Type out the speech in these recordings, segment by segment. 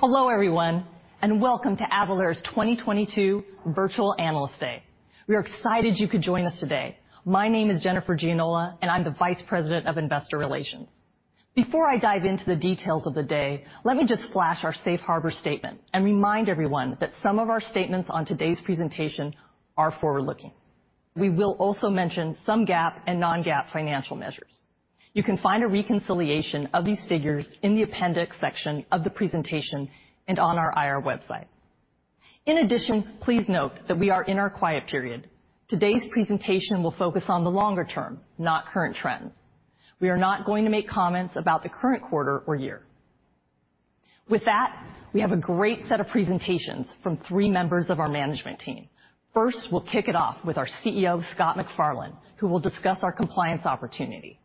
Hello, everyone, and welcome to Avalara's 2022 virtual analyst day. We are excited you could join us today. My name is Jennifer Gianola, and I'm the Vice President of Investor Relations. Before I dive into the details of the day, let me just flash our safe harbor statement and remind everyone that some of our statements on today's presentation are forward-looking. We will also mention some GAAP and non-GAAP financial measures. You can find a reconciliation of these figures in the appendix section of the presentation and on our IR website. In addition, please note that we are in our quiet period. Today's presentation will focus on the longer term, not current trends. We are not going to make comments about the current quarter or year. With that, we have a great set of presentations from three members of our management team. First, we'll kick it off with our CEO, Scott McFarlane, who will discuss our compliance opportunity.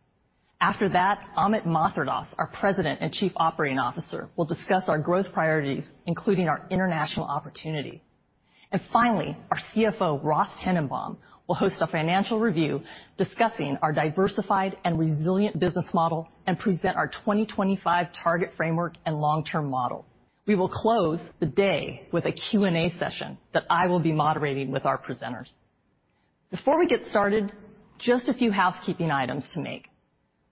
After that, Amit Mathradas, our President and Chief Operating Officer, will discuss our growth priorities, including our international opportunity. Finally, our CFO, Ross Tennenbaum, will host a financial review discussing our diversified and resilient business model and present our 2025 target framework and long-term model. We will close the day with a Q&A session that I will be moderating with our presenters. Before we get started, just a few housekeeping items to make.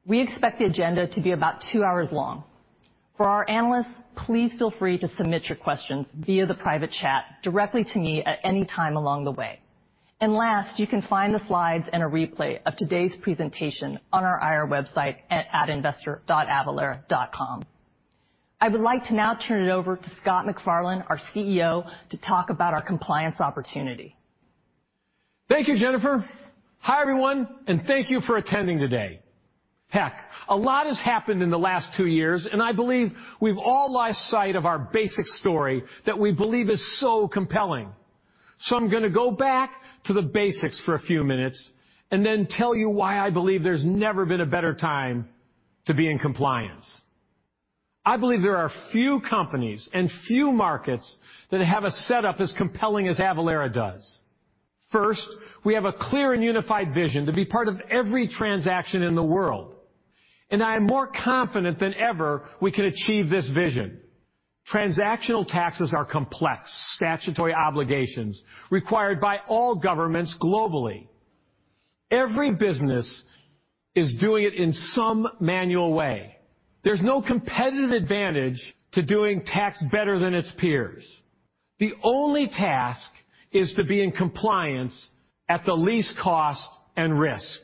We expect the agenda to be about two hours long. For our analysts, please feel free to submit your questions via the private chat directly to me at any time along the way. Last, you can find the slides and a replay of today's presentation on our IR website at investor.avalara.com. I would like to now turn it over to Scott McFarlane, our CEO, to talk about our compliance opportunity. Thank you, Jennifer. Hi, everyone, and thank you for attending today. Heck, a lot has happened in the last two years, and I believe we've all lost sight of our basic story that we believe is so compelling. I'm gonna go back to the basics for a few minutes and then tell you why I believe there's never been a better time to be in compliance. I believe there are few companies and few markets that have a setup as compelling as Avalara does. First, we have a clear and unified vision to be part of every transaction in the world, and I am more confident than ever we can achieve this vision. Transactional taxes are complex, statutory obligations required by all governments globally. Every business is doing it in some manual way. There's no competitive advantage to doing tax better than its peers. The only task is to be in compliance at the least cost and risk.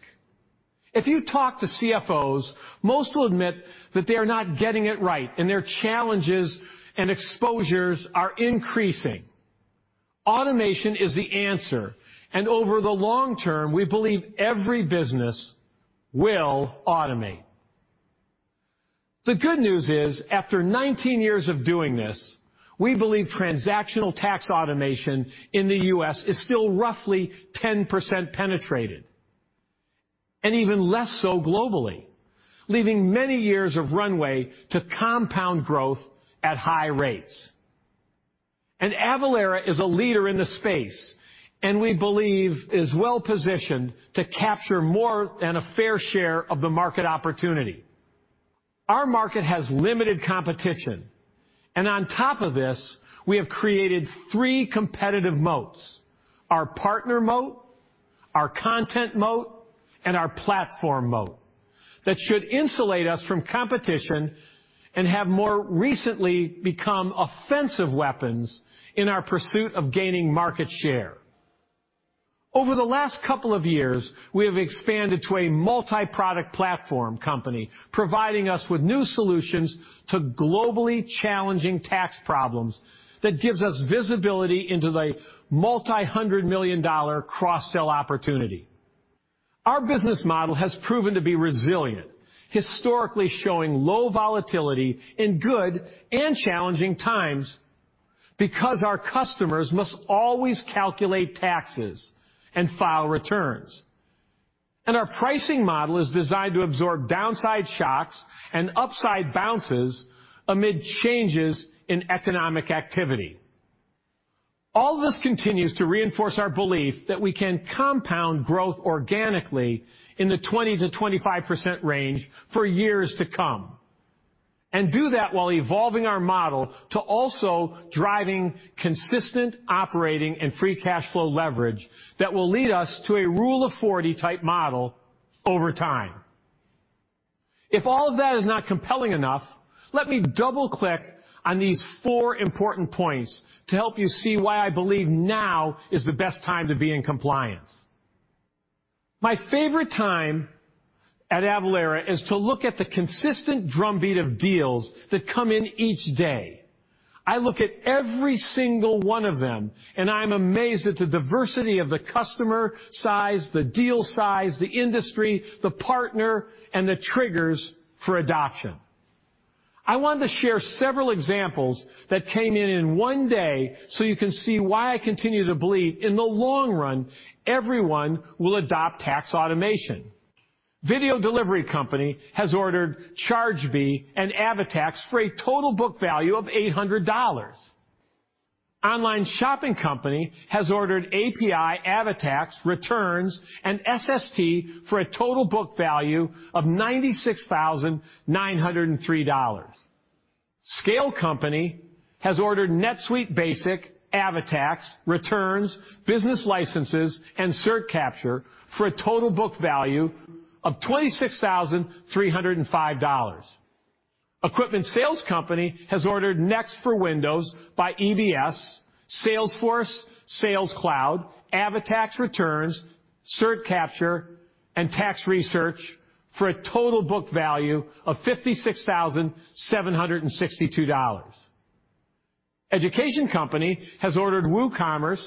If you talk to CFOs, most will admit that they are not getting it right, and their challenges and exposures are increasing. Automation is the answer, and over the long term, we believe every business will automate. The good news is, after 19 years of doing this, we believe transactional tax automation in the U.S. is still roughly 10% penetrated and even less so globally, leaving many years of runway to compound growth at high rates. Avalara is a leader in this space, and we believe is well-positioned to capture more than a fair share of the market opportunity. Our market has limited competition, and on top of this, we have created three competitive moats, our partner moat, our content moat, and our platform moat. That should insulate us from competition and have more recently become offensive weapons in our pursuit of gaining market share. Over the last couple of years, we have expanded to a multi-product platform company, providing us with new solutions to globally challenging tax problems that gives us visibility into the multi-hundred million dollar cross-sell opportunity. Our business model has proven to be resilient, historically showing low volatility in good and challenging times because our customers must always calculate taxes and file returns. Our pricing model is designed to absorb downside shocks and upside bounces amid changes in economic activity. All this continues to reinforce our belief that we can compound growth organically in the 20%-25% range for years to come and do that while evolving our model to also driving consistent operating and free cash flow leverage that will lead us to a Rule of 40-type model over time. If all of that is not compelling enough, let me double-click on these four important points to help you see why I believe now is the best time to be in compliance. My favorite time at Avalara is to look at the consistent drumbeat of deals that come in each day. I look at every single one of them, and I'm amazed at the diversity of the customer size, the deal size, the industry, the partner, and the triggers for adoption. I want to share several examples that came in in one day, so you can see why I continue to believe, in the long run, everyone will adopt tax automation. Video delivery company has ordered Chargebee and AvaTax for a total book value of $800. Online shopping company has ordered API, AvaTax, Returns, and SST for a total book value of $96,903. Scale company has ordered NetSuite Basic, AvaTax, Returns, Business Licenses, and CertCapture for a total book value of $26,305. Equipment sales company has ordered Next for Windows by Enterprise Business Systems, Salesforce Sales Cloud, AvaTax Returns, CertCapture, and Tax Research for a total book value of $56,762. Education company has ordered WooCommerce,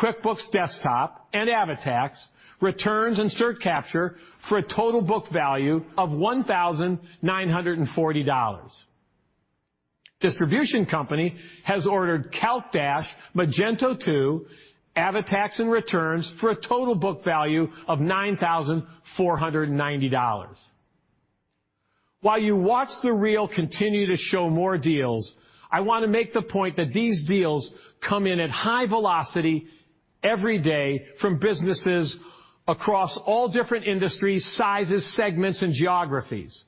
QuickBooks Desktop, and AvaTax, Returns, and CertCapture for a total book value of $1,940. Distribution company has ordered CalcDash, Magento 2, AvaTax and Returns for a total book value of $9,490. While you watch the reel continue to show more deals, I wanna make the point that these deals come in at high velocity every day from businesses across all different industries, sizes, segments, and geographies.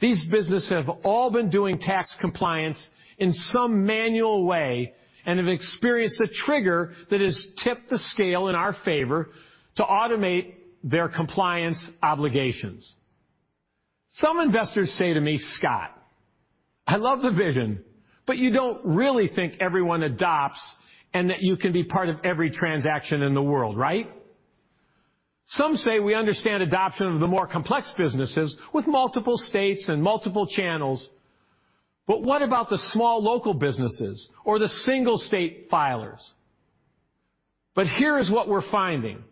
These businesses have all been doing tax compliance in some manual way and have experienced the trigger that has tipped the scale in our favor to automate their compliance obligations. Some investors say to me, "Scott, I love the vision, but you don't really think everyone adopts and that you can be part of every transaction in the world, right?" Some say we understand adoption of the more complex businesses with multiple states and multiple channels. But what about the small local businesses or the single state filers? Here is what we're finding.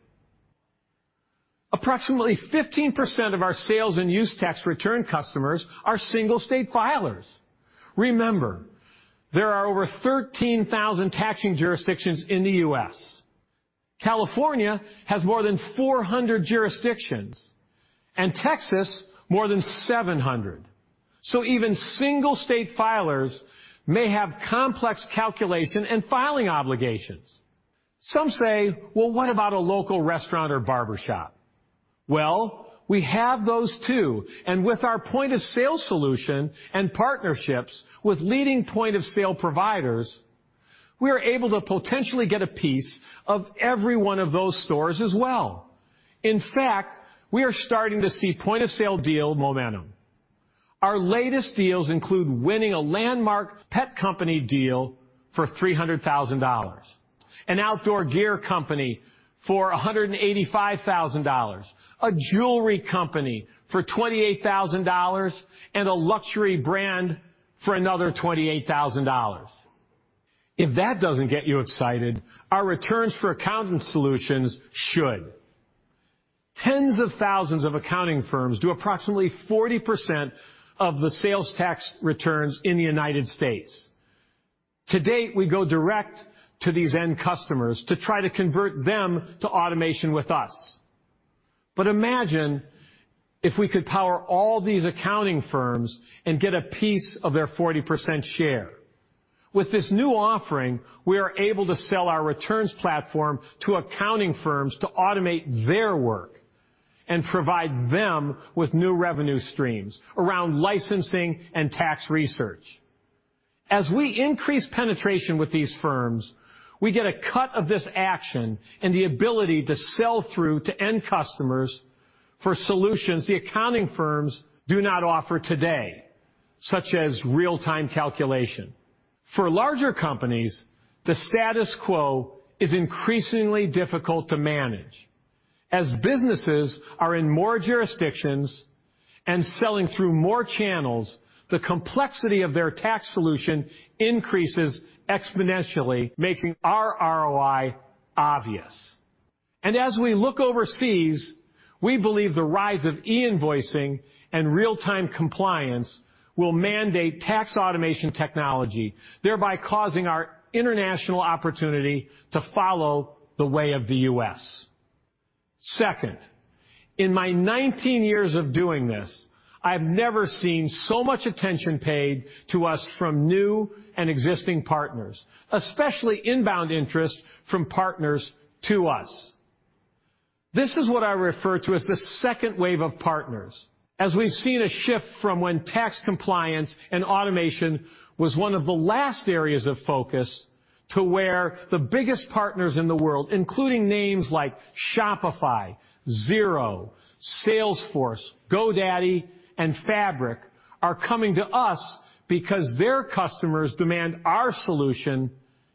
Approximately 15% of our sales and use tax return customers are single state filers. Remember, there are over 13,000 taxing jurisdictions in the U.S. California has more than 400 jurisdictions, and Texas more than 700. Even single state filers may have complex calculation and filing obligations. Some say, "Well, what about a local restaurant or barber shop?" Well, we have those, too. With our point-of-sale solution and partnerships with leading point-of-sale providers, we are able to potentially get a piece of every one of those stores as well. In fact, we are starting to see point-of-sale deal momentum. Our latest deals include winning a landmark pet company deal for $300,000, an outdoor gear company for $185,000, a jewelry company for $28,000, and a luxury brand for another $28,000. If that doesn't get you excited, our returns for accounting solutions should. Tens of thousands of accounting firms do approximately 40% of the sales tax returns in the United States. To date, we go direct to these end customers to try to convert them to automation with us. Imagine if we could power all these accounting firms and get a piece of their 40% share. With this new offering, we are able to sell our returns platform to accounting firms to automate their work and provide them with new revenue streams around licensing and tax research. As we increase penetration with these firms, we get a cut of this action and the ability to sell through to end customers for solutions the accounting firms do not offer today, such as real-time calculation. For larger companies, the status quo is increasingly difficult to manage. As businesses are in more jurisdictions and selling through more channels, the complexity of their tax solution increases exponentially, making our ROI obvious. As we look overseas, we believe the rise of e-invoicing and real-time compliance will mandate tax automation technology, thereby causing our international opportunity to follow the way of the U.S. Second, in my 19 years of doing this, I have never seen so much attention paid to us from new and existing partners, especially inbound interest from partners to us. This is what I refer to as the second wave of partners, as we've seen a shift from when tax compliance and automation was one of the last areas of focus to where the biggest partners in the world, including names like Shopify, Xero, Salesforce, GoDaddy, and Fabric, are coming to us because their customers demand our solution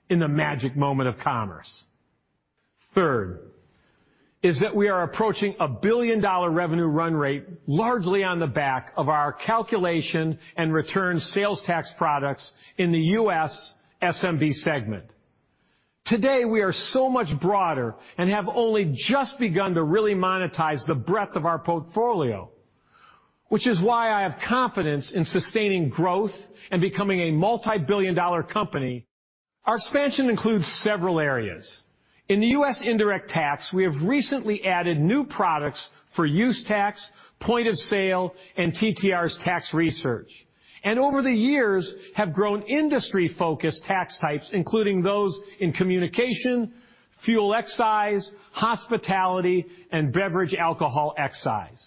in the magic moment of commerce. Third is that we are approaching a billion-dollar revenue run rate largely on the back of our calculation and return sales tax products in the US SMB segment. Today, we are so much broader and have only just begun to really monetize the breadth of our portfolio, which is why I have confidence in sustaining growth and becoming a multibillion-dollar company. Our expansion includes several areas. In the U.S. indirect tax, we have recently added new products for use tax, point of sale, and Avalara Tax Research. Over the years, have grown industry-focused tax types, including those in communication, fuel excise, hospitality, and beverage alcohol excise.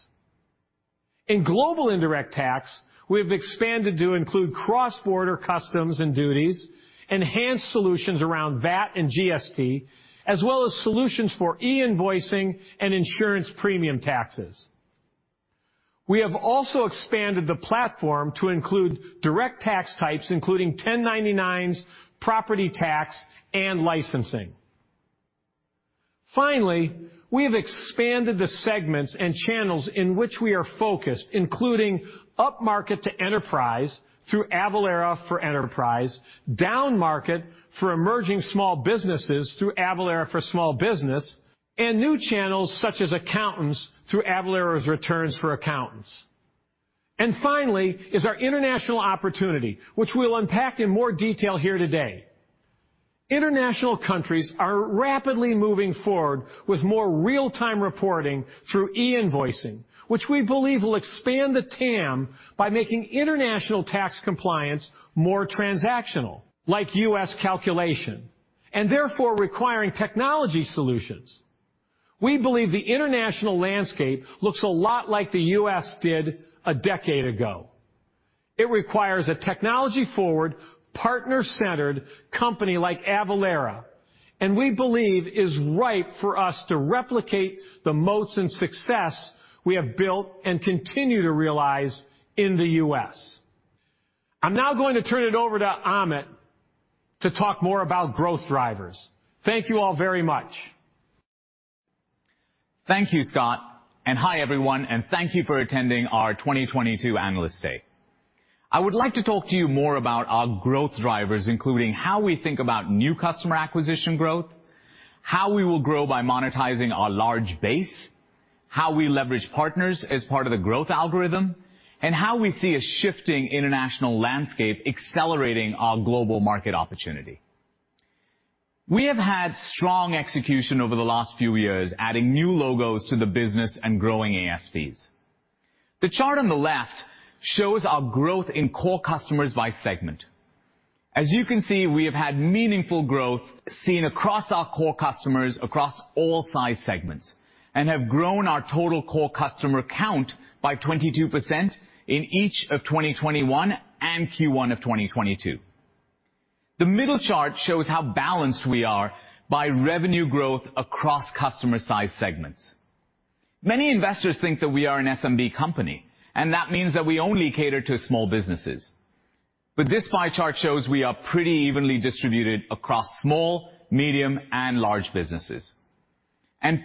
In global indirect tax, we have expanded to include cross-border customs and duties, enhanced solutions around VAT and GST, as well as solutions for e-invoicing and insurance premium taxes. We have also expanded the platform to include direct tax types, including 1099s, property tax, and licensing. Finally, we have expanded the segments and channels in which we are focused, including upmarket to enterprise through Avalara for Enterprise, downmarket for emerging small businesses through Avalara for Small Business, and new channels such as accountants through Avalara Returns for Accountants. Finally is our international opportunity, which we'll unpack in more detail here today. International countries are rapidly moving forward with more real-time reporting through e-invoicing, which we believe will expand the TAM by making international tax compliance more transactional, like U.S. calculation, and therefore requiring technology solutions. We believe the international landscape looks a lot like the U.S. did a decade ago. It requires a technology-forward, partner-centered company like Avalara, and we believe is ripe for us to replicate the moats and success we have built and continue to realize in the U.S. I'm now going to turn it over to Amit to talk more about growth drivers. Thank you all very much. Thank you, Scott. Hi, everyone, and thank you for attending our 2022 Analyst Day. I would like to talk to you more about our growth drivers, including how we think about new customer acquisition growth, how we will grow by monetizing our large base, how we leverage partners as part of the growth algorithm, and how we see a shifting international landscape accelerating our global market opportunity. We have had strong execution over the last few years, adding new logos to the business and growing ASPs. The chart on the left shows our growth in core customers by segment. As you can see, we have had meaningful growth seen across our core customers, across all size segments, and have grown our total core customer count by 22% in each of 2021 and Q1 of 2022. The middle chart shows how balanced we are by revenue growth across customer size segments. Many investors think that we are an SMB company, and that means that we only cater to small businesses. This pie chart shows we are pretty evenly distributed across small, medium, and large businesses.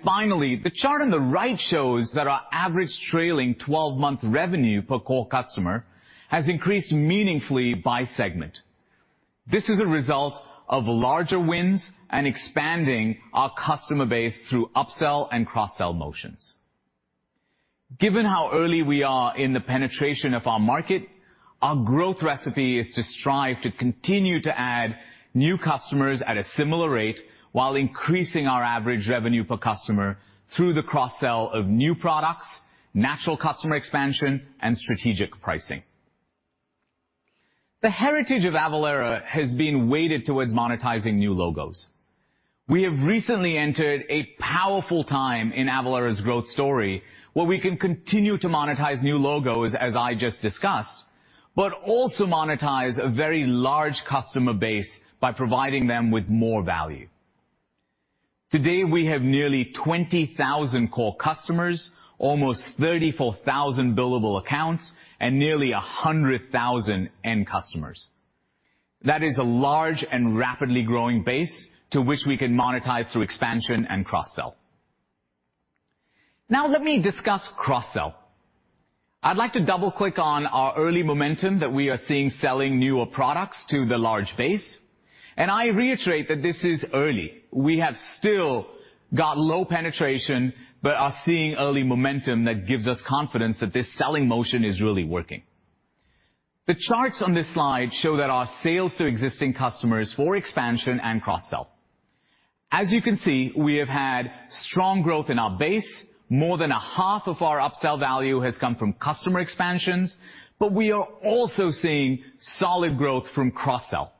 Finally, the chart on the right shows that our average trailing 12-month revenue per core customer has increased meaningfully by segment. This is a result of larger wins and expanding our customer base through upsell and cross-sell motions. Given how early we are in the penetration of our market, our growth recipe is to strive to continue to add new customers at a similar rate while increasing our average revenue per customer through the cross-sell of new products, natural customer expansion, and strategic pricing. The heritage of Avalara has been weighted towards monetizing new logos. We have recently entered a powerful time in Avalara's growth story, where we can continue to monetize new logos, as I just discussed, but also monetize a very large customer base by providing them with more value. Today, we have nearly 20,000 core customers, almost 34,000 billable accounts, and nearly 100,000 end customers. That is a large and rapidly growing base to which we can monetize through expansion and cross-sell. Now let me discuss cross-sell. I'd like to double-click on our early momentum that we are seeing selling newer products to the large base, and I reiterate that this is early. We have still got low penetration, but are seeing early momentum that gives us confidence that this selling motion is really working. The charts on this slide show that our sales to existing customers for expansion and cross-sell. As you can see, we have had strong growth in our base. More than a half of our upsell value has come from customer expansions, but we are also seeing solid growth from cross-sell.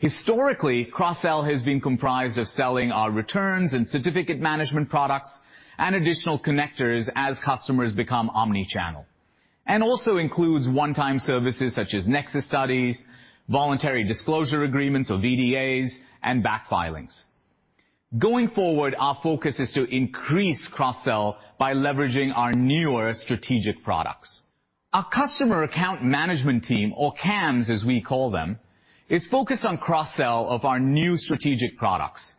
Historically, cross-sell has been comprised of selling our returns and certificate management products and additional connectors as customers become omnichannel. Also includes one-time services such as Nexus studies, voluntary disclosure agreements or VDAs, and back filings. Going forward, our focus is to increase cross-sell by leveraging our newer strategic products. Our customer account management team, or CAMS as we call them, is focused on cross-sell of our new strategic products,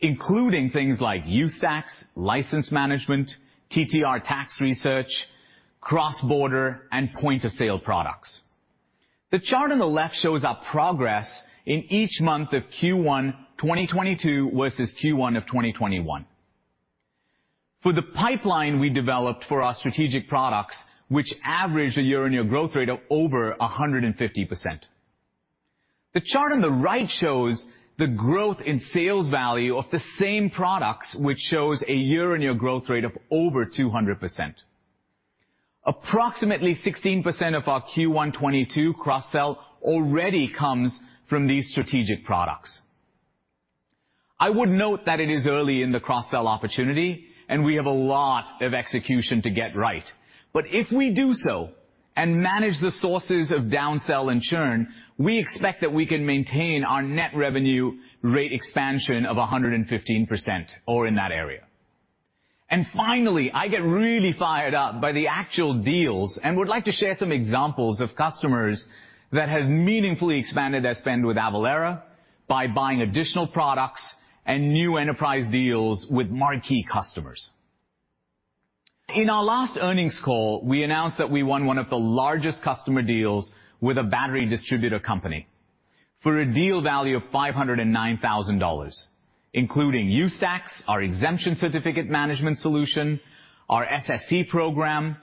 including things like Use tax, license management, TTR tax research, cross-border, and point-of-sale products. The chart on the left shows our progress in each month of Q1 2022 versus Q1 of 2021. For the pipeline we developed for our strategic products, which average a year-on-year growth rate of over 150%. The chart on the right shows the growth in sales value of the same products, which shows a year-on-year growth rate of over 200%. Approximately 16% of our Q1 2022 cross-sell already comes from these strategic products. I would note that it is early in the cross-sell opportunity, and we have a lot of execution to get right. If we do so and manage the sources of downsell and churn, we expect that we can maintain our net revenue rate expansion of 115% or in that area. Finally, I get really fired up by the actual deals and would like to share some examples of customers that have meaningfully expanded their spend with Avalara by buying additional products and new enterprise deals with marquee customers. In our last earnings call, we announced that we won one of the largest customer deals with a battery distributor company for a deal value of $509,000, including CertCapture, our exemption certificate management solution, our SST program,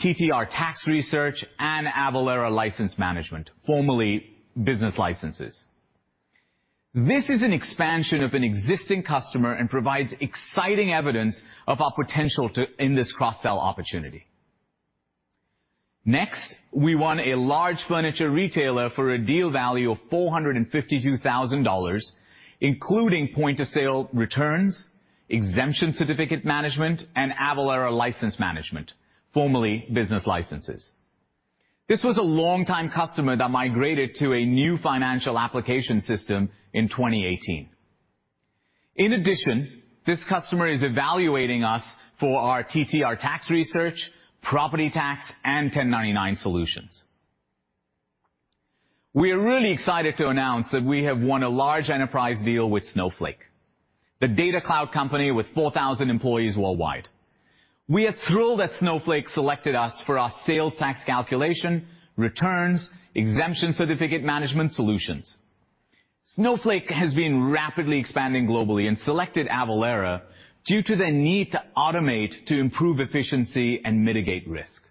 TTR tax research, and Avalara License Management, formerly business licenses. This is an expansion of an existing customer and provides exciting evidence of our potential in this cross-sell opportunity. Next, we won a large furniture retailer for a deal value of $452,000, including point of sale returns, exemption certificate management, and Avalara License Management, formerly business licenses. This was a long time customer that migrated to a new financial application system in 2018. In addition, this customer is evaluating us for our TTR tax research, property tax, and 1099 solutions. We are really excited to announce that we have won a large enterprise deal with Snowflake, the data cloud company with 4,000 employees worldwide. We are thrilled that Snowflake selected us for our sales tax calculation, returns, exemption certificate management solutions. Snowflake has been rapidly expanding globally and selected Avalara due to the need to automate to improve efficiency and mitigate risk.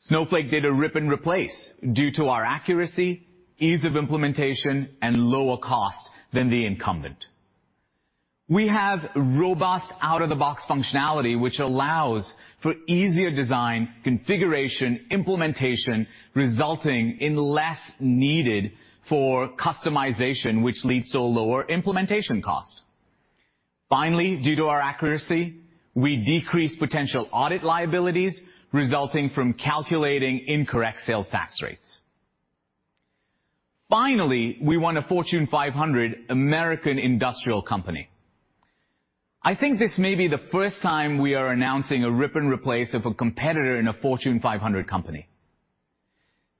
Snowflake did a rip and replace due to our accuracy, ease of implementation, and lower cost than the incumbent. We have robust out-of-the-box functionality, which allows for easier design, configuration, implementation, resulting in less needed for customization, which leads to a lower implementation cost. Finally, due to our accuracy, we decrease potential audit liabilities resulting from calculating incorrect sales tax rates. Finally, we won a Fortune 500 American industrial company. I think this may be the first time we are announcing a rip and replace of a competitor in a Fortune 500 company.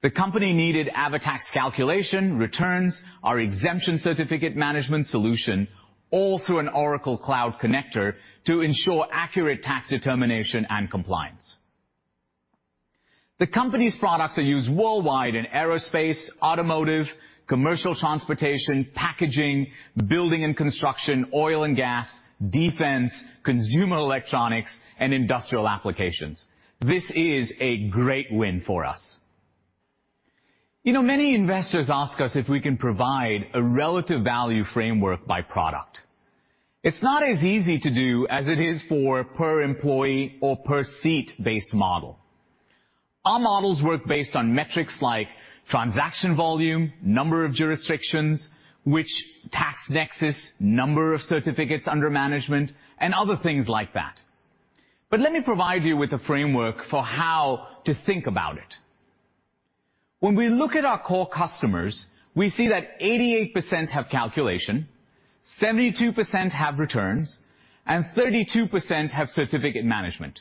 The company needed AvaTax calculation, returns, our exemption certificate management solution, all through an Oracle Cloud connector to ensure accurate tax determination and compliance. The company's products are used worldwide in aerospace, automotive, commercial transportation, packaging, building and construction, oil and gas, defense, consumer electronics, and industrial applications. This is a great win for us. You know, many investors ask us if we can provide a relative value framework by product. It's not as easy to do as it is for per employee or per seat-based model. Our models work based on metrics like transaction volume, number of jurisdictions, which tax nexus, number of certificates under management, and other things like that. Let me provide you with a framework for how to think about it. When we look at our core customers, we see that 88% have calculation, 72% have returns, and 32% have certificate management.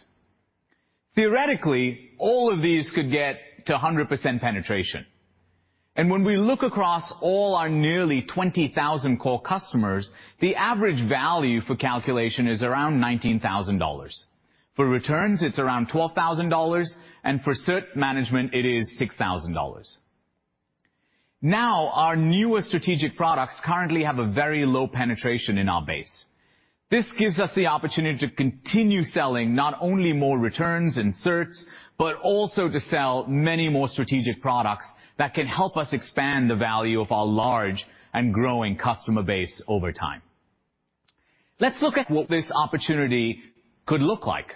Theoretically, all of these could get to a 100% penetration. When we look across all our nearly 20,000 core customers, the average value for calculation is around $19,000. For returns, it's around $12,000, and for cert management it is $6,000. Now, our newest strategic products currently have a very low penetration in our base. This gives us the opportunity to continue selling not only more returns and certs, but also to sell many more strategic products that can help us expand the value of our large and growing customer base over time. Let's look at what this opportunity could look like.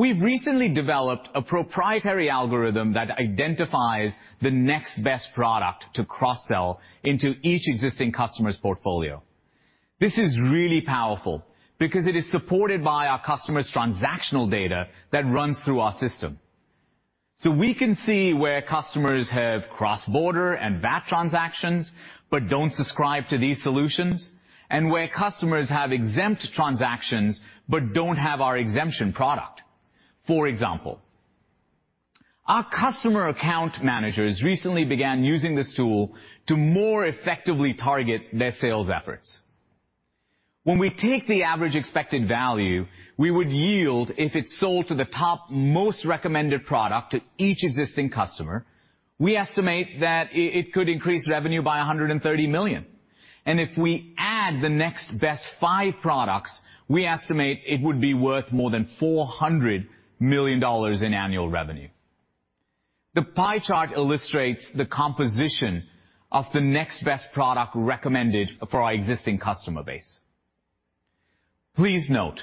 We've recently developed a proprietary algorithm that identifies the next best product to cross-sell into each existing customer's portfolio. This is really powerful because it is supported by our customers' transactional data that runs through our system. We can see where customers have cross-border and VAT transactions but don't subscribe to these solutions, and where customers have exempt transactions but don't have our exemption product, for example. Our customer account managers recently began using this tool to more effectively target their sales efforts. When we take the average expected value we would yield if it's sold to the topmost recommended product to each existing customer. We estimate that it could increase revenue by $130 million. If we add the next best five products, we estimate it would be worth more than $400 million in annual revenue. The pie chart illustrates the composition of the next best product recommended for our existing customer base. Please note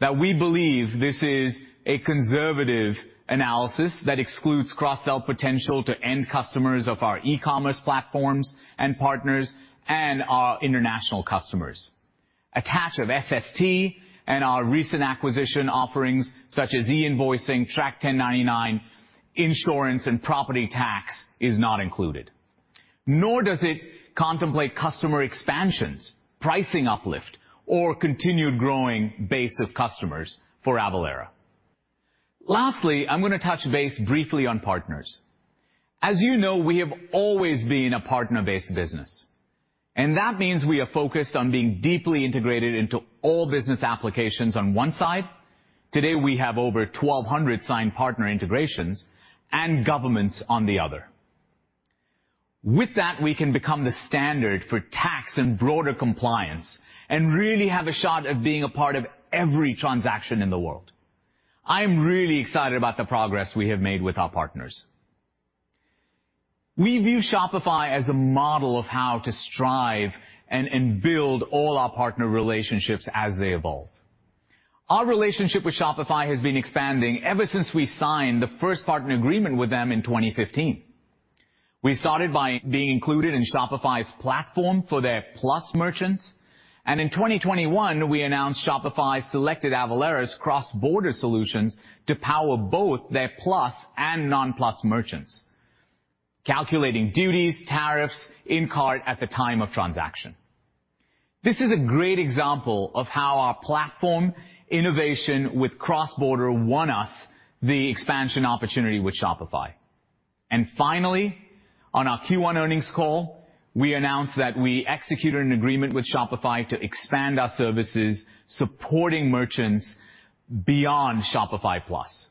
that we believe this is a conservative analysis that excludes cross-sell potential to end customers of our e-commerce platforms and partners and our international customers. A touch of SST and our recent acquisition offerings such as e-invoicing, Track1099, insurance, and property tax is not included, nor does it contemplate customer expansions, pricing uplift, or continued growing base of customers for Avalara. Lastly, I'm gonna touch base briefly on partners. As you know, we have always been a partner-based business, and that means we are focused on being deeply integrated into all business applications on one side. Today, we have over 1,200 signed partner integrations and governments on the other. With that, we can become the standard for tax and broader compliance and really have a shot at being a part of every transaction in the world. I am really excited about the progress we have made with our partners. We view Shopify as a model of how to strive and build all our partner relationships as they evolve. Our relationship with Shopify has been expanding ever since we signed the first partner agreement with them in 2015. We started by being included in Shopify's platform for their Plus merchants, and in 2021, we announced Shopify selected Avalara's cross-border solutions to power both their Plus and non-Plus merchants, calculating duties, tariffs in cart at the time of transaction. This is a great example of how our platform innovation with cross-border won us the expansion opportunity with Shopify. Finally, on our Q1 earnings call, we announced that we executed an agreement with Shopify to expand our services, supporting merchants beyond Shopify Plus.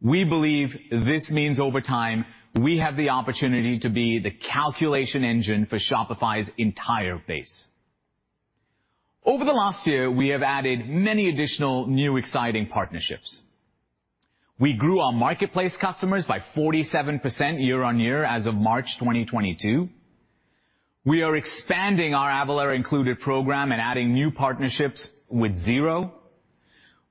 We believe this means over time, we have the opportunity to be the calculation engine for Shopify's entire base. Over the last year, we have added many additional new exciting partnerships. We grew our marketplace customers by 47% year-on-year as of March 2022. We are expanding our Avalara Included program and adding new partnerships with Xero.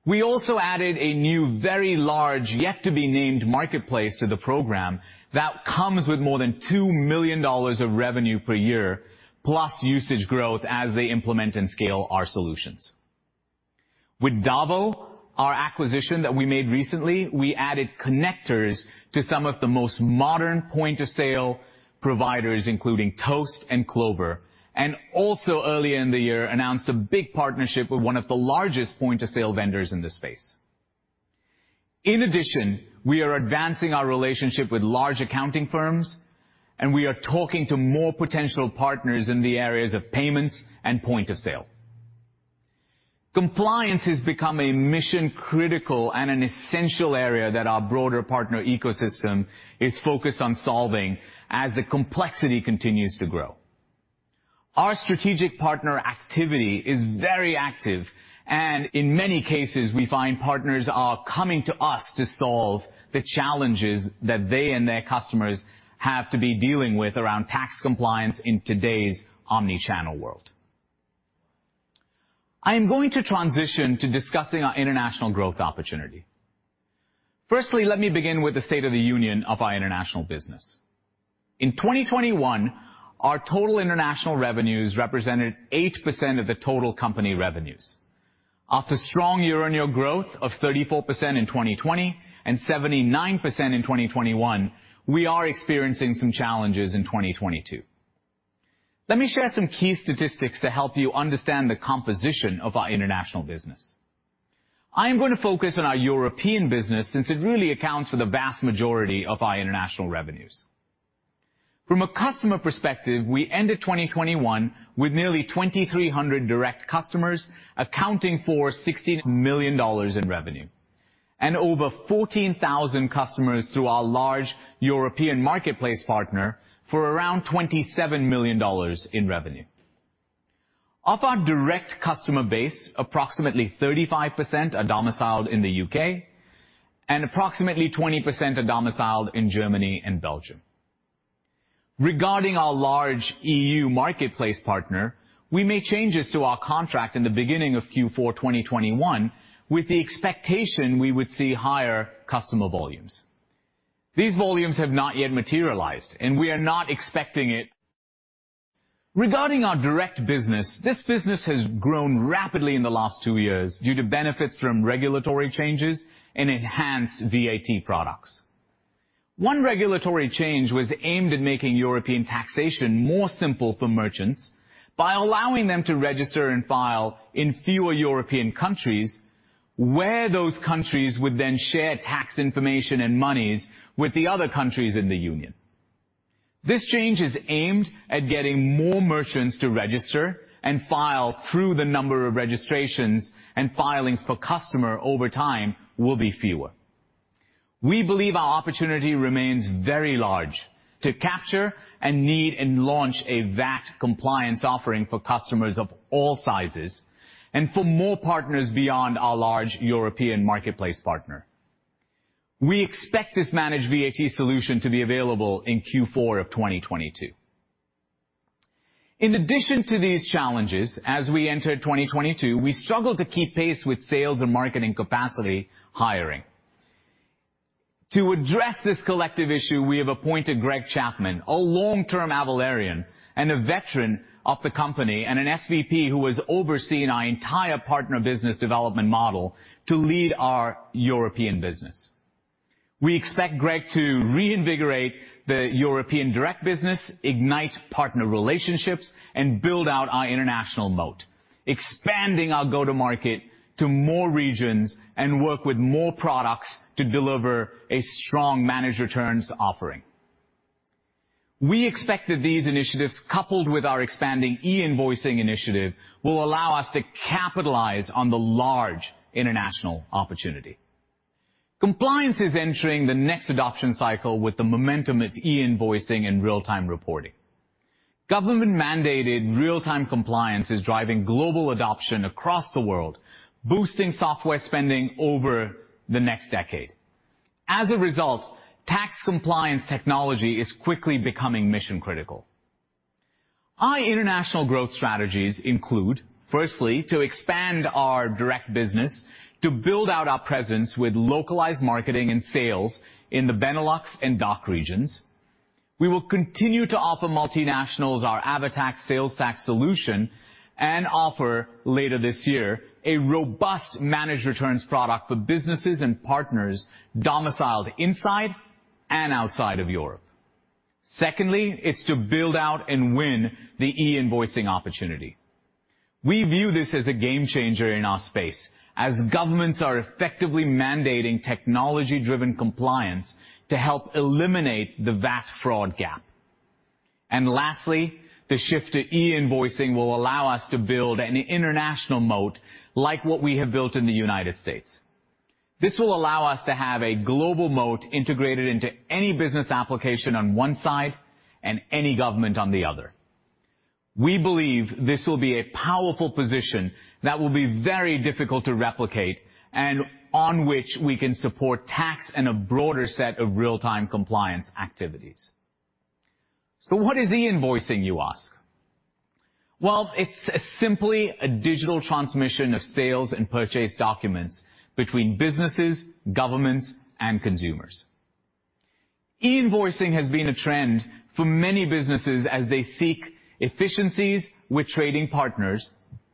We also added a new very large yet to be named marketplace to the program that comes with more than $2 million of revenue per year, plus usage growth as they implement and scale our solutions. With DAVO, our acquisition that we made recently, we added connectors to some of the most modern point-of-sale providers, including Toast and Clover, and also earlier in the year, announced a big partnership with one of the largest point-of-sale vendors in the space. In addition, we are advancing our relationship with large accounting firms, and we are talking to more potential partners in the areas of payments and point-of-sale. Compliance has become a mission-critical and an essential area that our broader partner ecosystem is focused on solving as the complexity continues to grow. Our strategic partner activity is very active, and in many cases, we find partners are coming to us to solve the challenges that they and their customers have to be dealing with around tax compliance in today's omni-channel world. I am going to transition to discussing our international growth opportunity. Firstly, let me begin with the state of the union of our international business. In 2021, our total international revenues represented 8% of the total company revenues. After strong year-on-year growth of 34% in 2020 and 79% in 2021, we are experiencing some challenges in 2022. Let me share some key statistics to help you understand the composition of our international business. I am gonna focus on our European business since it really accounts for the vast majority of our international revenues. From a customer perspective, we ended 2021 with nearly 2,300 direct customers, accounting for $16 million in revenue and over 14,000 customers through our large European marketplace partner for around $27 million in revenue. Of our direct customer base, approximately 35% are domiciled in the U.K., and approximately 20% are domiciled in Germany and Belgium. Regarding our large E.U. marketplace partner, we made changes to our contract in the beginning of Q4 2021 with the expectation we would see higher customer volumes. These volumes have not yet materialized, and we are not expecting it. Regarding our direct business, this business has grown rapidly in the last two years due to benefits from regulatory changes and enhanced VAT products. One regulatory change was aimed at making European taxation more simple for merchants by allowing them to register and file in fewer European countries where those countries would then share tax information and monies with the other countries in the Union. This change is aimed at getting more merchants to register and file, though the number of registrations and filings per customer over time will be fewer. We believe our opportunity remains very large to capture a need and launch a VAT compliance offering for customers of all sizes and for more partners beyond our large European marketplace partner. We expect this managed VAT solution to be available in Q4 of 2022. In addition to these challenges, as we enter 2022, we struggle to keep pace with sales and marketing capacity hiring. To address this collective issue, we have appointed Greg Chapman, a long-term Avalarian and a veteran of the company, and an SVP who has overseen our entire partner business development model to lead our European business. We expect Greg to reinvigorate the European direct business, ignite partner relationships, and build out our international moat, expanding our go-to-market to more regions and work with more products to deliver a strong managed returns offering. We expect that these initiatives, coupled with our expanding e-invoicing initiative, will allow us to capitalize on the large international opportunity. Compliance is entering the next adoption cycle with the momentum of e-invoicing and real-time reporting. Government-mandated real-time compliance is driving global adoption across the world, boosting software spending over the next decade. As a result, tax compliance technology is quickly becoming mission-critical. Our international growth strategies include, firstly, to expand our direct business to build out our presence with localized marketing and sales in the Benelux and DACH regions. We will continue to offer multinationals our AvaTax sales tax solution and offer later this year a robust managed returns product for businesses and partners domiciled inside and outside of Europe. Secondly, it's to build out and win the e-invoicing opportunity. We view this as a game changer in our space, as governments are effectively mandating technology-driven compliance to help eliminate the VAT fraud gap. Lastly, the shift to e-invoicing will allow us to build an international moat like what we have built in the United States. This will allow us to have a global moat integrated into any business application on one side and any government on the other. We believe this will be a powerful position that will be very difficult to replicate and on which we can support tax and a broader set of real-time compliance activities. What is e-invoicing, you ask? Well, it's simply a digital transmission of sales and purchase documents between businesses, governments, and consumers. E-invoicing has been a trend for many businesses as they seek efficiencies with trading partners,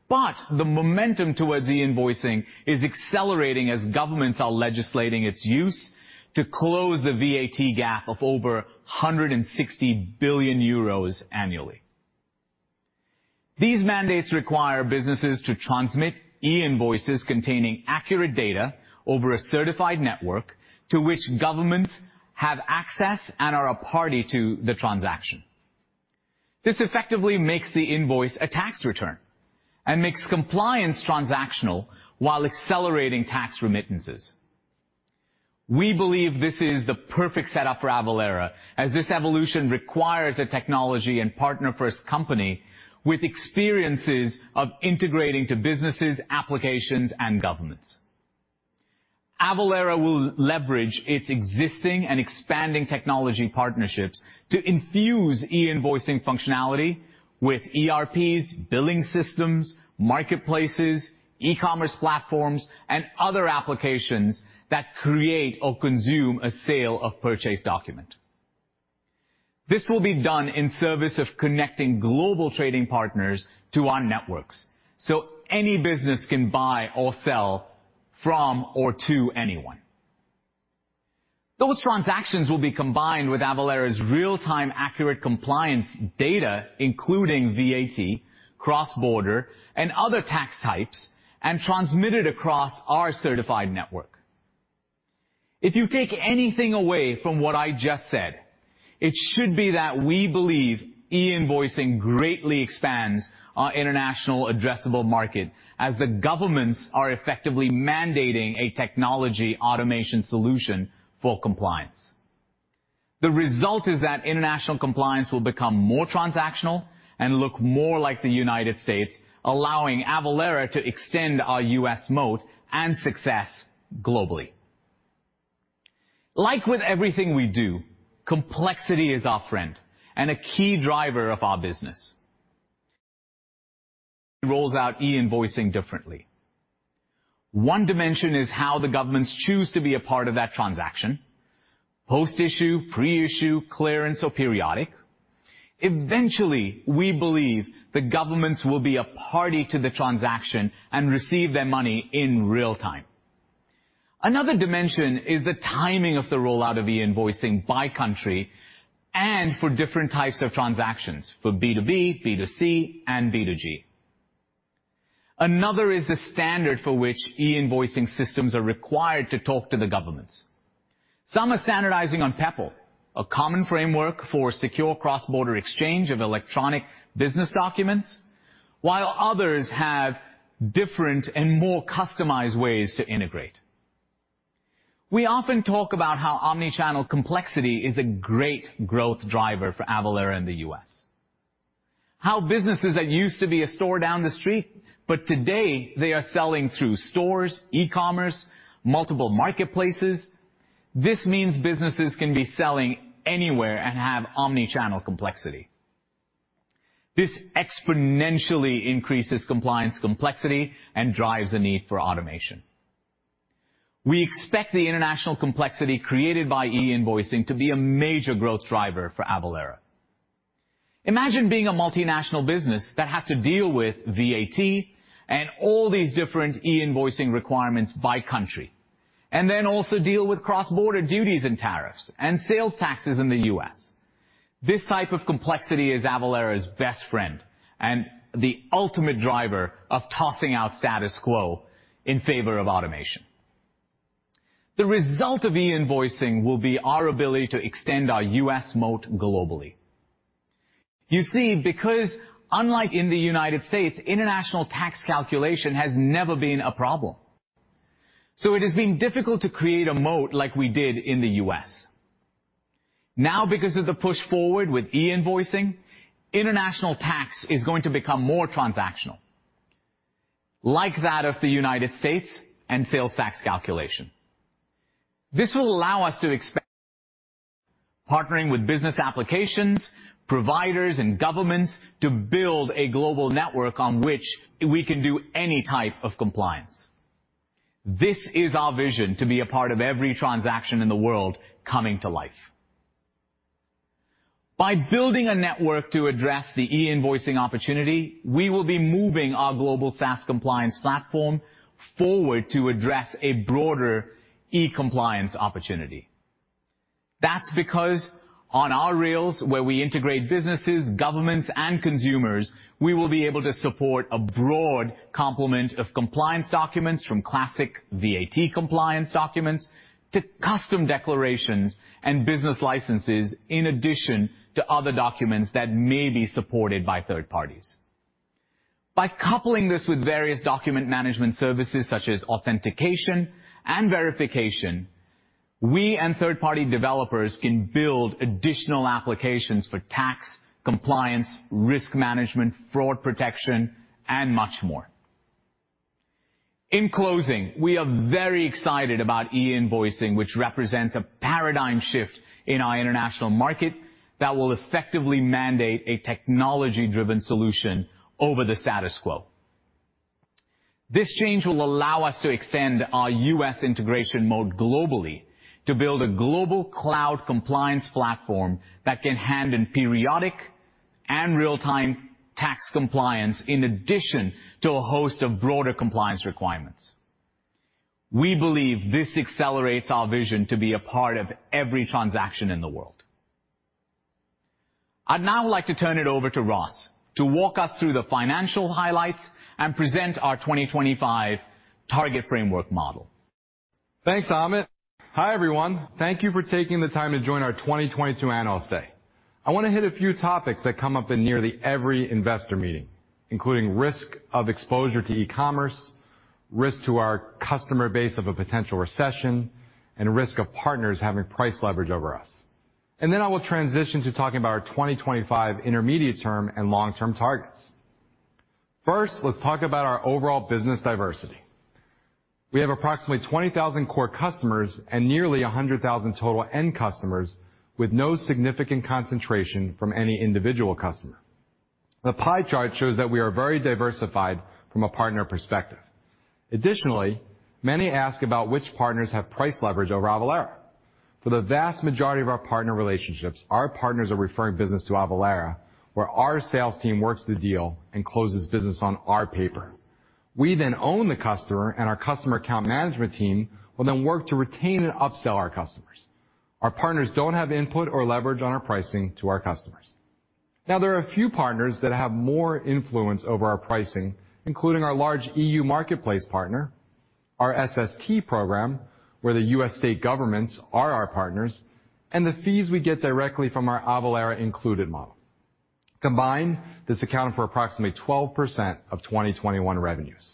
but the momentum towards e-invoicing is accelerating as governments are legislating its use to close the VAT gap of over 160 billion euros annually. These mandates require businesses to transmit e-invoices containing accurate data over a certified network to which governments have access and are a party to the transaction. This effectively makes the invoice a tax return and makes compliance transactional while accelerating tax remittances. We believe this is the perfect setup for Avalara, as this evolution requires a technology and partner-first company with experiences of integrating to businesses, applications, and governments. Avalara will leverage its existing and expanding technology partnerships to infuse e-invoicing functionality with ERPs, billing systems, marketplaces, e-commerce platforms, and other applications that create or consume a sale of purchase document. This will be done in service of connecting global trading partners to our networks, so any business can buy or sell from or to anyone. Those transactions will be combined with Avalara's real-time accurate compliance data, including VAT, cross-border, and other tax types, and transmitted across our certified network. If you take anything away from what I just said, it should be that we believe e-invoicing greatly expands our international addressable market as the governments are effectively mandating a technology automation solution for compliance. The result is that international compliance will become more transactional and look more like the United States, allowing Avalara to extend our U.S. moat and success globally. Like with everything we do, complexity is our friend and a key driver of our business. Rolls out e-invoicing differently. One dimension is how the governments choose to be a part of that transaction, post-issue, pre-issue, clearance, or periodic. Eventually, we believe the governments will be a party to the transaction and receive their money in real time. Another dimension is the timing of the rollout of e-invoicing by country and for different types of transactions, for B2B, B2C, and B2G. Another is the standard for which e-invoicing systems are required to talk to the governments. Some are standardizing on Peppol, a common framework for secure cross-border exchange of electronic business documents, while others have different and more customized ways to integrate. We often talk about how omni-channel complexity is a great growth driver for Avalara in the U.S. How businesses that used to be a store down the street, but today they are selling through stores, e-commerce, multiple marketplaces. This means businesses can be selling anywhere and have omni-channel complexity. This exponentially increases compliance complexity and drives the need for automation. We expect the international complexity created by e-invoicing to be a major growth driver for Avalara. Imagine being a multinational business that has to deal with VAT and all these different e-invoicing requirements by country, and then also deal with cross-border duties and tariffs and sales taxes in the U.S. This type of complexity is Avalara's best friend and the ultimate driver of tossing out status quo in favor of automation. The result of e-invoicing will be our ability to extend our U.S. moat globally. You see, because unlike in the United States, international tax calculation has never been a problem, so it has been difficult to create a moat like we did in the U.S. Now, because of the push forward with e-invoicing, international tax is going to become more transactional, like that of the United States and sales tax calculation. This will allow us to expand, partnering with business applications, providers, and governments to build a global network on which we can do any type of compliance. This is our vision to be a part of every transaction in the world coming to life. By building a network to address the e-invoicing opportunity, we will be moving our global SaaS compliance platform forward to address a broader e-compliance opportunity. That's because on our rails, where we integrate businesses, governments, and consumers, we will be able to support a broad complement of compliance documents from classic VAT compliance documents to customs declarations and business licenses, in addition to other documents that may be supported by third parties. By coupling this with various document management services such as authentication and verification, we and third-party developers can build additional applications for tax, compliance, risk management, fraud protection, and much more. In closing, we are very excited about e-invoicing, which represents a paradigm shift in our international market that will effectively mandate a technology-driven solution over the status quo. This change will allow us to extend our U.S. integration mode globally to build a global cloud compliance platform that can handle periodic and real-time tax compliance in addition to a host of broader compliance requirements. We believe this accelerates our vision to be a part of every transaction in the world. I'd now like to turn it over to Ross to walk us through the financial highlights and present our 2025 target framework model. Thanks, Amit. Hi, everyone. Thank you for taking the time to join our 2022 Analyst Day. I wanna hit a few topics that come up in nearly every investor meeting, including risk of exposure to e-commerce, risk to our customer base of a potential recession, and risk of partners having price leverage over us. Then I will transition to talking about our 2025 intermediate term and long-term targets. First, let's talk about our overall business diversity. We have approximately 20,000 core customers and nearly 100,000 total end customers with no significant concentration from any individual customer. The pie chart shows that we are very diversified from a partner perspective. Additionally, many ask about which partners have price leverage over Avalara. For the vast majority of our partner relationships, our partners are referring business to Avalara, where our sales team works the deal and closes business on our paper. We then own the customer, and our customer account management team will then work to retain and upsell our customers. Our partners don't have input or leverage on our pricing to our customers. Now, there are a few partners that have more influence over our pricing, including our large E.U. Marketplace partner, our SST program, where the U.S. state governments are our partners, and the fees we get directly from our Avalara Included model. Combined, this accounted for approximately 12% of 2021 revenues.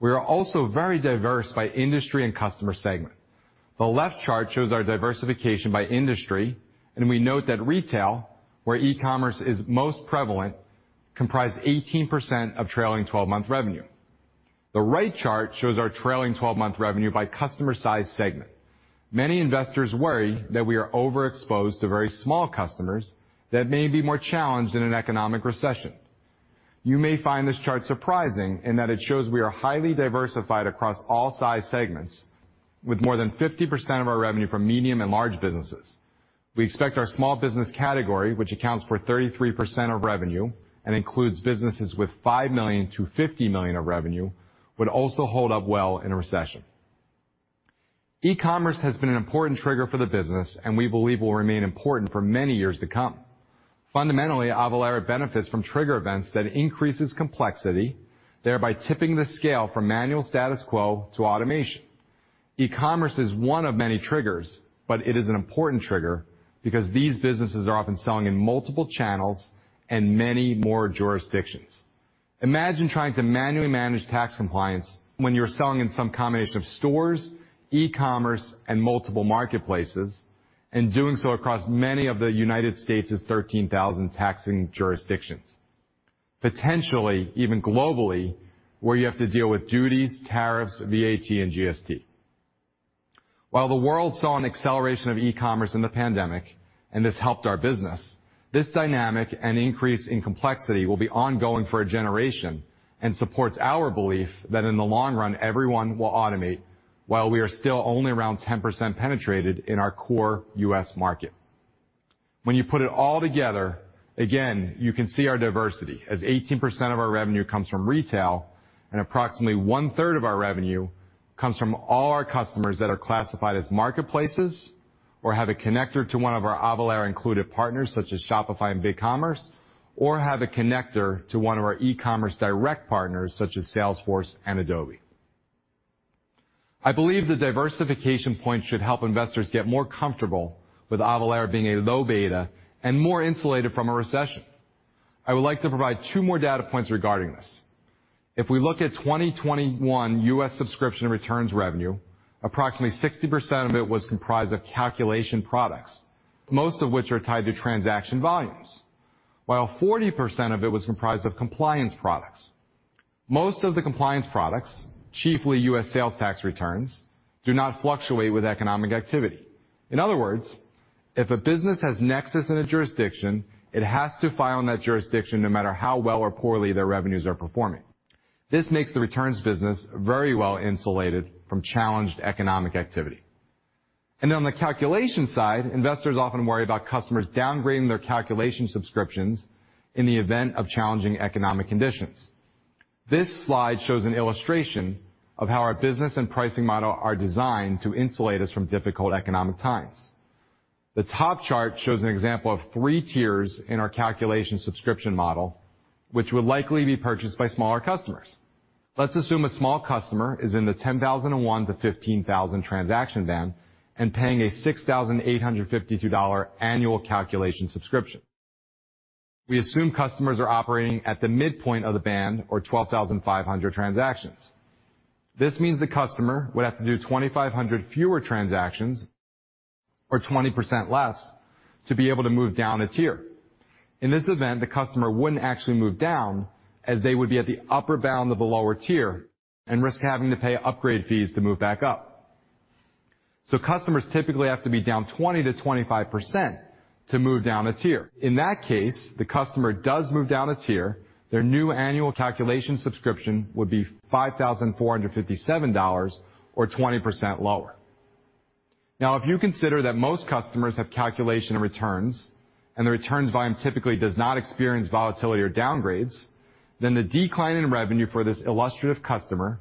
We are also very diverse by industry and customer segment. The left chart shows our diversification by industry, and we note that retail, where e-commerce is most prevalent, comprised 18% of trailing 12-month revenue. The right chart shows our trailing 12-month revenue by customer size segment. Many investors worry that we are overexposed to very small customers that may be more challenged in an economic recession. You may find this chart surprising in that it shows we are highly diversified across all size segments with more than 50% of our revenue from medium and large businesses. We expect our small business category, which accounts for 33% of revenue and includes businesses with $5 million-$50 million of revenue, would also hold up well in a recession. E-commerce has been an important trigger for the business, and we believe will remain important for many years to come. Fundamentally, Avalara benefits from trigger events that increases complexity, thereby tipping the scale from manual status quo to automation. E-commerce is one of many triggers, but it is an important trigger because these businesses are often selling in multiple channels and many more jurisdictions. Imagine trying to manually manage tax compliance when you're selling in some combination of stores, e-commerce, and multiple marketplaces, and doing so across many of the United States' 13,000 taxing jurisdictions. Potentially, even globally, where you have to deal with duties, tariffs, VAT, and GST. While the world saw an acceleration of e-commerce in the pandemic, and this helped our business, this dynamic and increase in complexity will be ongoing for a generation and supports our belief that in the long run, everyone will automate while we are still only around 10% penetrated in our core U.S. market. When you put it all together, again, you can see our diversity as 18% of our revenue comes from retail and approximately 1/3 of our revenue comes from all our customers that are classified as marketplaces or have a connector to one of our Avalara Included partners such as Shopify and BigCommerce, or have a connector to one of our e-commerce direct partners such as Salesforce and Adobe. I believe the diversification point should help investors get more comfortable with Avalara being a low beta and more insulated from a recession. I would like to provide two more data points regarding this. If we look at 2021 U.S. subscription returns revenue, approximately 60% of it was comprised of calculation products, most of which are tied to transaction volumes, while 40% of it was comprised of compliance products. Most of the compliance products, chiefly U.S. sales tax returns, do not fluctuate with economic activity. In other words, if a business has Nexus in a jurisdiction, it has to file in that jurisdiction no matter how well or poorly their revenues are performing. This makes the returns business very well-insulated from challenging economic activity. On the calculation side, investors often worry about customers downgrading their calculation subscriptions in the event of challenging economic conditions. This slide shows an illustration of how our business and pricing model are designed to insulate us from difficult economic times. The top chart shows an example of three tiers in our calculation subscription model, which would likely be purchased by smaller customers. Let's assume a small customer is in the 10,001-15,000 transaction band and paying a $6,852 annual calculation subscription. We assume customers are operating at the midpoint of the band, or 12,500 transactions. This means the customer would have to do 2,500 fewer transactions, or 20% less, to be able to move down a tier. In this event, the customer wouldn't actually move down as they would be at the upper bound of the lower tier and risk having to pay upgrade fees to move back up. Customers typically have to be down 20%-25% to move down a tier. In that case, the customer does move down a tier, their new annual calculation subscription would be $5,457 or 20% lower. Now, if you consider that most customers have calculation returns, and the returns volume typically does not experience volatility or downgrades, then the decline in revenue for this illustrative customer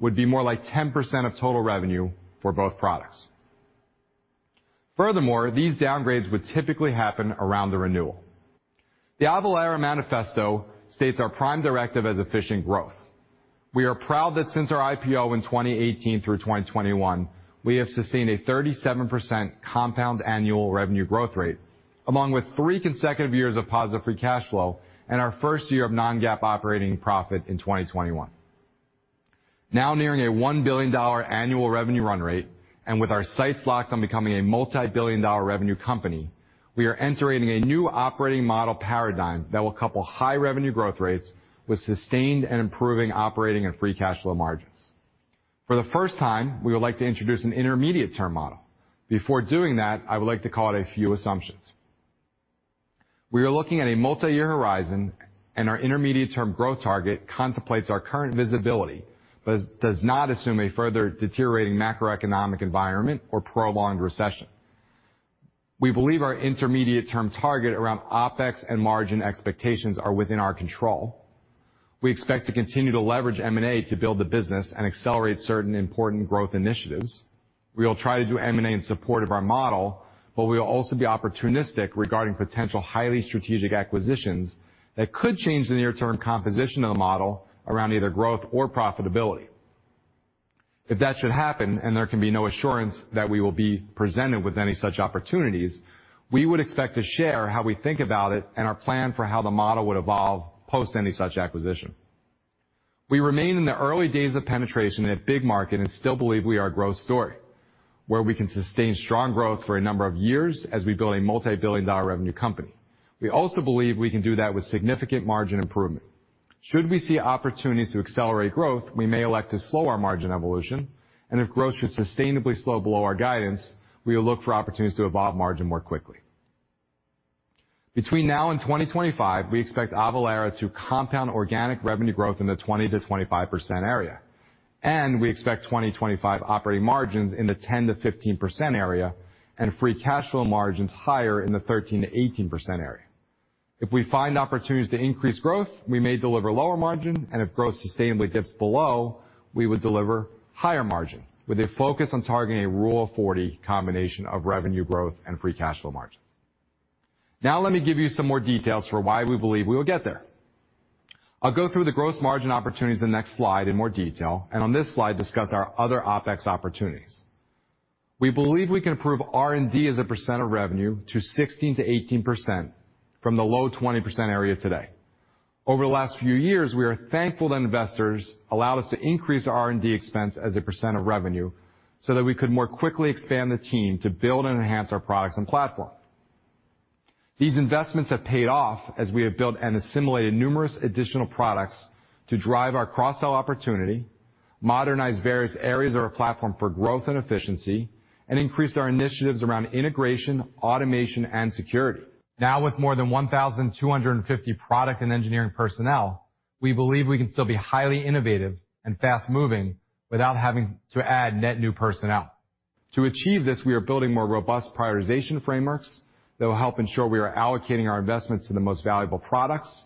would be more like 10% of total revenue for both products. Furthermore, these downgrades would typically happen around the renewal. The Avalara manifesto states our prime directive as efficient growth. We are proud that since our IPO in 2018 through 2021, we have sustained a 37% compound annual revenue growth rate, along with three consecutive years of positive free cash flow and our first year of non-GAAP operating profit in 2021. Now nearing a $1 billion annual revenue run rate, and with our sights locked on becoming a multi-billion-dollar revenue company, we are entering a new operating model paradigm that will couple high revenue growth rates with sustained and improving operating and free cash flow margins. For the first time, we would like to introduce an intermediate term model. Before doing that, I would like to call out a few assumptions. We are looking at a multi-year horizon, and our intermediate-term growth target contemplates our current visibility, but does not assume a further deteriorating macroeconomic environment or prolonged recession. We believe our intermediate-term target around OpEx and margin expectations are within our control. We expect to continue to leverage M&A to build the business and accelerate certain important growth initiatives. We will try to do M&A in support of our model, but we will also be opportunistic regarding potential highly strategic acquisitions that could change the near-term composition of the model around either growth or profitability. If that should happen, and there can be no assurance that we will be presented with any such opportunities, we would expect to share how we think about it and our plan for how the model would evolve post any such acquisition. We remain in the early days of penetration in a big market and still believe we are a growth story, where we can sustain strong growth for a number of years as we build a multi-billion-dollar revenue company. We also believe we can do that with significant margin improvement. Should we see opportunities to accelerate growth, we may elect to slow our margin evolution, and if growth should sustainably slow below our guidance, we will look for opportunities to evolve margin more quickly. Between now and 2025, we expect Avalara to compound organic revenue growth in the 20%-25% area, and we expect 2025 operating margins in the 10%-15% area and free cash flow margins higher in the 13%-18% area. If we find opportunities to increase growth, we may deliver lower margin, and if growth sustainably dips below, we would deliver higher margin with a focus on targeting a Rule of 40 combination of revenue growth and free cash flow margins. Now let me give you some more details for why we believe we will get there. I'll go through the gross margin opportunities in the next slide in more detail, and on this slide, discuss our other OpEx opportunities. We believe we can improve R&D as a percent of revenue to 16%-18% from the low 20% area today. Over the last few years, we are thankful that investors allowed us to increase R&D expense as a percent of revenue so that we could more quickly expand the team to build and enhance our products and platform. These investments have paid off as we have built and assimilated numerous additional products to drive our cross-sell opportunity, modernize various areas of our platform for growth and efficiency, and increase our initiatives around integration, automation, and security. Now, with more than 1,250 product and engineering personnel, we believe we can still be highly innovative and fast-moving without having to add net new personnel. To achieve this, we are building more robust prioritization frameworks that will help ensure we are allocating our investments to the most valuable products,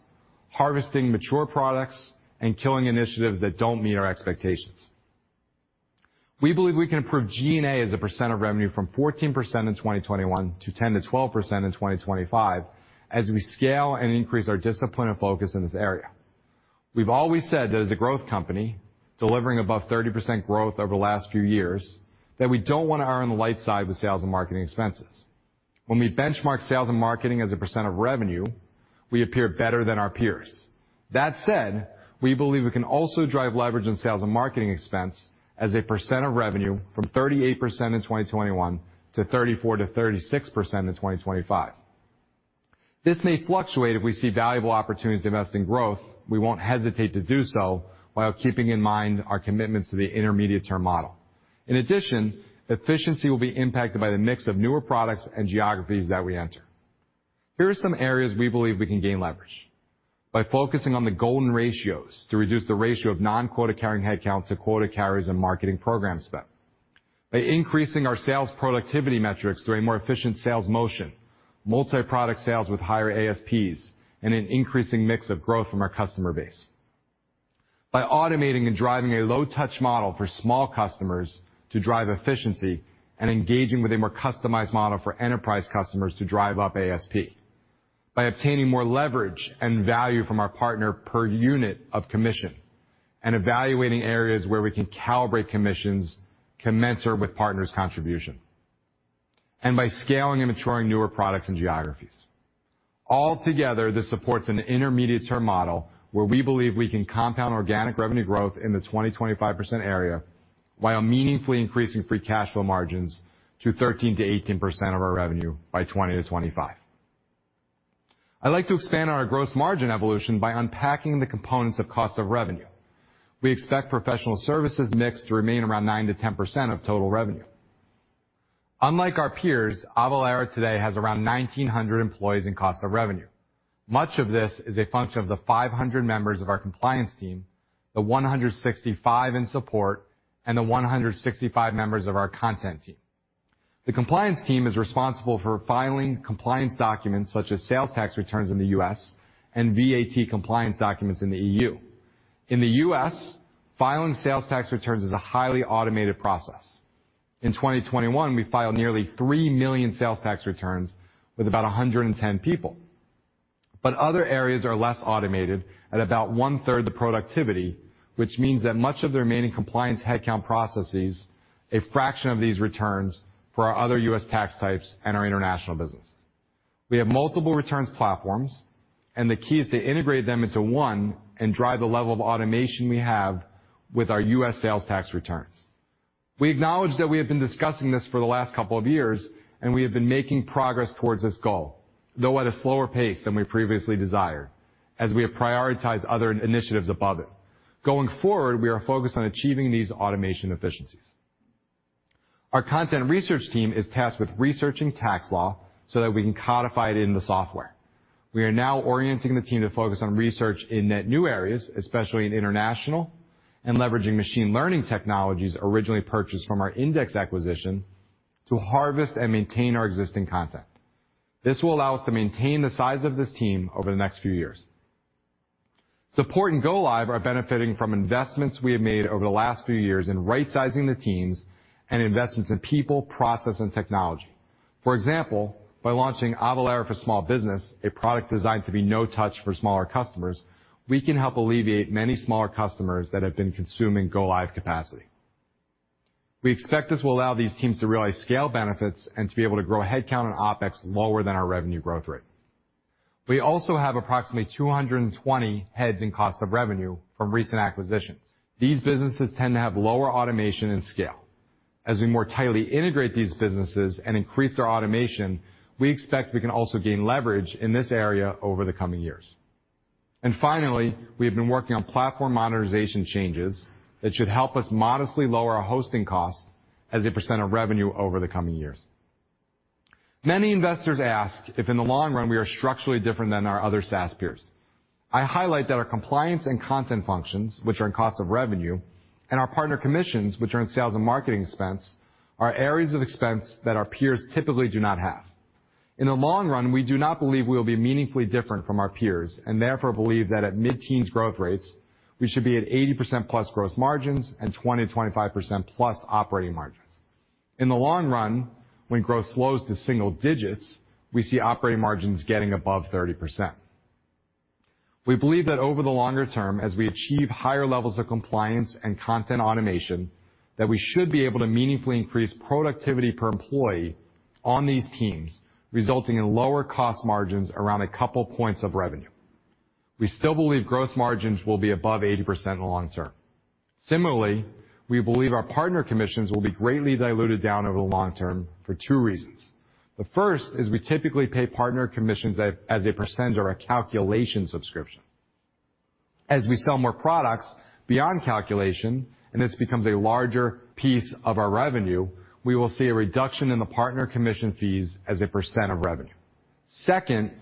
harvesting mature products, and killing initiatives that don't meet our expectations. We believe we can improve G&A as a percent of revenue from 14% in 2021 to 10%-12% in 2025 as we scale and increase our discipline and focus in this area. We've always said that as a growth company, delivering above 30% growth over the last few years, that we don't want to err on the light side with sales and marketing expenses. When we benchmark sales and marketing as a percent of revenue, we appear better than our peers. That said, we believe we can also drive leverage in sales and marketing expense as a percent of revenue from 38% in 2021 to 34%-36% in 2025. This may fluctuate if we see valuable opportunities to invest in growth. We won't hesitate to do so while keeping in mind our commitments to the intermediate-term model. In addition, efficiency will be impacted by the mix of newer products and geographies that we enter. Here are some areas we believe we can gain leverage. By focusing on the golden ratios to reduce the ratio of non-quota-carrying headcount to quota carriers and marketing program spend. By increasing our sales productivity metrics through a more efficient sales motion, multi-product sales with higher ASPs, and an increasing mix of growth from our customer base. By automating and driving a low-touch model for small customers to drive efficiency and engaging with a more customized model for enterprise customers to drive up ASP. By obtaining more leverage and value from our partner per unit of commission and evaluating areas where we can calibrate commissions commensurate with partners' contribution. By scaling and maturing newer products and geographies. Altogether, this supports an intermediate-term model where we believe we can compound organic revenue growth in the 20%-25% area while meaningfully increasing free cash flow margins to 13%-18% of our revenue by 2025. I'd like to expand on our gross margin evolution by unpacking the components of cost of revenue. We expect professional services mix to remain around 9%-10% of total revenue. Unlike our peers, Avalara today has around 1,900 employees in cost of revenue. Much of this is a function of the 500 members of our compliance team, the 165 in support, and the 165 members of our content team. The compliance team is responsible for filing compliance documents such as sales tax returns in the U.S. and VAT compliance documents in the E.U. in the U.S., filing sales tax returns is a highly automated process. In 2021, we filed nearly 3 million sales tax returns with about 110 people. Other areas are less automated at about one-third the productivity, which means that much of the remaining compliance headcount processes a fraction of these returns for our other U.S. tax types and our international business. We have multiple returns platforms, and the key is to integrate them into one and drive the level of automation we have with our U.S. sales tax returns. We acknowledge that we have been discussing this for the last couple of years, and we have been making progress towards this goal, though at a slower pace than we previously desired, as we have prioritized other initiatives above it. Going forward, we are focused on achieving these automation efficiencies. Our content research team is tasked with researching tax law so that we can codify it in the software. We are now orienting the team to focus on research in net new areas, especially in international, and leveraging machine learning technologies originally purchased from our Indix acquisition to harvest and maintain our existing content. This will allow us to maintain the size of this team over the next few years. Support and go live are benefiting from investments we have made over the last few years in right-sizing the teams and investments in people, process, and technology. For example, by launching Avalara for Small Business, a product designed to be no-touch for smaller customers, we can help alleviate many smaller customers that have been consuming go-live capacity. We expect this will allow these teams to realize scale benefits and to be able to grow headcount and OpEx lower than our revenue growth rate. We also have approximately 220 heads in cost of revenue from recent acquisitions. These businesses tend to have lower automation and scale. As we more tightly integrate these businesses and increase their automation, we expect we can also gain leverage in this area over the coming years. Finally, we have been working on platform monetization changes that should help us modestly lower our hosting costs as a % of revenue over the coming years. Many investors ask if, in the long run, we are structurally different than our other SaaS peers. I highlight that our compliance and content functions, which are in cost of revenue, and our partner commissions, which are in sales and marketing expense, are areas of expense that our peers typically do not have. In the long run, we do not believe we'll be meaningfully different from our peers, and therefore believe that at mid-teens growth rates, we should be at 80%+ gross margins and 20%-25%+ operating margins. In the long run, when growth slows to single digits, we see operating margins getting above 30%. We believe that over the longer term, as we achieve higher levels of compliance and content automation, that we should be able to meaningfully increase productivity per employee on these teams, resulting in lower cost margins around a couple points of revenue. We still believe gross margins will be above 80% long term. Similarly, we believe our partner commissions will be greatly diluted down over the long term for two reasons. The first is we typically pay partner commissions as a percent or a calculation subscription. As we sell more products beyond calculation, and this becomes a larger piece of our revenue, we will see a reduction in the partner commission fees as a percent of revenue. Second,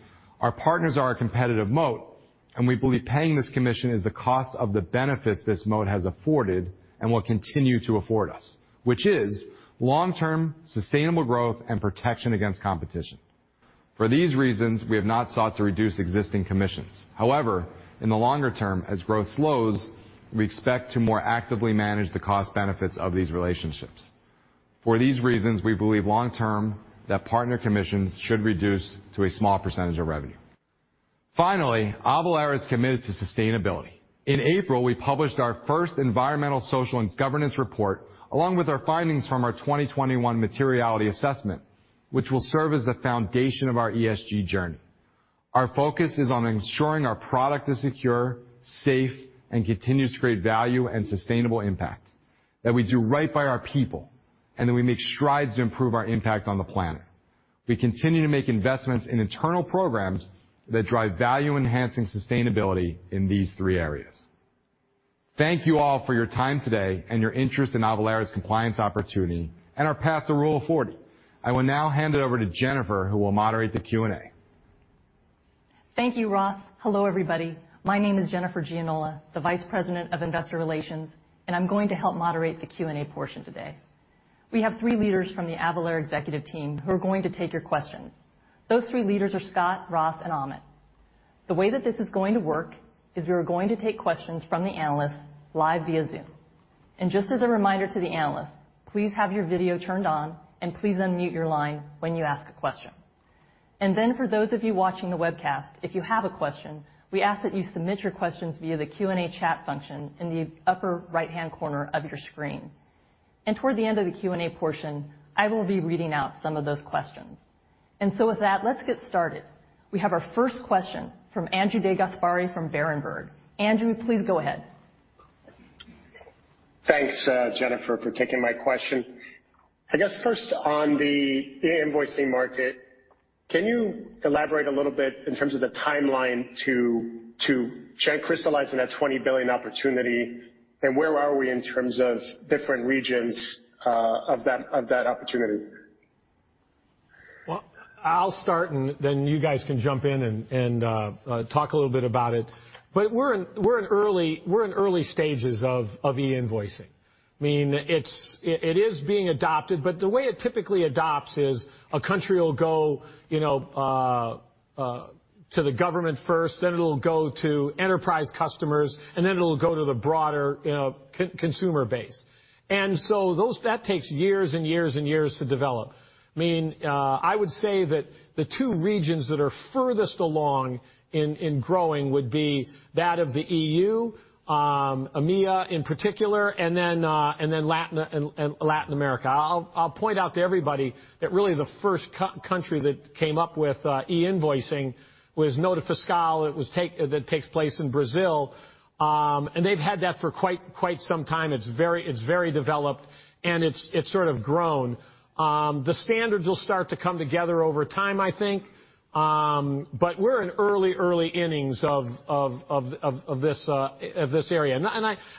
our partners are a competitive moat, and we believe paying this commission is the cost of the benefits this moat has afforded and will continue to afford us, which is long-term sustainable growth and protection against competition. For these reasons, we have not sought to reduce existing commissions. However, in the longer term, as growth slows, we expect to more actively manage the cost benefits of these relationships. For these reasons, we believe long-term that partner commissions should reduce to a small percentage of revenue. Finally, Avalara is committed to sustainability. In April, we published our first environmental, social, and governance report, along with our findings from our 2021 materiality assessment, which will serve as the foundation of our ESG journey. Our focus is on ensuring our product is secure, safe, and continues to create value and sustainable impact, that we do right by our people, and that we make strides to improve our impact on the planet. We continue to make investments in internal programs that drive value-enhancing sustainability in these three areas. Thank you all for your time today and your interest in Avalara's compliance opportunity and our path to Rule of 40. I will now hand it over to Jennifer, who will moderate the Q&A. Thank you, Ross. Hello, everybody. My name is Jennifer Gianola, the Vice President of Investor Relations, and I'm going to help moderate the Q&A portion today. We have three leaders from the Avalara executive team who are going to take your questions. Those three leaders are Scott, Ross, and Amit. The way that this is going to work is we are going to take questions from the analysts live via Zoom. Just as a reminder to the analysts, please have your video turned on, and please unmute your line when you ask a question. For those of you watching the webcast, if you have a question, we ask that you submit your questions via the Q&A chat function in the upper right-hand corner of your screen. Toward the end of the Q&A portion, I will be reading out some of those questions. With that, let's get started. We have our first question from Andrew DeGasperi from Berenberg. Andrew, please go ahead. Thanks, Jennifer, for taking my question. I guess first on the e-invoicing market, can you elaborate a little bit in terms of the timeline to try and crystallize on that $20 billion opportunity, and where are we in terms of different regions, of that opportunity? Well, I'll start, and then you guys can jump in and talk a little bit about it. We're in early stages of e-invoicing. I mean, it is being adopted, but the way it typically adopts is a country will go to the government first, then it'll go to enterprise customers, and then it'll go to the broader consumer base. That takes years and years and years to develop. I mean, I would say that the two regions that are furthest along in growing would be that of the E.U., EMEA in particular, and then Latin America. I'll point out to everybody that really the first country that came up with e-invoicing was Nota Fiscal. It takes place in Brazil. They've had that for quite some time. It's very developed, and it's sort of grown. The standards will start to come together over time, I think. We're in early innings of this area.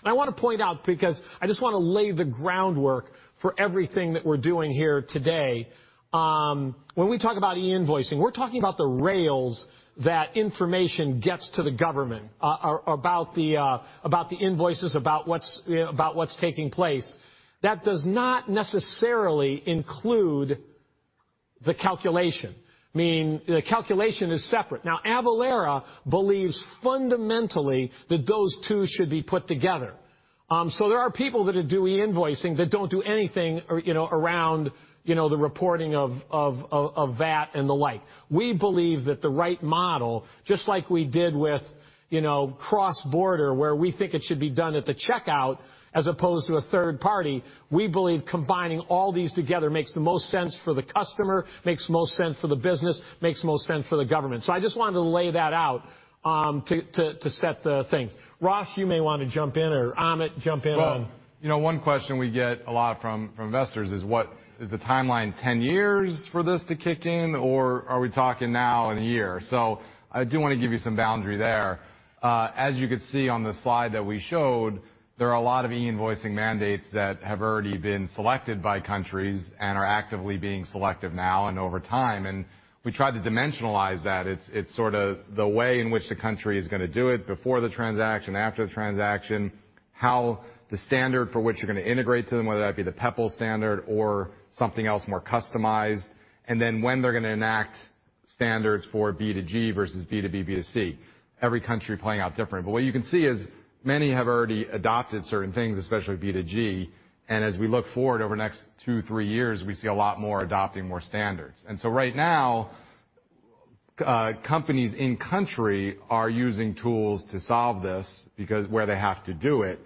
I want to point out because I just want to lay the groundwork for everything that we're doing here today. When we talk about e-invoicing, we're talking about the rails that information gets to the government, about the invoices, about what's taking place. That does not necessarily include the calculation. I mean, the calculation is separate. Now, Avalara believes fundamentally that those two should be put together. There are people that do e-invoicing that don't do anything you know, around, you know, the reporting of that and the like. We believe that the right model, just like we did with, you know, cross-border, where we think it should be done at the checkout as opposed to a third party, we believe combining all these together makes the most sense for the customer, makes the most sense for the business, makes the most sense for the government. I just wanted to lay that out to set the thing. Ross, you may want to jump in or Amit jump in on. Well, you know, one question we get a lot from investors is what is the timeline, 10 years for this to kick in or are we talking now in a year? I do wanna give you some boundary there. As you could see on the slide that we showed, there are a lot of e-invoicing mandates that have already been selected by countries and are actively being selected now and over time. We try to dimensionalize that. It's sorta the way in which the country is gonna do it before the transaction, after the transaction. How the standard for which you're gonna integrate to them, whether that be the Peppol standard or something else more customized, and then when they're gonna enact standards for B2G versus B2B, B2C. Every country playing out different. What you can see is many have already adopted certain things, especially B2G, and as we look forward over the next two to three years, we see a lot more adopting more standards. Right now, companies in country are using tools to solve this because where they have to do it,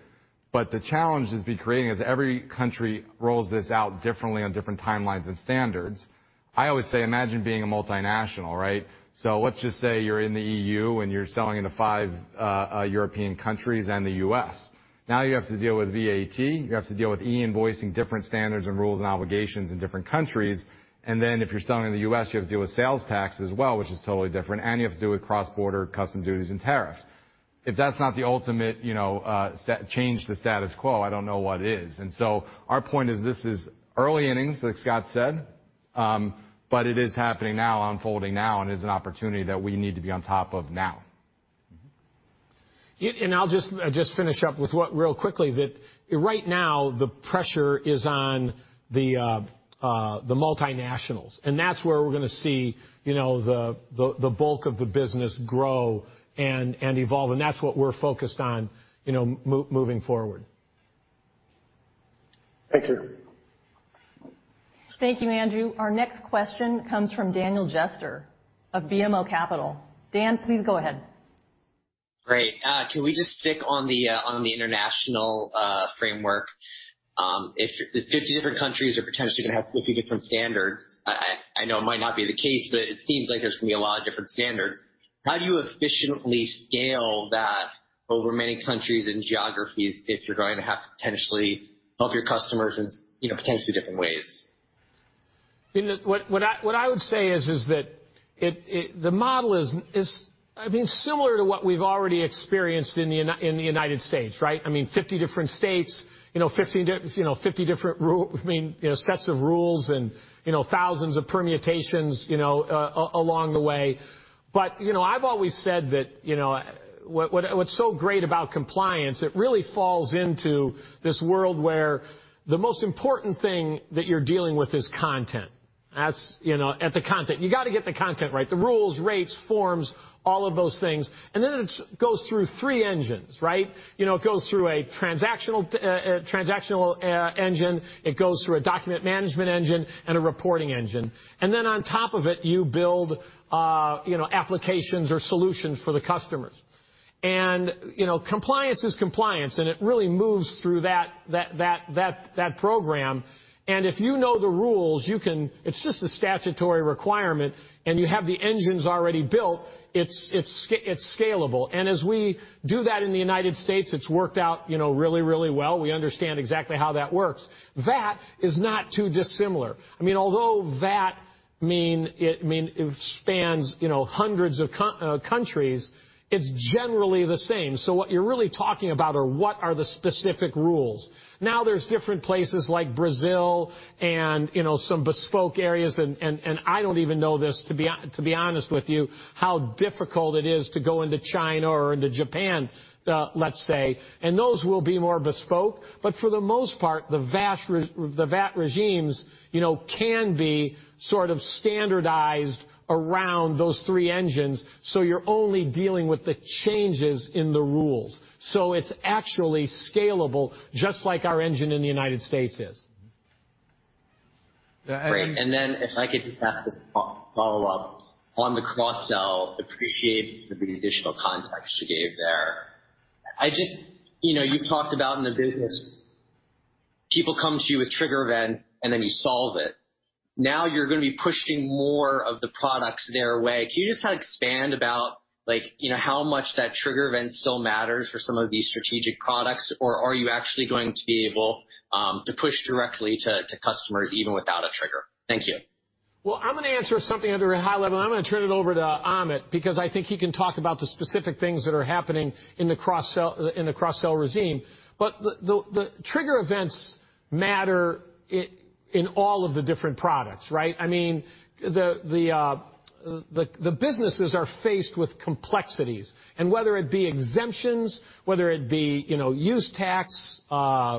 but the challenge is creating as every country rolls this out differently on different timelines and standards. I always say imagine being a multinational, right? Let's just say you're in the E.U., and you're selling into five European countries and the U.S. now you have to deal with VAT, you have to deal with e-invoicing, different standards and rules and obligations in different countries. Then, if you're selling in the U.S., you have to deal with sales tax as well, which is totally different, and you have to deal with cross-border customs duties and tariffs. If that's not the ultimate, you know, change to status quo, I don't know what is. Our point is this is early innings, like Scott said, but it is happening now, unfolding now, and is an opportunity that we need to be on top of now. I'll just finish up with what really quickly that right now the pressure is on the multinationals, and that's where we're gonna see, you know, the bulk of the business grow and evolve, and that's what we're focused on, you know, moving forward. Thank you. Thank you, Andrew. Our next question comes from Daniel Jester of BMO Capital. Dan, please go ahead. Great. Can we just stick on the international framework? If 50 different countries are potentially gonna have 50 different standards, I know it might not be the case, but it seems like there's gonna be a lot of different standards. How do you efficiently scale that over many countries and geographies if you're going to have to potentially help your customers in you know, potentially different ways? What I would say is that the model is, I mean, similar to what we've already experienced in the United States, right? I mean, 50 different states, you know, sets of rules and, you know, along the way. I've always said that, you know, what's so great about compliance, it really falls into this world where the most important thing that you're dealing with is content. That's, you know, at the content. You gotta get the content right, the rules, rates, forms, all of those things. Then it goes through three engines, right? You know, it goes through a transactional engine. It goes through a document management engine and a reporting engine. Then on top of it, you build, you know, applications or solutions for the customers. You know, compliance is compliance, and it really moves through that program. If you know the rules, you can. It's just a statutory requirement, and you have the engines already built, it's scalable. As we do that in the United States, it's worked out, you know, really well. We understand exactly how that works. That is not too dissimilar. I mean, although that means it spans, you know, hundreds of countries, it's generally the same. What you're really talking about are what are the specific rules. Now, there's different places like Brazil and, you know, some bespoke areas and I don't even know this, to be honest with you, how difficult it is to go into China or into Japan, let's say, and those will be more bespoke. For the most part, the vast VAT regimes, you know, can be sort of standardized around those three engines, so you're only dealing with the changes in the rules. It's actually scalable, just like our engine in the United States is. Yeah. Great. Then if I could just ask a follow-up. On the cross-sell, appreciate the additional context you gave there. I just, you know, you talked about in the business, people come to you with trigger event, and then you solve it. Now you're gonna be pushing more of the products their way. Can you just kinda expand about like, you know, how much that trigger event still matters for some of these strategic products? Or are you actually going to be able to push directly to customers even without a trigger? Thank you. Well, I'm gonna answer something at a very high level, and I'm gonna turn it over to Amit, because I think he can talk about the specific things that are happening in the cross-sell regime. The trigger events matter in all of the different products, right? I mean, the businesses are faced with complexities, and whether it be exemptions, whether it be, you know, use tax,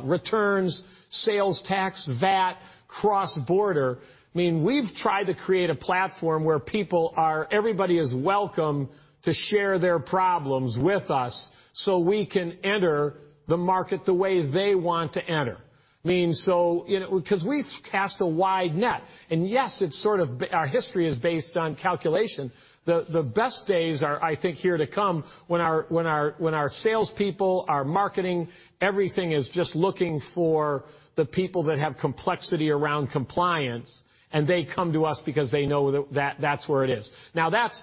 returns, sales tax, VAT, cross-border, I mean, we've tried to create a platform where people are. Everybody is welcome to share their problems with us, so we can enter the market the way they want to enter. I mean, you know, 'cause we cast a wide net, and yes, it's sort of our history is based on calculation. The best days are, I think, here to come when our salespeople, our marketing, everything is just looking for the people that have complexity around compliance, and they come to us because they know that that's where it is. Now that's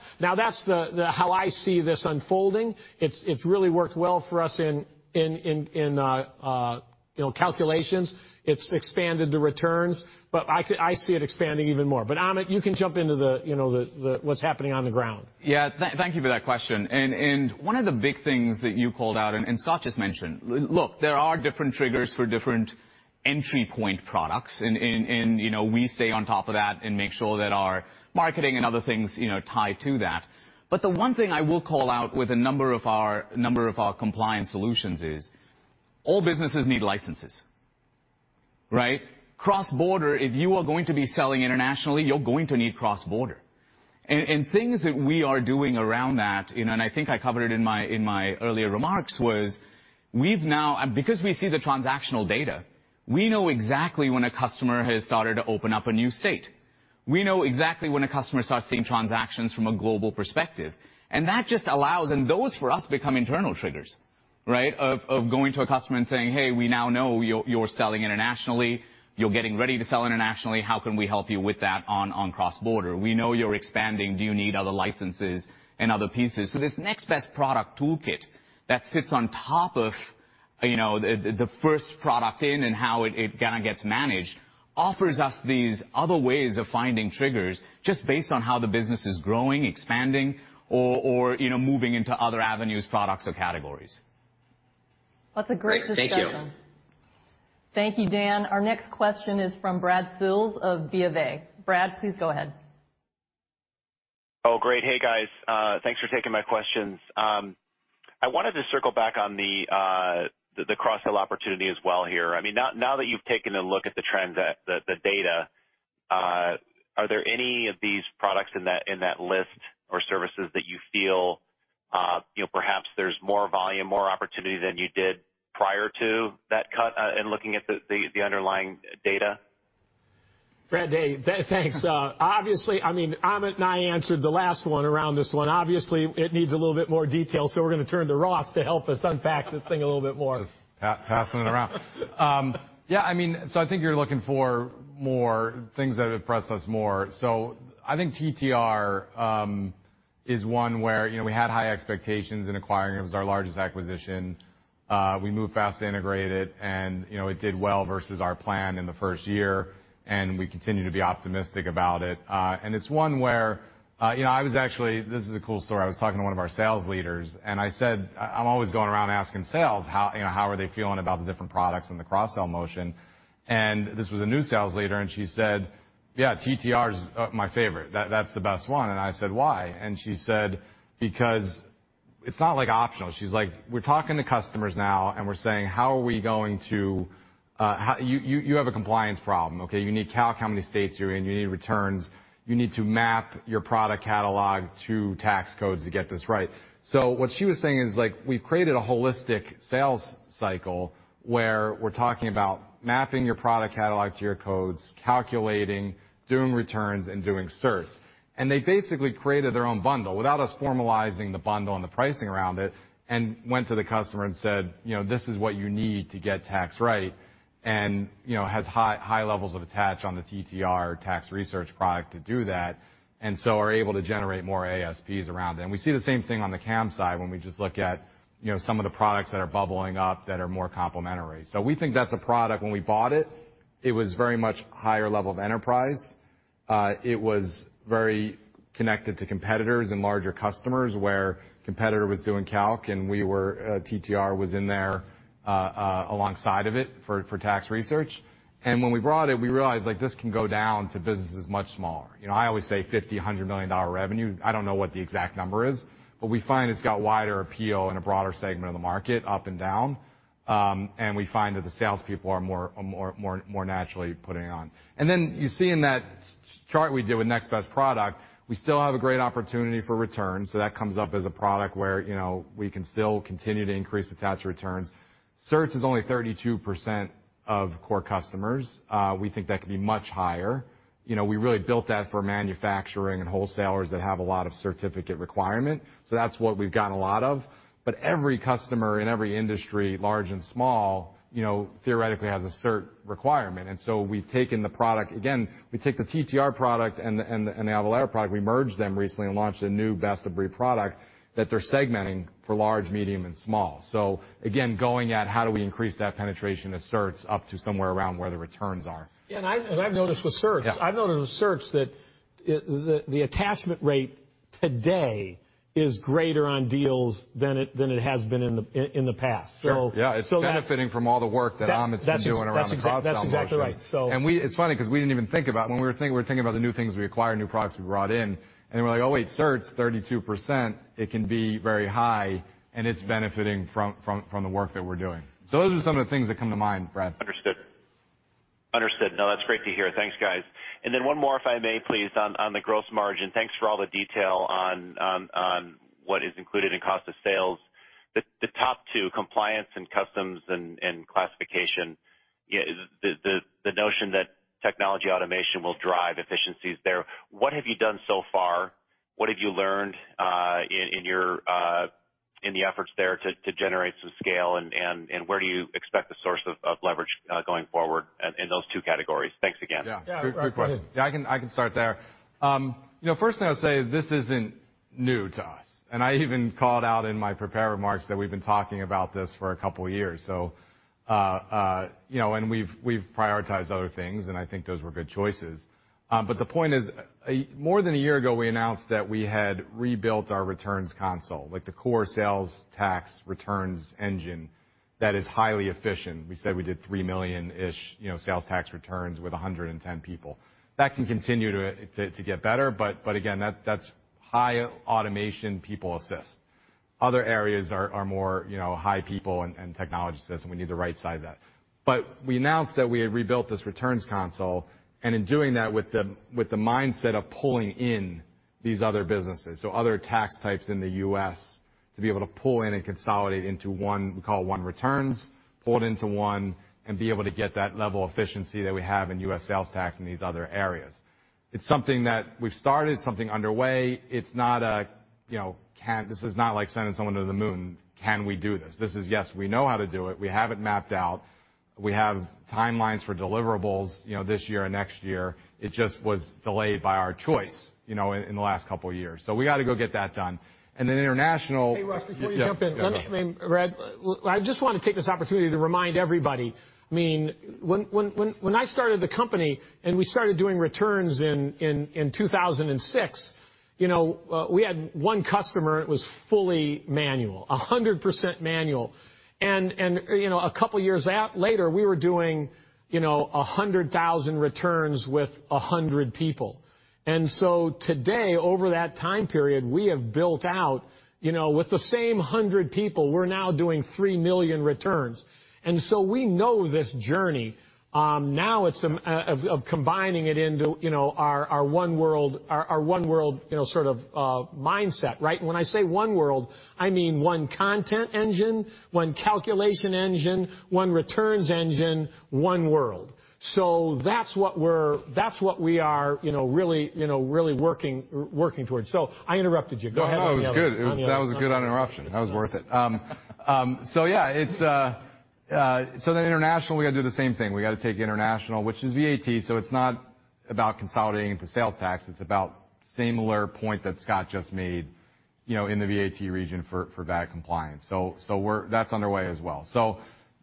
the how I see this unfolding. It's really worked well for us in you know calculations. It's expanded the returns, but I see it expanding even more. Amit, you can jump into you know what's happening on the ground. Thank you for that question. One of the big things that you called out and Scott just mentioned, look, there are different triggers for different entry point products. You know, we stay on top of that and make sure that our marketing and other things, you know, tie to that. The one thing I will call out with a number of our compliance solutions is all businesses need licenses. Right? Cross-border, if you are going to be selling internationally, you're going to need cross-border. Things that we are doing around that, you know, and I think I covered it in my earlier remarks, was we've now because we see the transactional data, we know exactly when a customer has started to open up a new state. We know exactly when a customer starts seeing transactions from a global perspective. That just allows and those for us become internal triggers, right? Of going to a customer and saying, "Hey, we now know you're selling internationally. You're getting ready to sell internationally. How can we help you with that on cross-border? We know you're expanding. Do you need other licenses and other pieces?" This next best product toolkit that sits on top of, you know, the first product and how it kinda gets managed, offers us these other ways of finding triggers just based on how the business is growing, expanding or, you know, moving into other avenues, products or categories. That's a great discussion. Great. Thank you. Thank you, Daniel. Our next question is from Brad Sills of BofA. Brad, please go ahead. Oh, great. Hey, guys. Thanks for taking my questions. I wanted to circle back on the cross-sell opportunity as well here. I mean, now that you've taken a look at the trends and the data, are there any of these products in that list or services that you feel, you know, perhaps there's more volume, more opportunity than you did prior to that cut in looking at the underlying data? Brad, hey. Thanks. Obviously, I mean, Amit and I answered the last one around this one. Obviously, it needs a little bit more detail, so we're gonna turn to Ross to help us unpack this thing a little bit more. Just passing it around. I think you're looking for more things that have impressed us more. I think TTR is one where we had high expectations in acquiring, it was our largest acquisition. We moved fast to integrate it and it did well versus our plan in the first year, and we continue to be optimistic about it. It's one where I was actually. This is a cool story. I was talking to one of our sales leaders, and I said, I'm always going around asking sales how they are feeling about the different products and the cross-sell motion. This was a new sales leader, and she said, "Yeah, TTR is my favorite. That, that's the best one." I said, "Why?" She said, "Because it's not, like, optional." She's like, "We're talking to customers now, and we're saying, you have a compliance problem, okay? You need to calc how many states you're in. You need returns. You need to map your product catalog to tax codes to get this right." What she was saying is, like, we've created a holistic sales cycle where we're talking about mapping your product catalog to your codes, calculating, doing returns and doing certs. They basically created their own bundle without us formalizing the bundle and the pricing around it, and went to the customer and said, you know, "This is what you need to get tax right." You know, has high levels of attach on the TTR tax research product to do that, and so are able to generate more ASPs around it. We see the same thing on the CAM side when we just look at, you know, some of the products that are bubbling up that are more complementary. We think that's a product when we bought it was very much higher level of enterprise. It was very connected to competitors and larger customers, where competitor was doing calc and we were, TTR was in there alongside it for tax research. When we brought it, we realized, like, this can go down to businesses much smaller. You know, I always say $50-$100 million revenue. I don't know what the exact number is, but we find it's got wider appeal and a broader segment of the market up and down. We find that the salespeople are more naturally putting it on. Then you see in that S-chart we did with next best product, we still have a great opportunity for returns, so that comes up as a product where, you know, we can still continue to increase attached returns. CertCapture is only 32% of core customers. We think that could be much higher. You know, we really built that for manufacturing and wholesalers that have a lot of certificate requirement, so that's what we've gotten a lot of. Every customer in every industry, large and small, you know, theoretically has a cert requirement. We've taken the product. Again, we took the TTR product and the Avalara product, we merged them recently and launched a new best-of-breed product that they're segmenting for large, medium, and small. Again, going at how do we increase that penetration of certs up to somewhere around where the returns are. Yeah, I've noticed with certs. Yeah. I've noticed with certs that the attachment rate today is greater on deals than it has been in the past. Sure, yeah. It's benefiting from all the work that Amit's been doing around the cross-sell motion. That's exactly right. It's funny 'cause we didn't even think about it. When we were thinking, we were thinking about the new things we acquired, new products we brought in, and we're like, "Oh, wait. Cert's 32%." It can be very high, and it's benefiting from the work that we're doing. Those are some of the things that come to mind, Brad. Understood. No, that's great to hear. Thanks, guys. One more, if I may please, on the gross margin. Thanks for all the detail on what is included in cost of sales. The top two, compliance and customs and classification, the notion that technology automation will drive efficiencies there, what have you done so far? What have you learned in your efforts there to generate some scale? Where do you expect the source of leverage going forward in those two categories? Thanks again. Yeah. Yeah. Go ahead. Great question. Yeah, I can start there. You know, first thing I'll say, this isn't new to us, and I even called out in my prepared remarks that we've been talking about this for a couple years. We've prioritized other things, and I think those were good choices. But the point is, more than a year ago, we announced that we had rebuilt our returns console, like the core sales tax returns engine that is highly efficient. We said we did 3 million-ish sales tax returns with 110 people. That can continue to get better, but again, that's high automation people assist. Other areas are more high people and technology assist, and we need to right size that. We announced that we had rebuilt this returns console, and in doing that with the mindset of pulling in these other businesses, so other tax types in the U.S. to be able to pull in and consolidate into one, we call it Avalara Returns, pull it into one and be able to get that level of efficiency that we have in US Sales tax in these other areas. It's something that we've started, something underway. It's not a, you know, this is not like sending someone to the moon, can we do this? This is, yes, we know how to do it. We have it mapped out. We have timelines for deliverables, you know, this year and next year. It just was delayed by our choice, you know, in the last couple of years. We gotta go get that done. Then international- Hey, Ross, before you jump in. Yeah. Brad, I just wanna take this opportunity to remind everybody, I mean, when I started the company and we started doing returns in 2006, you know, we had one customer, and it was fully manual, 100% manual. You know, a couple years out later, we were doing, you know, 100,000 returns with 100 people. Today, over that time period, we have built out, you know, with the same 100 people, we're now doing 3 million returns. We know this journey. Now it's some of combining it into, you know, our one world, you know, sort of mindset, right? When I say one world, I mean one content engine, one calculation engine, one returns engine, one world. That's what we are, you know, really, you know, really working towards. I interrupted you. Go ahead. No, it was good. That was a good interruption. That was worth it. Yeah, it's then international, we gotta do the same thing. We gotta take international, which is VAT, so it's not about consolidating the sales tax, it's about similar point that Scott just made, you know, in the VAT region for VAT compliance. We're. That's underway as well.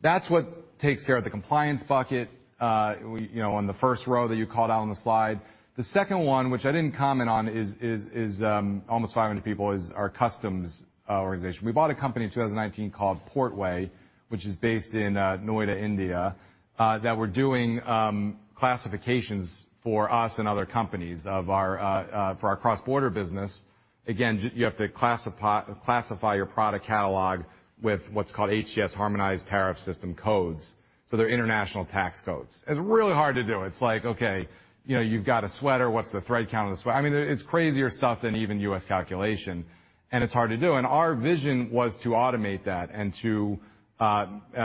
That's what takes care of the compliance bucket, you know, on the first row that you called out on the slide. The second one, which I didn't comment on, is almost 500 people, is our customs organization. We bought a company in 2019 called Portway, which is based in Noida, India, that we're doing classifications for us and other companies for our cross-border business. Again, you have to classify your product catalog with what's called HTS, Harmonized Tariff System codes, so they're international tax codes. It's really hard to do. It's like, okay, you know, you've got a sweater. What's the thread count of the sweater? I mean, it's crazier stuff than even U.S. calculation, and it's hard to do. Our vision was to automate that and to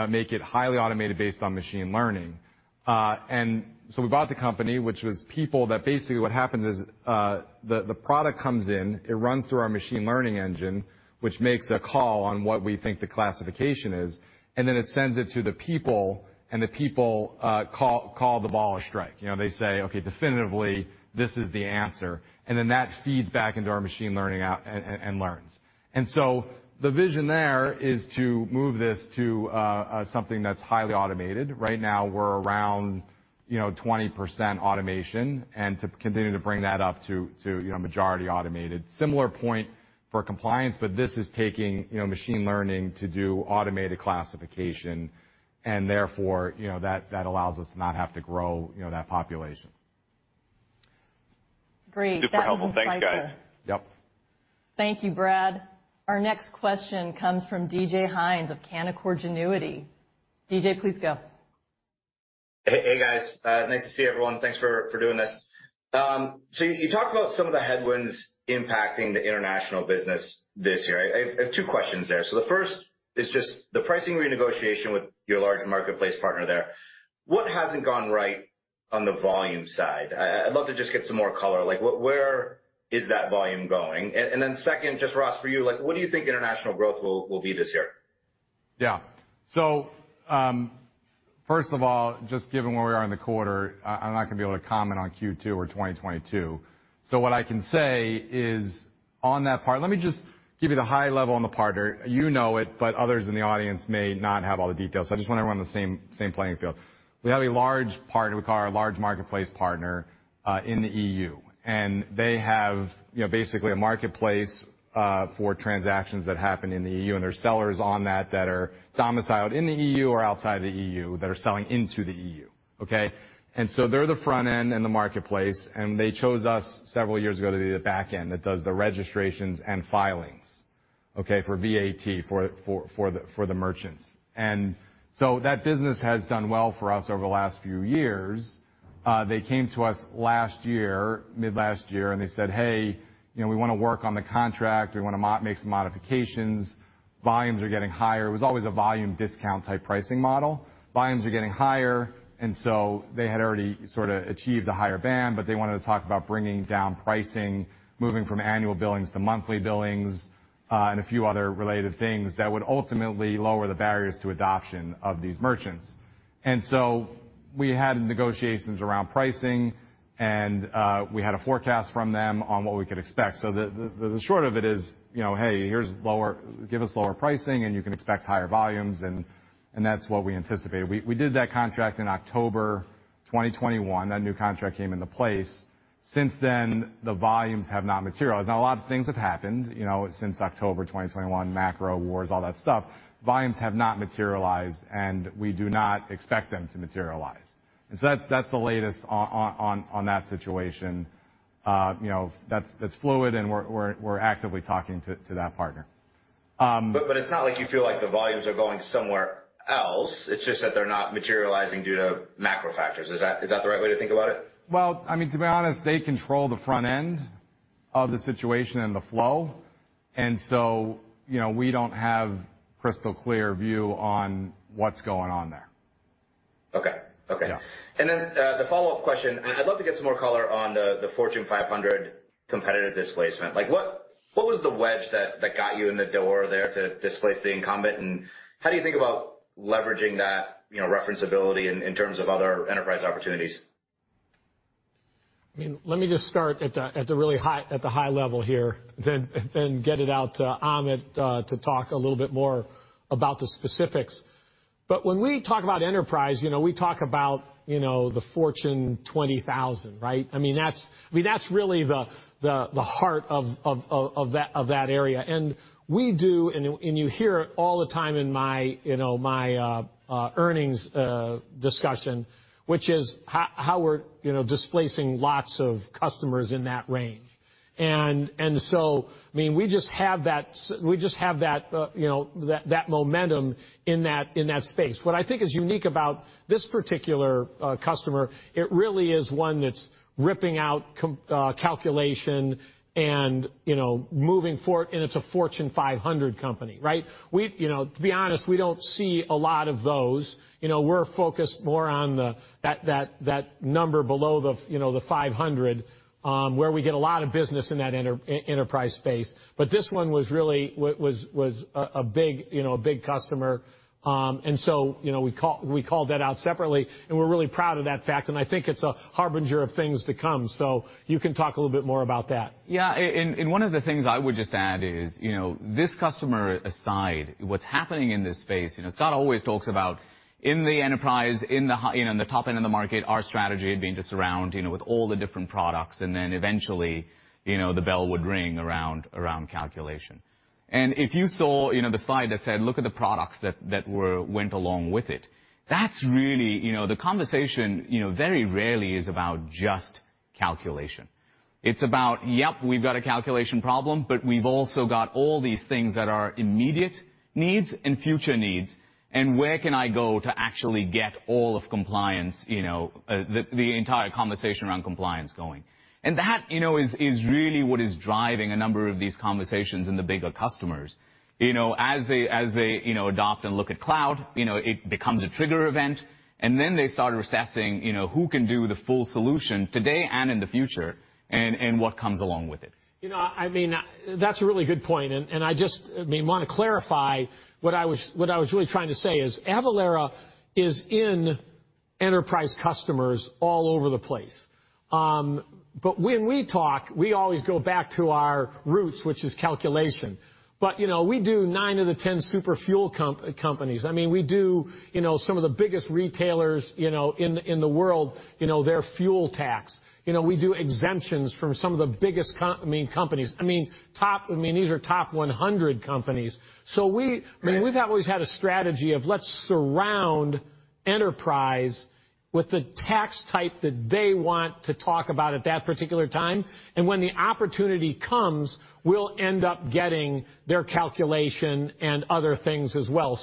make it highly automated based on machine learning. We bought the company, which was people that basically what happens is, the product comes in, it runs through our machine learning engine, which makes a call on what we think the classification is, and then it sends it to the people, and the people call the ball a strike. You know, they say, "Okay, definitively, this is the answer." And then that feeds back into our machine learning and learns. The vision there is to move this to something that's highly automated. Right now, we're around, you know, 20% automation, and to continue to bring that up to, you know, majority automated. Similar point for compliance, but this is taking, you know, machine learning to do automated classification, and therefore, you know, that allows us to not have to grow, you know, that population. Great. Super helpful. Thanks, guys. Yep. Thank you, Brad. Our next question comes from DJ Hynes of Canaccord Genuity. DJ, please go. Hey, guys. Nice to see everyone. Thanks for doing this. You talked about some of the headwinds impacting the international business this year. I have two questions there. The first is just the pricing renegotiation with your large marketplace partner there. What hasn't gone right on the volume side? I'd love to just get some more color, like where is that volume going? Second, just Ross, for you, like what do you think international growth will be this year? Yeah. First of all, just given where we are in the quarter, I'm not gonna be able to comment on Q2 or 2022. What I can say is on that part, let me just give you the high level on the partner. You know it, but others in the audience may not have all the details. I just want everyone on the same playing field. We have a large partner, we call our large marketplace partner, in the E.U., and they have, you know, basically a marketplace, for transactions that happen in the E.U., and there are sellers on that that are domiciled in the E.U. or outside the E.U. that are selling into the E.U., okay? They're the front end in the marketplace, and they chose us several years ago to be the back end that does the registrations and filings, okay, for VAT for the merchants. That business has done well for us over the last few years. They came to us last year, mid last year, and they said, "Hey, you know, we wanna work on the contract. We wanna make some modifications. Volumes are getting higher." It was always a volume discount type pricing model. Volumes are getting higher, and so they had already sort of achieved a higher band, but they wanted to talk about bringing down pricing, moving from annual billings to monthly billings, and a few other related things that would ultimately lower the barriers to adoption of these merchants. We had negotiations around pricing, and we had a forecast from them on what we could expect. The short of it is, you know, "Hey, give us lower pricing and you can expect higher volumes," and that's what we anticipated. We did that contract in October 2021. That new contract came into place. Since then, the volumes have not materialized. Now, a lot of things have happened, you know, since October 2021, macro wars, all that stuff. Volumes have not materialized, and we do not expect them to materialize. That's the latest on that situation. You know, that's fluid, and we're actively talking to that partner. It's not like you feel like the volumes are going somewhere else. It's just that they're not materializing due to macro factors. Is that the right way to think about it? Well, I mean, to be honest, they control the front end of the situation and the flow. You know, we don't have crystal clear view on what's going on there. Okay. Okay. Yeah. The follow-up question, I'd love to get some more color on the Fortune 500 competitive displacement. Like, what was the wedge that got you in the door there to displace the incumbent? How do you think about leveraging that, you know, referenceability in terms of other enterprise opportunities? I mean, let me just start at the really high level here, then get it out to Amit to talk a little bit more about the specifics. When we talk about enterprise, you know, we talk about, you know, the Fortune 20,000, right? I mean, that's really the heart of that area. You hear it all the time in my, you know, my earnings discussion, which is how we're, you know, displacing lots of customers in that range. I mean, we just have that momentum in that space. What I think is unique about this particular customer, it really is one that's ripping out com... Calculation and, you know, and it's a Fortune 500 company, right? We, you know, to be honest, we don't see a lot of those. You know, we're focused more on that number below the, you know, the 500, where we get a lot of business in that enterprise space. But this one was really a big, you know, a big customer. And so, you know, we called that out separately, and we're really proud of that fact, and I think it's a harbinger of things to come. You can talk a little bit more about that. Yeah. One of the things I would just add is, you know, this customer aside, what's happening in this space, you know, Scott always talks about in the enterprise, in the high, you know, in the top end of the market, our strategy had been to surround, you know, with all the different products, and then eventually, you know, the bell would ring around calculation. If you saw, you know, the slide that said, "Look at the products," that went along with it, that's really, you know, the conversation, you know, very rarely is about just calculation. It's about, yep, we've got a calculation problem, but we've also got all these things that are immediate needs and future needs, and where can I go to actually get all of compliance, you know, the entire conversation around compliance going. That, you know, is really what is driving a number of these conversations in the bigger customers. You know, as they adopt and look at cloud, you know, it becomes a trigger event, and then they start assessing, you know, who can do the full solution today and in the future, and what comes along with it. You know, I mean, that's a really good point, and I just, I mean, wanna clarify what I was really trying to say is Avalara is in enterprise customers all over the place. When we talk, we always go back to our roots, which is calculation. You know, we do nine of the 10 super fuel companies. I mean, we do, you know, some of the biggest retailers, you know, in the world, you know, their fuel tax. You know, we do exemptions from some of the biggest companies. I mean, these are top 100 companies. Right. I mean, we've always had a strategy of let's surround enterprise with the tax type that they want to talk about at that particular time, and when the opportunity comes, we'll end up getting their calculation and other things as well.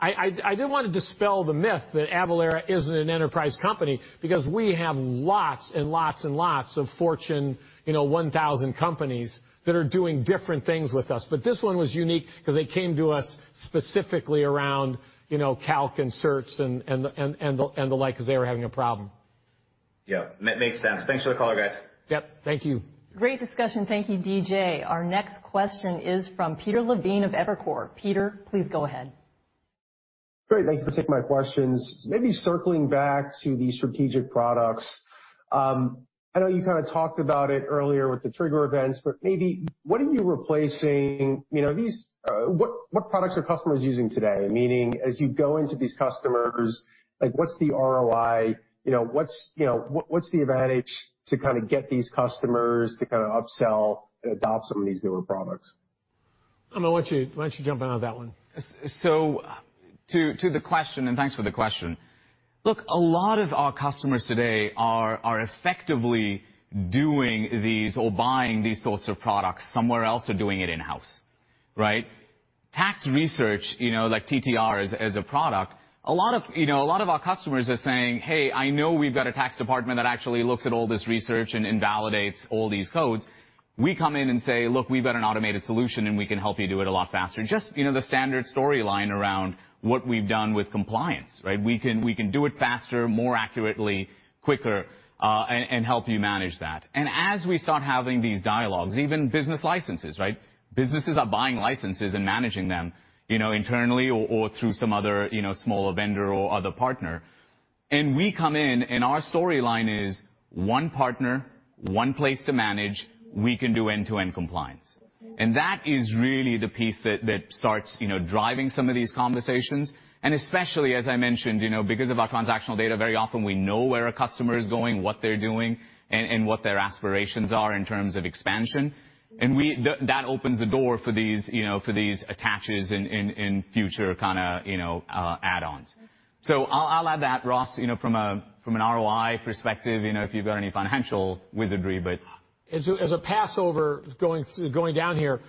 I did wanna dispel the myth that Avalara isn't an enterprise company because we have lots and lots and lots of Fortune 1000 companies that are doing different things with us. This one was unique because they came to us specifically around, you know, calc and certs and the like, because they were having a problem. Yeah. Makes sense. Thanks for the color, guys. Yep. Thank you. Great discussion. Thank you, DJ. Our next question is from Peter Levine of Evercore. Peter, please go ahead. Great. Thanks for taking my questions. Maybe circling back to the strategic products, I know you kinda talked about it earlier with the trigger events, but maybe what are you replacing, you know, these, what products are customers using today? Meaning as you go into these customers, like, what's the ROI? You know, what's the advantage to kinda get these customers to kinda upsell and adopt some of these newer products? Amit, why don't you jump in on that one? To the question, thanks for the question. Look, a lot of our customers today are effectively doing these or buying these sorts of products somewhere else or doing it in-house, right? Tax research, you know, like TTR as a product, a lot of our customers are saying, "Hey, I know we've got a tax department that actually looks at all this research and validates all these codes." We come in and say, "Look, we've got an automated solution, and we can help you do it a lot faster." Just, you know, the standard storyline around what we've done with compliance, right? We can do it faster, more accurately, quicker, and help you manage that. As we start having these dialogues, even business licenses, right? Businesses are buying licenses and managing them, you know, internally or through some other, you know, smaller vendor or other partner. We come in, and our storyline is one partner, one place to manage. We can do end-to-end compliance. That is really the piece that starts, you know, driving some of these conversations. Especially, as I mentioned, you know, because of our transactional data, very often we know where a customer is going, what they're doing, and what their aspirations are in terms of expansion. That opens the door for these, you know, for these attachments in future kinda, you know, add-ons. I'll add that, Ross, you know, from an ROI perspective, you know, if you've got any financial wizardry, but. Going down here,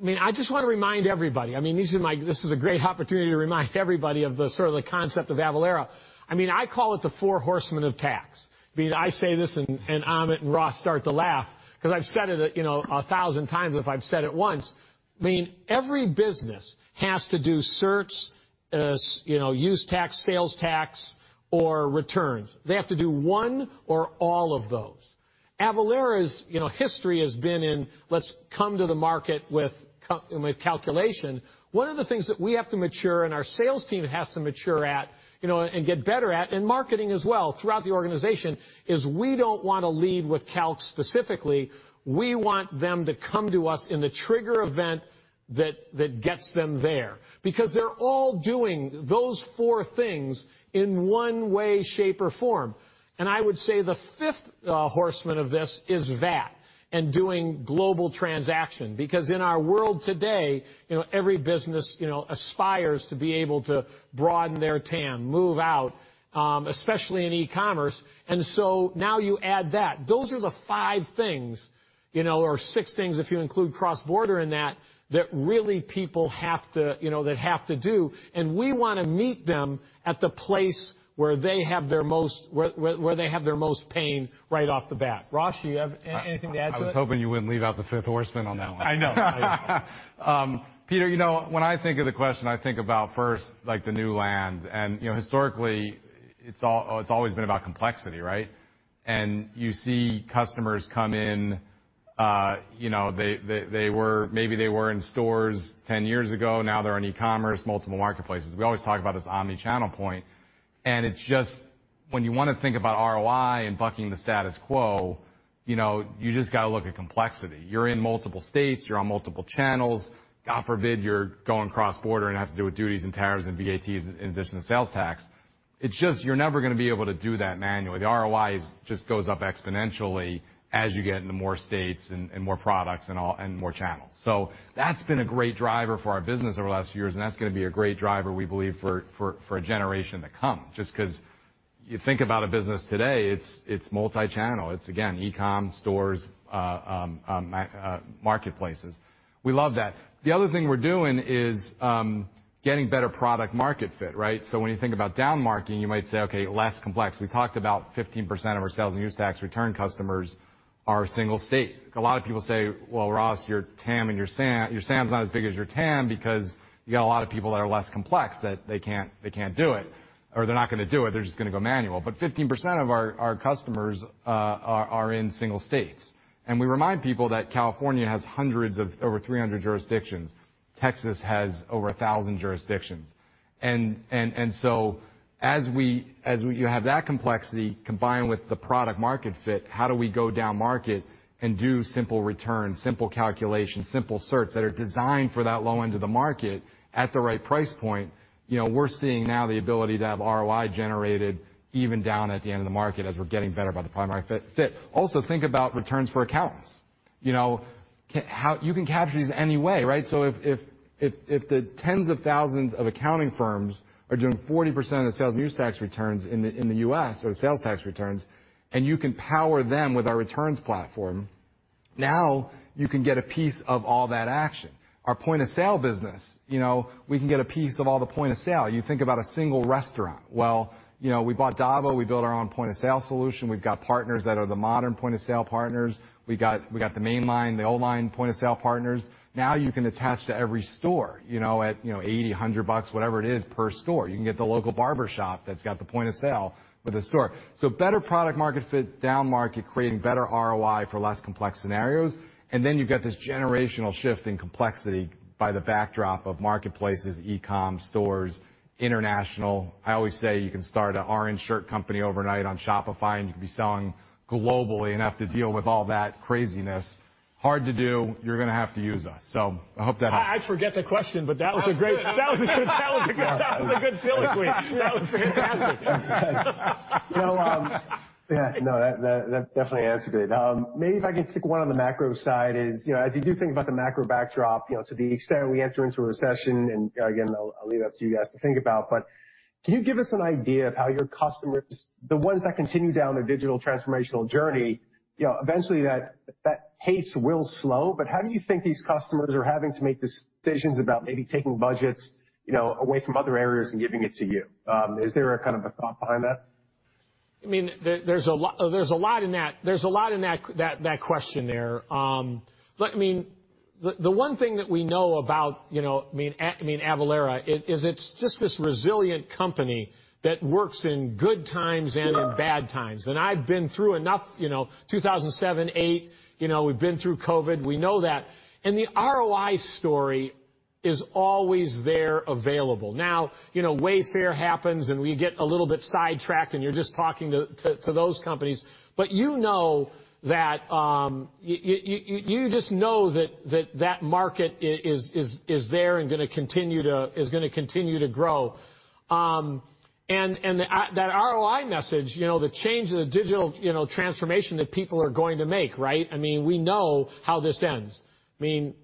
I mean, I just wanna remind everybody. I mean, this is a great opportunity to remind everybody of the sort of the concept of Avalara. I mean, I call it the four horsemen of tax. I mean, I say this and Amit and Ross start to laugh because I've said it, you know, 1,000x if I've said it once. I mean, every business has to do certs, you know, Use Tax, sales tax, or returns. They have to do one or all of those. Avalara's, you know, history has been. Let's come to the market with calculation. One of the things that we have to mature and our sales team has to mature at, you know, and get better at, and marketing as well throughout the organization, is we don't wanna lead with calc specifically. We want them to come to us in the trigger event that gets them there because they're all doing those four things in one way, shape, or form. I would say the fifth horseman of this is VAT and doing global transaction because in our world today, you know, every business, you know, aspires to be able to broaden their TAM, move out, especially in e-commerce. Now you add that. Those are the five things, you know, or six things if you include cross-border in that really people have to, you know, they'd have to do. We wanna meet them at the place where they have their most pain right off the bat. Ross, you have anything to add to that? I was hoping you wouldn't leave out the fifth horseman on that one. I know. I know. Peter, you know, when I think of the question, I think about first, like, the new land. You know, historically, it's always been about complexity, right? You see customers come in, you know, they were maybe in stores 10 years ago. Now they're in e-commerce, multiple marketplaces. We always talk about this omni-channel point. It's just when you wanna think about ROI and bucking the status quo, you know, you just gotta look at complexity. You're in multiple states. You're on multiple channels. God forbid you're going cross-border and have to deal with duties and tariffs and VATs in addition to sales tax. It's just you're never gonna be able to do that manually. The ROI just goes up exponentially as you get into more states and more products and all, and more channels. That's been a great driver for our business over the last few years, and that's gonna be a great driver, we believe, for a generation to come, just 'cause you think about a business today. It's multi-channel. It's, again, e-com, stores, marketplaces. We love that. The other thing we're doing is getting better product market fit, right? When you think about down-marketing, you might say, okay, less complex. We talked about 15% of our sales and use tax return customers are single state. A lot of people say, "Well, Ross, your TAM and your SAM, your SAM's not as big as your TAM because you got a lot of people that are less complex, that they can't do it or they're not gonna do it. They're just gonna go manual. 15% of our customers are in single states. We remind people that California has over 300 jurisdictions. Texas has over 1,000 jurisdictions. As we use that complexity combined with the product market fit, how do we go down-market and do simple returns, simple calculations, simple certs that are designed for that low end of the market at the right price point? You know, we're seeing now the ability to have ROI generated even down at the end of the market as we're getting better by the product market fit. Also, think about returns for accountants. You know, how you can capture these anyway, right? If the tens of thousands of accounting firms are doing 40% of the sales and use tax returns in the U.S. or sales tax returns, and you can power them with our returns platform, now you can get a piece of all that action. Our point of sale business, we can get a piece of all the point of sale. You think about a single restaurant. We bought DAVO. We built our own point of sale solution. We've got partners that are the modern point of sale partners. We got the mainline, the old line point of sale partners. Now you can attach to every store at $80-$100 bucks, whatever it is, per store. You can get the local barber shop that's got the point of sale with the store. Better product market fit, down-market, creating better ROI for less complex scenarios. Then you've got this generational shift in complexity by the backdrop of marketplaces, e-com, stores, international. I always say you can start a orange shirt company overnight on Shopify, and you can be selling globally and have to deal with all that craziness. Hard to do. You're gonna have to use us. I hope that helps. I forget the question, but that was great. That was good. That was a good sales pitch. That was fantastic. You know, yeah, no, that definitely answered it. Maybe if I could tack one on the macro side, you know, as you do think about the macro backdrop, you know, to the extent we enter into a recession, and again, I'll leave that to you guys to think about, but can you give us an idea of how your customers, the ones that continue down their digital transformational journey, you know, eventually that pace will slow. But how do you think these customers are having to make decisions about maybe taking budgets, you know, away from other areas and giving it to you? Is there a kind of a thought behind that? I mean, there's a lot in that question there. Look, I mean, the one thing that we know about, you know, I mean, Avalara is it's just this resilient company that works in good times and in bad times. I've been through enough, you know, 2007, 2008. You know, we've been through COVID. We know that. The ROI story is always there available. Now, you know, Wayfair happens, and we get a little bit sidetracked, and you're just talking to those companies. You know that you just know that market is there and gonna continue to grow. That ROI message, you know, the change of the digital, you know, transformation that people are going to make, right? I mean, we know how this ends. I mean,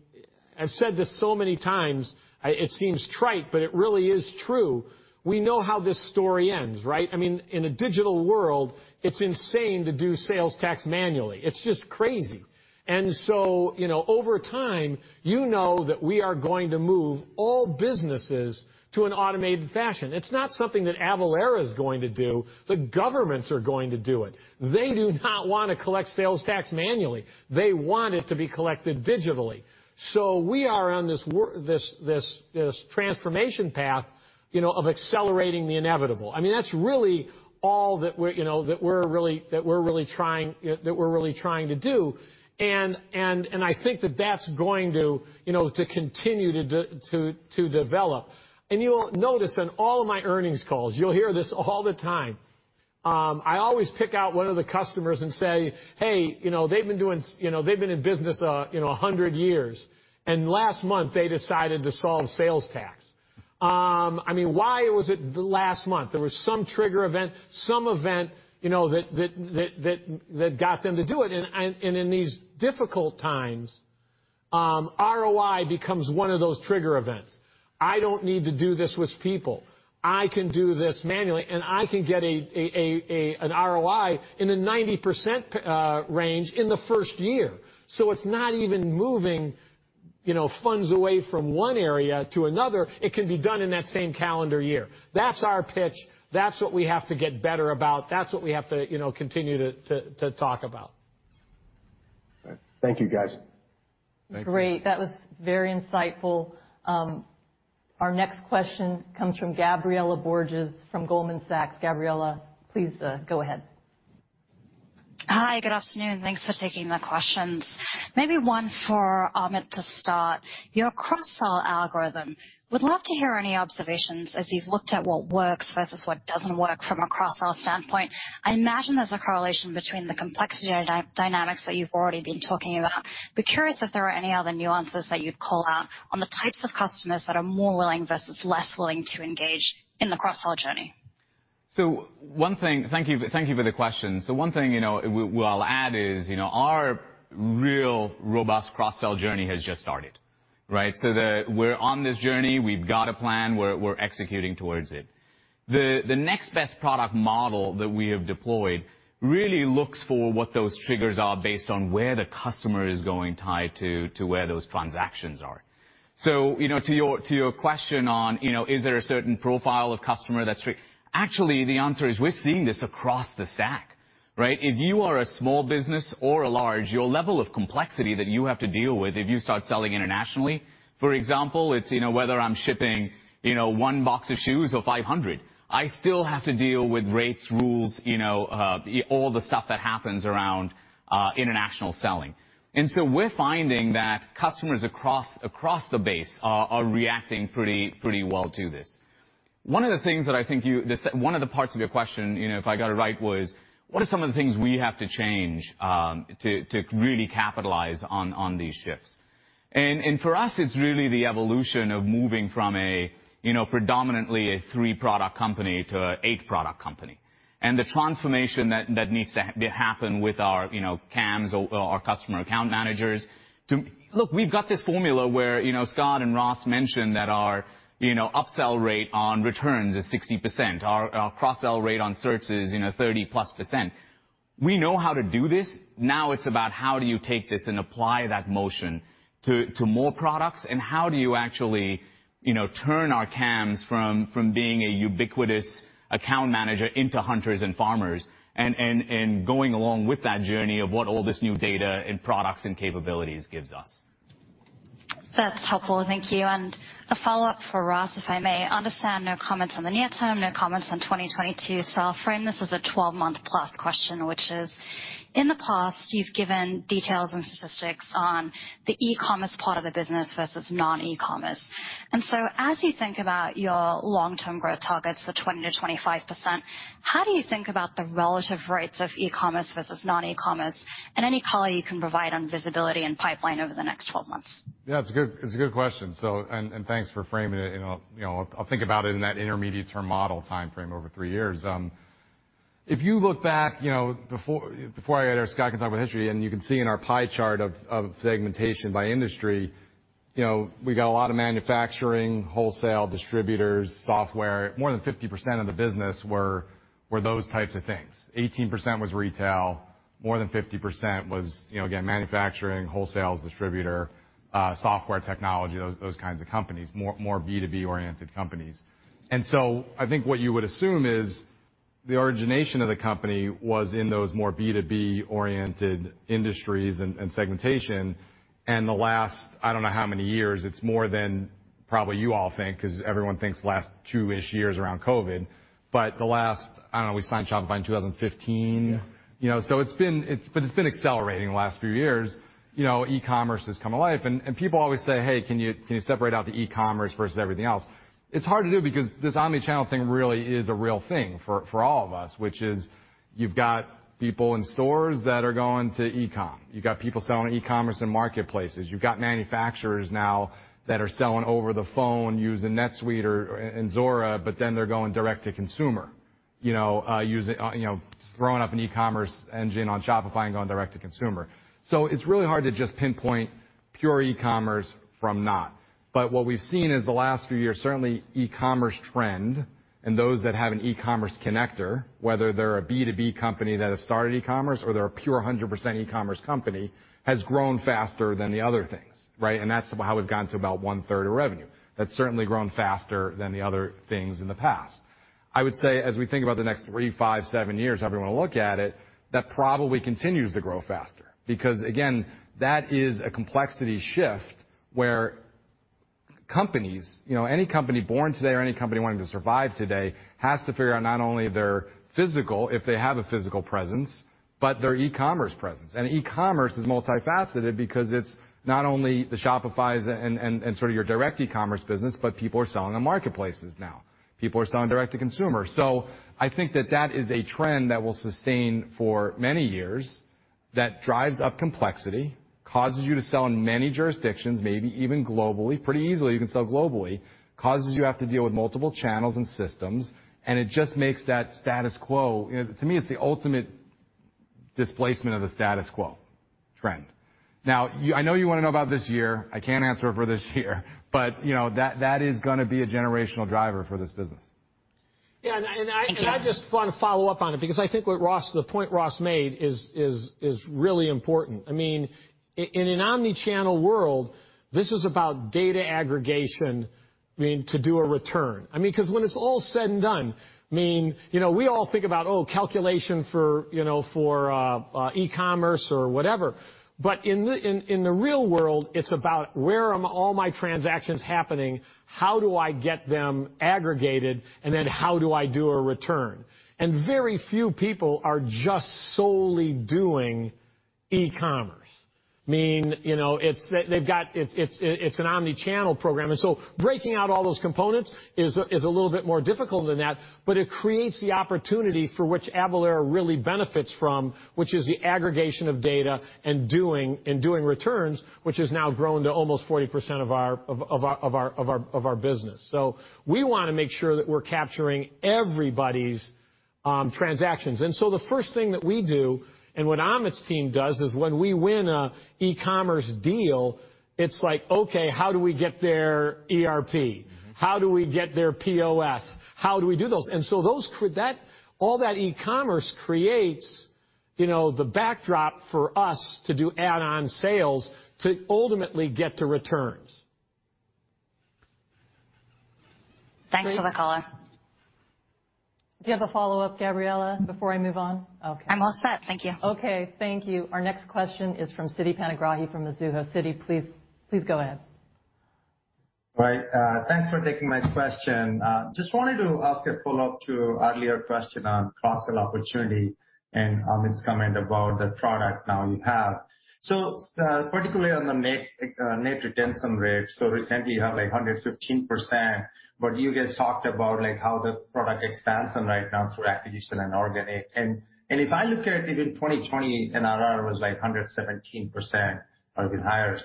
I've said this so many times. It seems trite, but it really is true. We know how this story ends, right? I mean, in a digital world, it's insane to do sales tax manually. It's just crazy. You know, over time, you know that we are going to move all businesses to an automated fashion. It's not something that Avalara is going to do. The governments are going to do it. They do not wanna collect sales tax manually. They want it to be collected digitally. We are on this transformation path, you know, of accelerating the inevitable. I mean, that's really all that we're, you know, that we're really trying to do. I think that that's going to, you know, to continue to develop. You will notice in all of my earnings calls, you'll hear this all the time. I always pick out one of the customers and say, "Hey, you know, they've been doing so, you know, they've been in business 100 years, and last month they decided to solve sales tax." I mean, why was it the last month? There was some trigger event, some event, you know, that got them to do it. In these difficult times, ROI becomes one of those trigger events. I don't need to do this with people. I can do this manually, and I can get an ROI in the 90% range in the first year. It's not even moving, you know, funds away from one area to another. It can be done in that same calendar year. That's our pitch. That's what we have to get better about. That's what we have to, you know, continue to talk about. All right. Thank you, guys. Thank you. Great. That was very insightful. Our next question comes from Gabriela Borges from Goldman Sachs. Gabriela, please, go ahead. Hi, good afternoon. Thanks for taking the questions. Maybe one for Amit to start. Your cross-sell algorithm, would love to hear any observations as you've looked at what works versus what doesn't work from a cross-sell standpoint. I imagine there's a correlation between the complexity and dynamics that you've already been talking about. Be curious if there are any other nuances that you'd call out on the types of customers that are more willing versus less willing to engage in the cross-sell journey. Thank you for the question. One thing, you know, what I'll add is, you know, our real robust cross-sell journey has just started, right? We're on this journey, we've got a plan, we're executing towards it. The next best product model that we have deployed really looks for what those triggers are based on where the customer is going tied to where those transactions are. You know, to your question on, you know, is there a certain profile of customer that's actually, the answer is we're seeing this across the stack, right? If you are a small business or a large, your level of complexity that you have to deal with if you start selling internationally, for example, it's, you know, whether I'm shipping, you know, one box of shoes or 500. I still have to deal with rates, rules, you know, all the stuff that happens around, international selling. We're finding that customers across the base are reacting pretty well to this. One of the things that I think one of the parts of your question, you know, if I got it right, was what are some of the things we have to change, to really capitalize on these shifts? For us it's really the evolution of moving from a, you know, predominantly a three-product company to a eight-product company, and the transformation that needs to happen with our, you know, CAMS or our customer account managers to. Look, we've got this formula where, you know, Scott and Ross mentioned that our, you know, upsell rate on returns is 60%. Our cross-sell rate on search is, you know, 30%+. We know how to do this. Now it's about how do you take this and apply that motion to more products, and how do you actually, you know, turn our CAMS from being a ubiquitous account manager into hunters and farmers, and going along with that journey of what all this new data and products and capabilities gives us. That's helpful. Thank you. A follow-up for Ross, if I may. I understand no comments on the near term, no comments on 2022. I'll frame this as a 12-month-plus question, which is, in the past, you've given details and statistics on the e-commerce part of the business versus non-e-commerce. As you think about your long-term growth targets, the 20%-25%, how do you think about the relative rates of e-commerce versus non-e-commerce, and any color you can provide on visibility and pipeline over the next 12 months? Yeah, it's a good question. Thanks for framing it. You know, I'll think about it in that intermediate-term model timeframe over three years. If you look back, you know, Scott can talk about history, and you can see in our pie chart of segmentation by industry, you know, we got a lot of manufacturing, wholesale, distributors, software. More than 50% of the business were those types of things. 18% was retail. More than 50% was, you know, again, manufacturing, wholesale, distributor, software technology, those kinds of companies, more B2B-oriented companies. I think what you would assume is the origination of the company was in those more B2B-oriented industries and segmentation. The last I don't know how many years, it's more than probably you all think, 'cause everyone thinks the last two-ish years around COVID, but the last I don't know, we signed Shopify in 2015. You know, it's been accelerating the last few years. You know, e-commerce has come alive. People always say, "Hey, can you separate out the e-commerce versus everything else?" It's hard to do because this omni-channel thing really is a real thing for all of us, which is you've got people in stores that are going to e-com. You've got people selling on e-commerce and marketplaces. You've got manufacturers now that are selling over the phone using NetSuite or Zuora, but then they're going direct to consumer, you know, using, you know, throwing up an e-commerce engine on Shopify and going direct to consumer. It's really hard to just pinpoint pure e-commerce from not. What we've seen is the last few years, certainly e-commerce trend and those that have an e-commerce connector, whether they're a B2B company that have started e-commerce or they're a pure 100% e-commerce company, has grown faster than the other things, right? That's how we've gotten to about 1/3 of revenue. That's certainly grown faster than the other things in the past. I would say as we think about the next three, five, seven years, however you wanna look at it, that probably continues to grow faster. Because, again, that is a complexity shift where companies, you know, any company born today or any company wanting to survive today has to figure out not only their physical, if they have a physical presence, but their e-commerce presence. E-commerce is multifaceted because it's not only the Shopifys and sort of your direct e-commerce business, but people are selling on marketplaces now. People are selling direct to consumer. I think that is a trend that will sustain for many years. That drives up complexity, causes you to sell in many jurisdictions, maybe even globally, pretty easily you can sell globally, causes you have to deal with multiple channels and systems, and it just makes that status quo. To me, it's the ultimate displacement of the status quo trend. Now, I know you want to know about this year. I can't answer for this year, but that is gonna be a generational driver for this business. Yeah, I just want to follow up on it because I think the point Ross made is really important. I mean, in an omni-channel world, this is about data aggregation, I mean, to do a return. I mean, because when it's all said and done, I mean, you know, we all think about oh, calculation for e-commerce or whatever. In the real world, it's about where are all my transactions happening, how do I get them aggregated, and then how do I do a return? Very few people are just solely doing e-commerce. I mean, you know, it's an omni-channel program. Breaking out all those components is a little bit more difficult than that, but it creates the opportunity for which Avalara really benefits from, which is the aggregation of data and doing returns, which has now grown to almost 40% of our business. We want to make sure that we're capturing everybody's transactions. The first thing that we do and what Amit's team does is when we win an e-commerce deal, it's like, okay, how do we get their ERP? How do we get their POS? How do we do those? All that e-commerce creates, you know, the backdrop for us to do add-on sales to ultimately get to returns. Thanks for the color. Do you have a follow-up, Gabriela, before I move on? Okay. I'm all set. Thank you. Okay. Thank you. Our next question is from Siti Panigrahi from Mizuho. Siti, please go ahead. Right. Thanks for taking my question. Just wanted to ask a follow-up to earlier question on cross-sell opportunity and Amit's comment about the product now you have. Particularly on the net retention rate, recently you have 115%, but you guys talked about, like, how the product expansion right now through acquisition and organic. And if I look at even 2020 NRR was like 117% or even higher.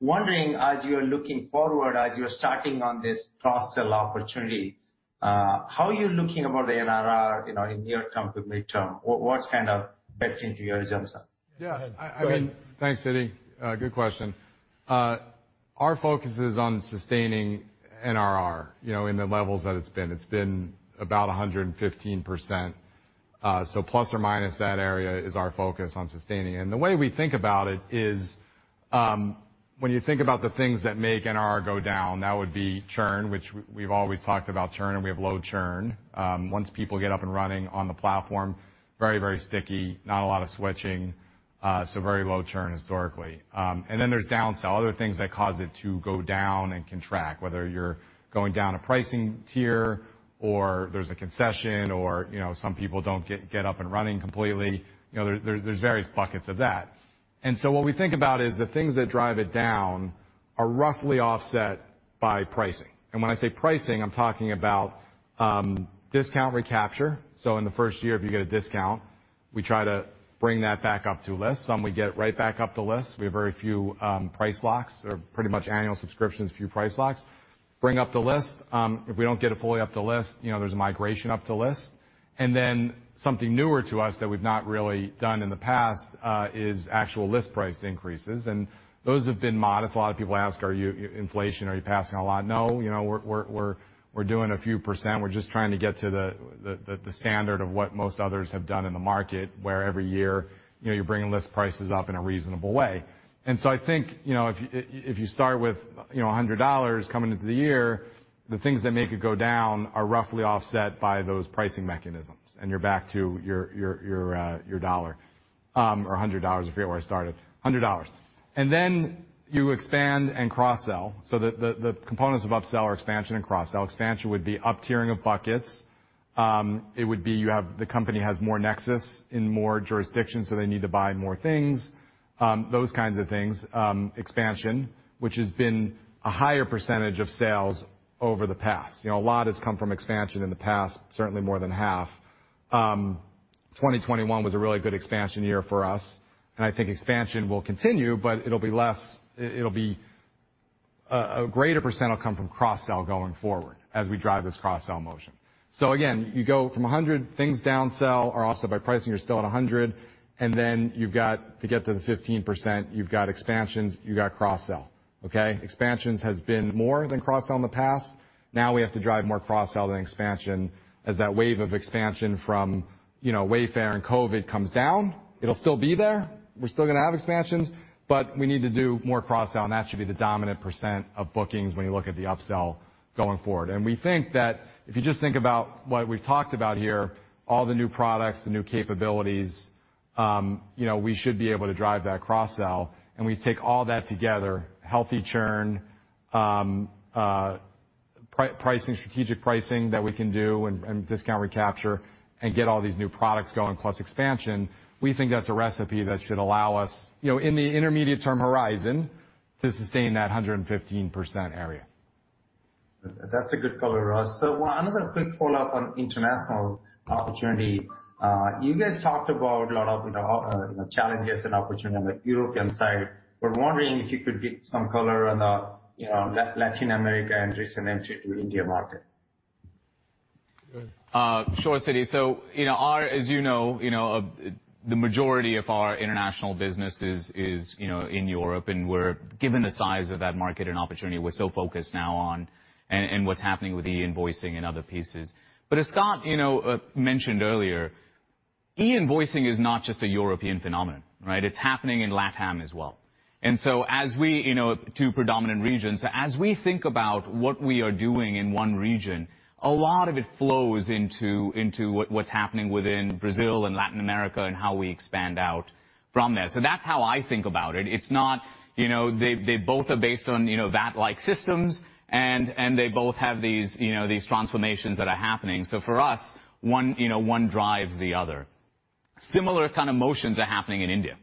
Wondering, as you're looking forward, as you're starting on this cross-sell opportunity, how are you looking about the NRR, you know, in near term to mid-term? What's kind of baked into your assumptions? Yeah. I mean. Go ahead. Thanks, Siti. Good question. Our focus is on sustaining NRR, you know, in the levels that it's been. It's been about 115%, so plus or minus that area is our focus on sustaining. The way we think about it is, when you think about the things that make NRR go down, that would be churn, which we've always talked about churn, and we have low churn. Once people get up and running on the platform, very, very sticky, not a lot of switching, so very low churn historically. And then there's downsell, other things that cause it to go down and contract, whether you're going down a pricing tier or there's a concession or, you know, some people don't get up and running completely. You know, there's various buckets of that. What we think about is the things that drive it down are roughly offset by pricing. When I say pricing, I'm talking about discount recapture. In the first year, if you get a discount, we try to bring that back up to list. Some we get right back up to list. We have very few price locks or pretty much annual subscriptions, few price locks. Bring up the list. If we don't get it fully up the list, you know, there's a migration up to list. Then something newer to us that we've not really done in the past is actual list price increases. Those have been modest. A lot of people ask, are you passing inflation, are you passing a lot? No, you know, we're doing a few%. We're just trying to get to the standard of what most others have done in the market, where every year, you know, you're bringing list prices up in a reasonable way. I think, you know, if you start with, you know, $100 coming into the year, the things that make it go down are roughly offset by those pricing mechanisms, and you're back to your dollar or $100, I forget where I started, $100. Then you expand and cross-sell. The components of upsell are expansion and cross-sell. Expansion would be up-tiering of buckets. It would be the company has more nexus in more jurisdictions, so they need to buy more things, those kinds of things, expansion, which has been a higher percentage of sales over the past. You know, a lot has come from expansion in the past, certainly more than half. 2021 was a really good expansion year for us, and I think expansion will continue, but it'll be a greater percent will come from cross-sell going forward as we drive this cross-sell motion. So again, you go from a 100, things downsell are offset by pricing, you're still at a 100, and then you've got to get to the 15%, you've got expansions, you've got cross-sell. Okay. Expansions has been more than cross-sell in the past. Now we have to drive more cross-sell than expansion as that wave of expansion from Wayfair and COVID comes down. It'll still be there. We're still gonna have expansions, but we need to do more cross-sell, and that should be the dominant percent of bookings when you look at the upsell going forward. We think that if you just think about what we've talked about here, all the new products, the new capabilities, we should be able to drive that cross-sell. We take all that together, healthy churn, pricing, strategic pricing that we can do and discount recapture and get all these new products going plus expansion, we think that's a recipe that should allow us, in the intermediate-term horizon, to sustain that 115% area. That's a good color, Ross. Another quick follow-up on international opportunity. You guys talked about a lot of, you know, challenges and opportunity on the European side. We're wondering if you could give some color on the, you know, Latin America and recent entry to India market. Sure, Siti. You know, our as you know, you know, the majority of our international business is, you know, in Europe, and we're given the size of that market and opportunity, we're so focused now on and what's happening with e-invoicing and other pieces. As Scott, you know, mentioned earlier, e-invoicing is not just a European phenomenon, right? It's happening in LatAm as well. As we, you know, two predominant regions, as we think about what we are doing in one region, a lot of it flows into what's happening within Brazil and Latin America and how we expand out from there. That's how I think about it. It's not, you know, they both are based on, you know, VAT-like systems, and they both have these, you know, these transformations that are happening. For us, you know, one drives the other. Similar kind of motions are happening in India,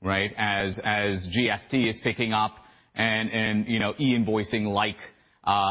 right? As GST is picking up and, you know, e-invoicing, like,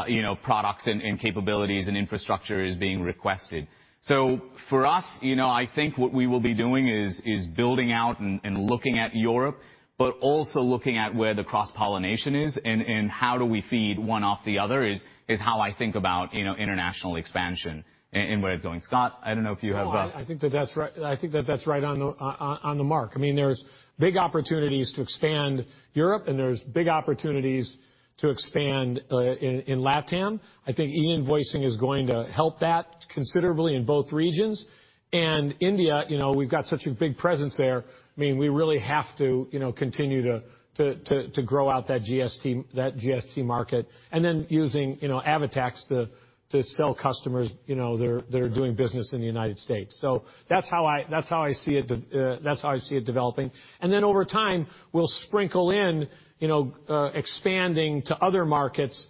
you know, products and capabilities and infrastructure is being requested. For us, you know, I think what we will be doing is building out and looking at Europe, but also looking at where the cross-pollination is and how do we feed one off the other is how I think about, you know, international expansion and where it's going. Scott, I don't know if you have No, I think that that's right. I think that that's right on the mark. I mean, there's big opportunities to expand Europe, and there's big opportunities to expand in LatAm. I think e-invoicing is going to help that considerably in both regions. India, you know, we've got such a big presence there. I mean, we really have to, you know, continue to grow out that GST market. Then using, you know, AvaTax to sell customers, you know, that are doing business in the United States. So that's how I see it, that's how I see it developing. Then over time, we'll sprinkle in, you know, expanding to other markets.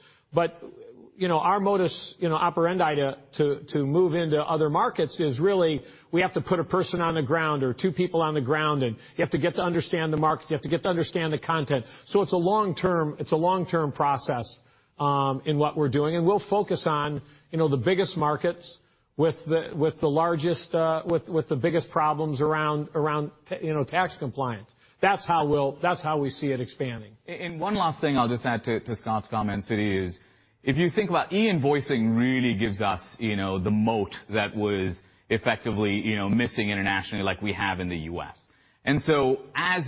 You know, our modus operandi to move into other markets is really we have to put a person on the ground or two people on the ground, and you have to get to understand the market. You have to get to understand the content. It's a long-term process in what we're doing. We'll focus on you know the biggest markets with the largest with the biggest problems around tax compliance. That's how we see it expanding. One last thing I'll just add to Scott's comments, Siti, is if you think about e-invoicing really gives us, you know, the moat that was effectively, you know, missing internationally like we have in the U.S. as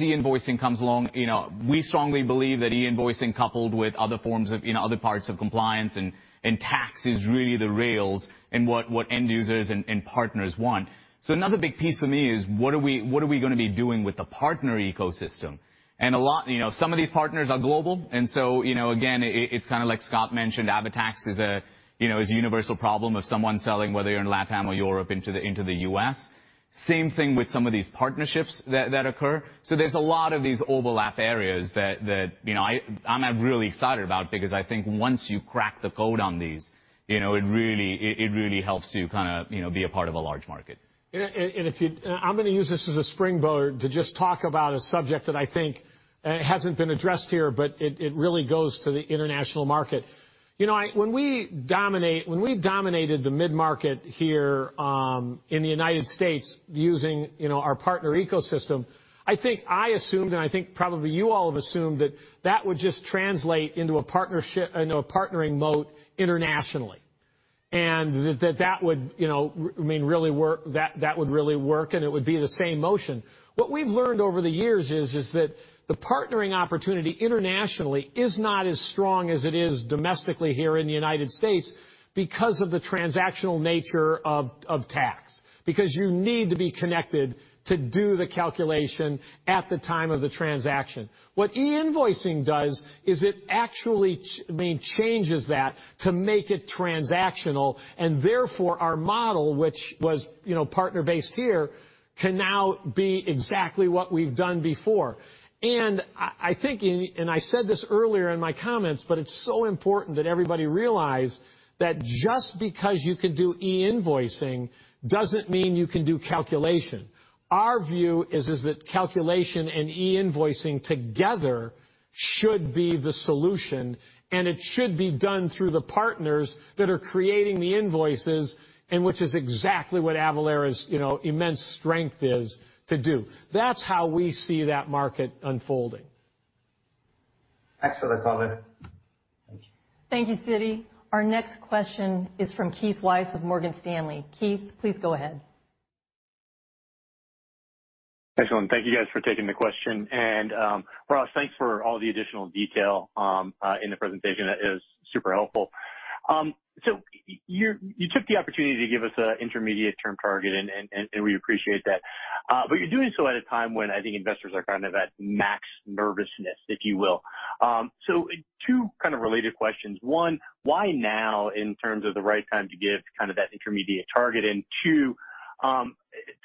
e-invoicing comes along, you know, we strongly believe that e-invoicing coupled with other forms of, you know, other parts of compliance and tax is really the rails in what end users and partners want. Another big piece for me is what are we gonna be doing with the partner ecosystem? A lot. You know, some of these partners are global, and so, you know, again, it's kind of like Scott mentioned, AvaTax is a, you know, is a universal problem of someone selling, whether you're in LatAm or Europe, into the U.S. Same thing with some of these partnerships that occur. There's a lot of these overlap areas that you know I'm really excited about because I think once you crack the code on these, you know, it really helps you kind of you know be a part of a large market. I'm gonna use this as a springboard to just talk about a subject that I think hasn't been addressed here, but it really goes to the international market. You know, when we dominated the mid-market here in the United States using our partner ecosystem, I think I assumed, and I think probably you all have assumed, that that would just translate into a partnering moat internationally, and that would, you know, I mean, really work, that would really work, and it would be the same motion. What we've learned over the years is that the partnering opportunity internationally is not as strong as it is domestically here in the United States because of the transactional nature of tax. Because you need to be connected to do the calculation at the time of the transaction. What e-invoicing does is it actually, I mean, changes that to make it transactional, and therefore our model, which was, you know, partner-based here, can now be exactly what we've done before. I think, and I said this earlier in my comments, but it's so important that everybody realize that just because you can do e-invoicing doesn't mean you can do calculation. Our view is that calculation and e-invoicing together should be the solution, and it should be done through the partners that are creating the invoices, and which is exactly what Avalara's, you know, immense strength is to do. That's how we see that market unfolding. Thanks for the comment. Thank you. Thank you, Siti. Our next question is from Keith Weiss of Morgan Stanley. Keith, please go ahead. Excellent. Thank you guys for taking the question. Ross, thanks for all the additional detail in the presentation. That is super helpful. You took the opportunity to give us an intermediate-term target, and we appreciate that. But you're doing so at a time when I think investors are kind of at max nervousness, if you will. Two kind of related questions. One, why now in terms of the right time to give kind of that intermediate target? Two,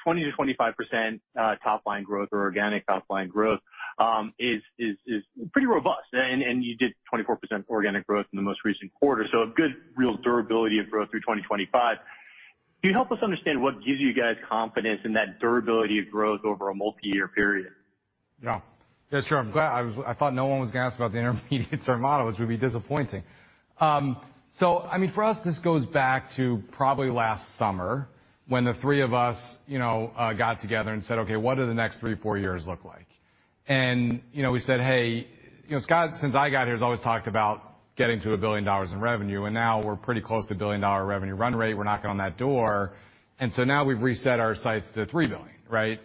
20%-25% top-line growth or organic top-line growth is pretty robust. You did 24% organic growth in the most recent quarter, so a good real durability of growth through 2025. Can you help us understand what gives you guys confidence in that durability of growth over a multiyear period? Yeah. Yeah, sure. I'm glad I thought no one was gonna ask about the intermediate term model, which would be disappointing. I mean, for us, this goes back to probably last summer when the three of us, you know, got together and said, "Okay, what do the next three, four years look like?" You know, we said, "Hey," you know, Scott, since I got here, has always talked about getting to $1 billion in revenue, and now we're pretty close to a billion-dollar revenue run rate. We're knocking on that door. Now we've reset our sights to $3 billion, right?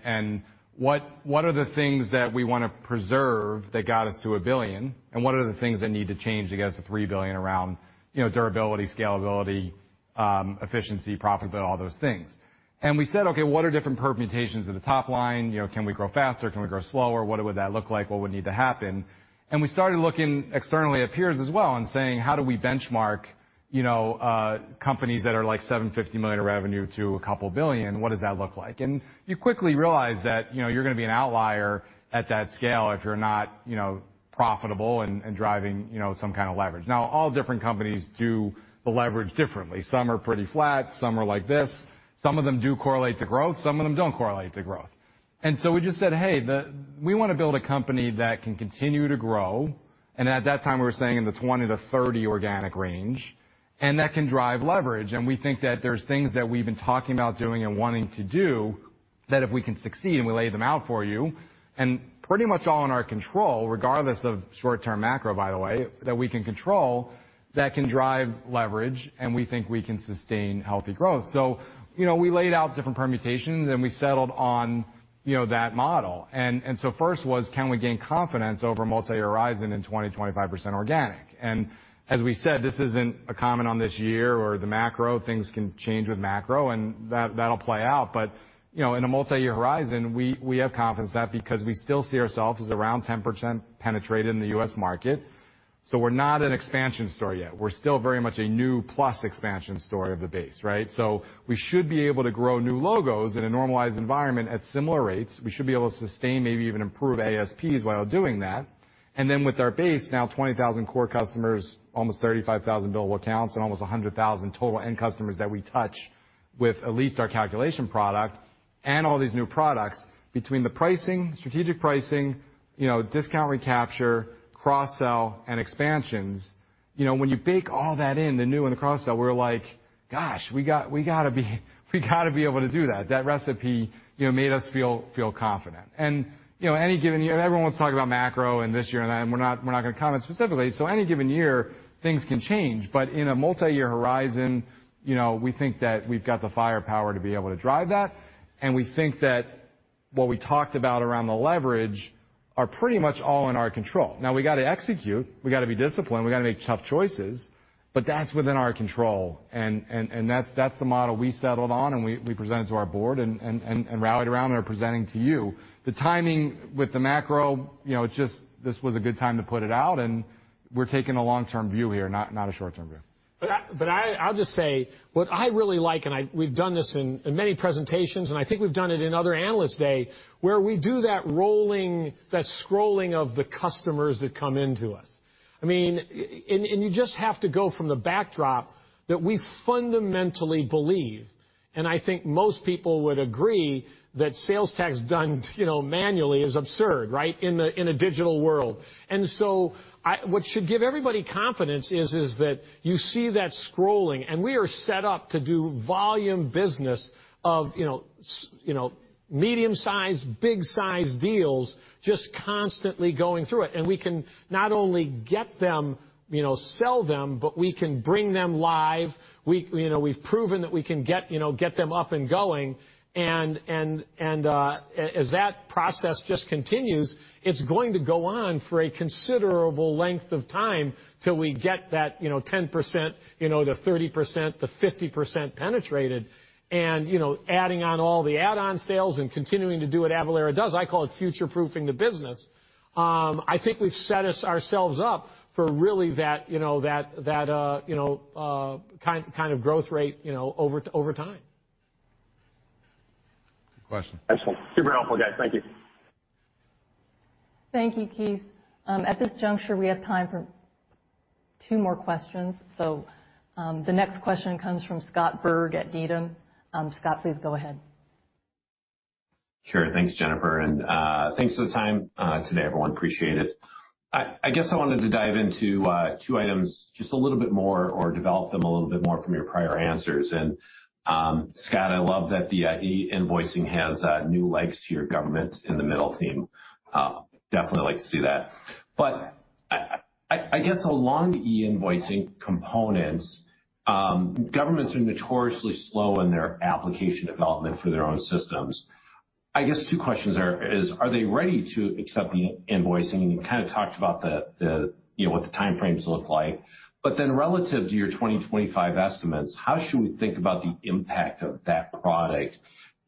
What are the things that we wanna preserve that got us to $1 billion, and what are the things that need to change to get us to $3 billion around, you know, durability, scalability, efficiency, profitability, all those things. We said, "Okay, what are different permutations of the top line? You know, can we grow faster? Can we grow slower? What would that look like? What would need to happen?" We started looking externally at peers as well and saying, "How do we benchmark, you know, companies that are like $750 million of revenue to $2 billion, what does that look like?" You quickly realize that, you know, you're gonna be an outlier at that scale if you're not, you know, profitable and driving, you know, some kinda leverage. Now, all different companies do the leverage differently. Some are pretty flat, some are like this. Some of them do correlate to growth, some of them don't correlate to growth. We just said, "Hey, we wanna build a company that can continue to grow," and at that time we were saying in the 20-30 organic range, and that can drive leverage. We think that there's things that we've been talking about doing and wanting to do that if we can succeed, and we lay them out for you, and pretty much all in our control, regardless of short-term macro, by the way, that we can control, that can drive leverage, and we think we can sustain healthy growth. You know, we laid out different permutations, and we settled on, you know, that model. First was, can we gain confidence over a multi-year horizon in 20-25% organic? As we said, this isn't a comment on this year or the macro. Things can change with macro, and that'll play out. You know, in a multi-year horizon, we have confidence in that because we still see ourselves as around 10% penetrated in the U.S. market. We're not an expansion story yet. We're still very much a new plus expansion story of the base, right? We should be able to grow new logos in a normalized environment at similar rates. We should be able to sustain, maybe even improve ASPs while doing that. With our base, now 20,000 core customers, almost 35,000 billable accounts, and almost 100,000 total end customers that we touch with at least our calculation product and all these new products, between the pricing, strategic pricing, you know, discount recapture, cross-sell, and expansions, you know, when you bake all that in, the new and the cross-sell, we're like, "Gosh, we gotta be able to do that." That recipe, you know, made us feel confident. You know, any given year, everyone wants to talk about macro and this year and that, and we're not, we're not gonna comment specifically. Any given year, things can change. In a multi-year horizon, you know, we think that we've got the firepower to be able to drive that, and we think that what we talked about around the leverage are pretty much all in our control. Now we gotta execute, we gotta be disciplined, we gotta make tough choices, but that's within our control. And that's the model we settled on, and we presented to our board and rallied around and are presenting to you. The timing with the macro, you know, it just, this was a good time to put it out, and we're taking a long-term view here, not a short-term view. I'll just say what I really like, and we've done this in many presentations, and I think we've done it in other Analyst Day, where we do that rolling, that scrolling of the customers that come into us. I mean, and you just have to go from the backdrop that we fundamentally believe, and I think most people would agree that sales tax done, you know, manually is absurd, right? In a digital world. What should give everybody confidence is that you see that scrolling, and we are set up to do volume business of, you know, medium-sized, big-sized deals just constantly going through it. We can not only get them, you know, sell them, but we can bring them live. You know, we've proven that we can get them up and going, and as that process just continues, it's going to go on for a considerable length of time till we get that, you know, 10%, you know, the 30%, the 50% penetrated. You know, adding on all the add-on sales and continuing to do what Avalara does, I call it future-proofing the business. I think we've set ourselves up for really that kind of growth rate, you know, over time. Good question. Excellent. Super helpful, guys. Thank you. Thank you, Keith. At this juncture, we have time for two more questions. The next question comes from Scott Berg at Needham. Scott, please go ahead. Sure. Thanks, Jennifer. Thanks for the time today, everyone. Appreciate it. I guess I wanted to dive into two items just a little bit more or develop them a little bit more from your prior answers. Scott, I love that the e-invoicing has new legs to your government in the middle team. Definitely like to see that. I guess along the e-invoicing components, governments are notoriously slow in their application development for their own systems. I guess two questions are they ready to accept the invoicing? You kind of talked about the you know what the time frames look like. Then relative to your 2025 estimates, how should we think about the impact of that product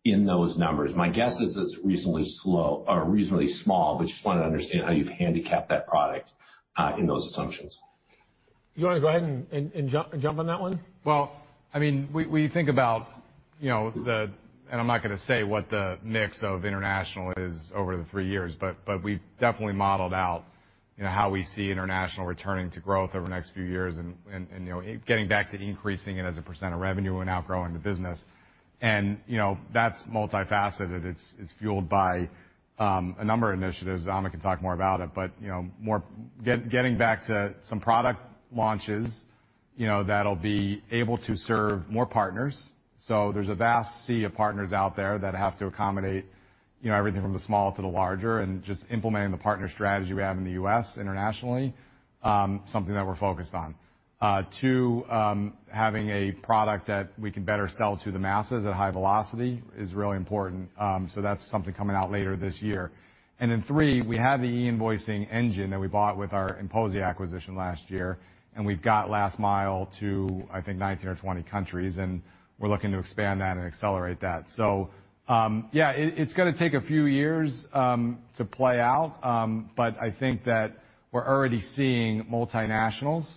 in those numbers? My guess is it's reasonably slow or reasonably small, but just wanted to understand how you've handicapped that product in those assumptions. You wanna go ahead and jump on that one? I mean, we think about, you know, and I'm not gonna say what the mix of international is over the three years, but we've definitely modeled out, you know, how we see international returning to growth over the next few years and, you know, getting back to increasing it as a percent of revenue and outgrowing the business. You know, that's multifaceted. It's fueled by a number of initiatives. Amit can talk more about it, but, you know, getting back to some product launches, you know, that'll be able to serve more partners. There's a vast sea of partners out there that have to accommodate, you know, everything from the small to the larger and just implementing the partner strategy we have in the U.S. internationally, something that we're focused on. Two, having a product that we can better sell to the masses at high velocity is really important. That's something coming out later this year. Three, we have the e-invoicing engine that we bought with our INPOSIA acquisition last year, and we've got last mile to, I think, 19 or 20 countries, and we're looking to expand that and accelerate that. It's gonna take a few years to play out. But I think that we're already seeing multinationals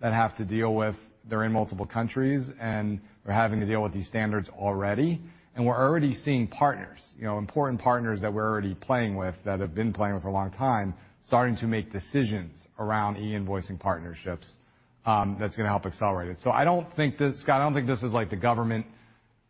that have to deal with. They're in multiple countries, and they're having to deal with these standards already. We're already seeing partners, you know, important partners that we're already playing with, that we've been playing with for a long time, starting to make decisions around e-invoicing partnerships. That's gonna help accelerate it. I don't think this—Scott, I don't think this is like the government,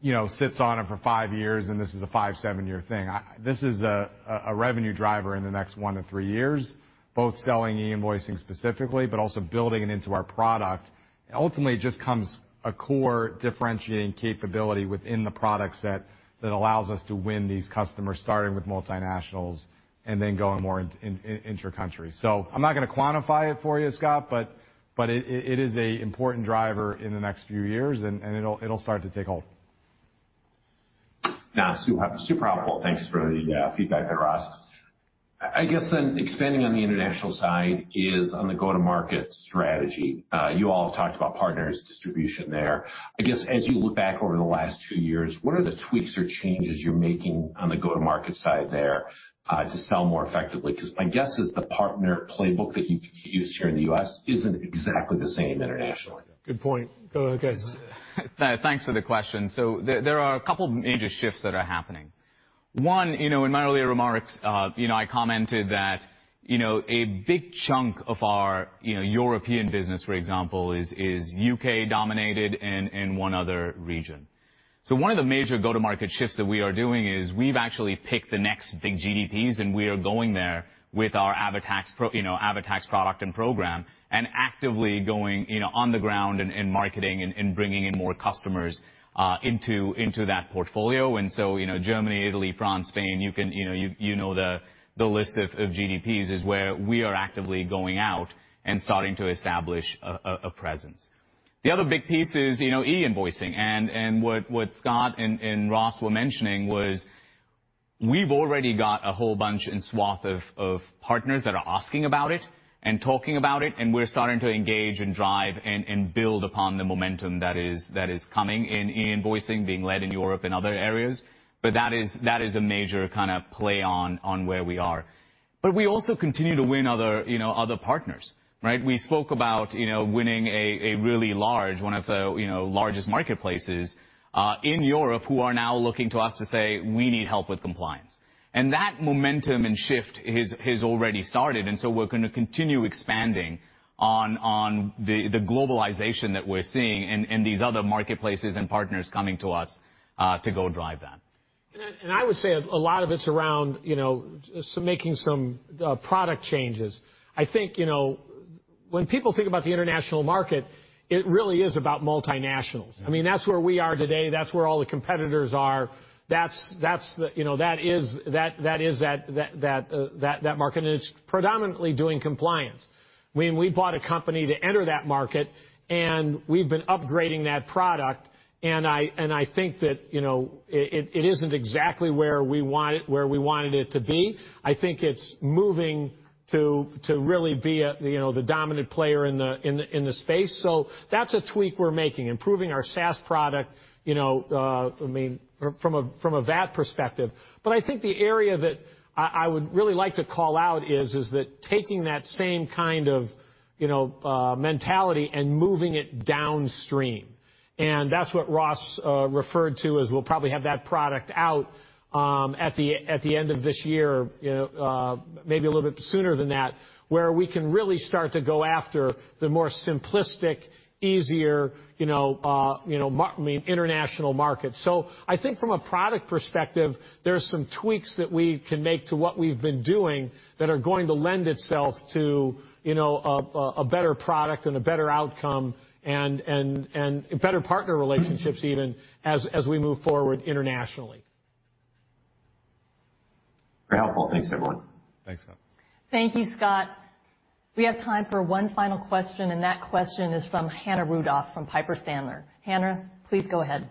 you know, sits on it for five years, and this is a five to seven-year thing. This is a revenue driver in the next one to three years, both selling e-invoicing specifically but also building it into our product. Ultimately, it just becomes a core differentiating capability within the product set that allows us to win these customers, starting with multinationals and then going more intracountry. I'm not gonna quantify it for you, Scott, but it is an important driver in the next few years, and it'll start to take hold. No, super helpful. Thanks for the feedback there, Ross. I guess then expanding on the international side is on the go-to-market strategy. You all have talked about partners, distribution there. I guess, as you look back over the last two years, what are the tweaks or changes you're making on the go-to-market side there, to sell more effectively? 'Cause my guess is the partner playbook that you used here in the U.S., isn't exactly the same internationally. Good point. Go ahead, guys. Thanks for the question. There are a couple major shifts that are happening. One, you know, in my earlier remarks, you know, I commented that, you know, a big chunk of our, you know, European business, for example, is U.K., dominated and one other region. One of the major go-to-market shifts that we are doing is we've actually picked the next big GDPs, and we are going there with our AvaTax product and program and actively going, you know, on the ground in marketing and bringing in more customers into that portfolio. Germany, Italy, France, Spain, you can, you know, you know the list of GDPs is where we are actively going out and starting to establish a presence. The other big piece is, you know, e-invoicing. What Scott and Ross were mentioning was we've already got a whole bunch and swath of partners that are asking about it and talking about it, and we're starting to engage and drive and build upon the momentum that is coming in e-invoicing being led in Europe and other areas. That is a major kinda play on where we are. We also continue to win other, you know, other partners, right? We spoke about, you know, winning a really large, one of the, you know, largest marketplaces in Europe who are now looking to us to say, "We need help with compliance." That momentum and shift has already started, and so we're gonna continue expanding on the globalization that we're seeing and these other marketplaces and partners coming to us to go drive that. I would say a lot of it's around, you know, so making some product changes. I think, you know, when people think about the international market, it really is about multinationals. I mean, that's where we are today. That's where all the competitors are. That's the market, you know, and it's predominantly doing compliance. When we bought a company to enter that market, and we've been upgrading that product, and I think that, you know, it isn't exactly where we want it, where we wanted it to be. I think it's moving to really be a, you know, the dominant player in the space. That's a tweak we're making, improving our SaaS product, you know, I mean, from a VAT perspective. I think the area that I would really like to call out is that taking that same kind of you know mentality and moving it downstream. That's what Ross referred to as we'll probably have that product out at the end of this year you know maybe a little bit sooner than that where we can really start to go after the more simplistic easier you know I mean international markets. I think from a product perspective there are some tweaks that we can make to what we've been doing that are going to lend itself to you know a better product and a better outcome and better partner relationships even as we move forward internationally. Very helpful. Thanks, everyone. Thanks, Scott. Thank you, Scott. We have time for one final question. That question is from Hannah Rudoff from Piper Sandler. Hannah, please go ahead.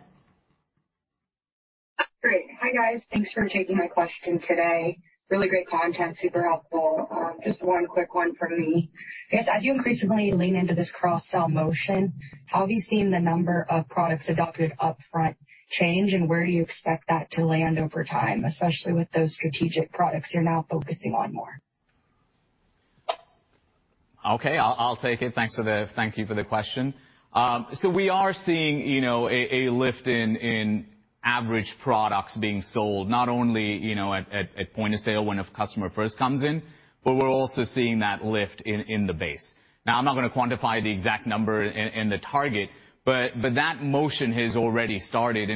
Great. Hi, guys. Thanks for taking my question today. Really great content. Super helpful. Just one quick one from me. I guess, as you increasingly lean into this cross-sell motion, how have you seen the number of products adopted upfront change, and where do you expect that to land over time, especially with those strategic products you're now focusing on more? I'll take it. Thank you for the question. We are seeing, you know, a lift in average products being sold, not only, you know, at point of sale when a customer first comes in, but we're also seeing that lift in the base. Now, I'm not gonna quantify the exact number and the target, but that motion has already started.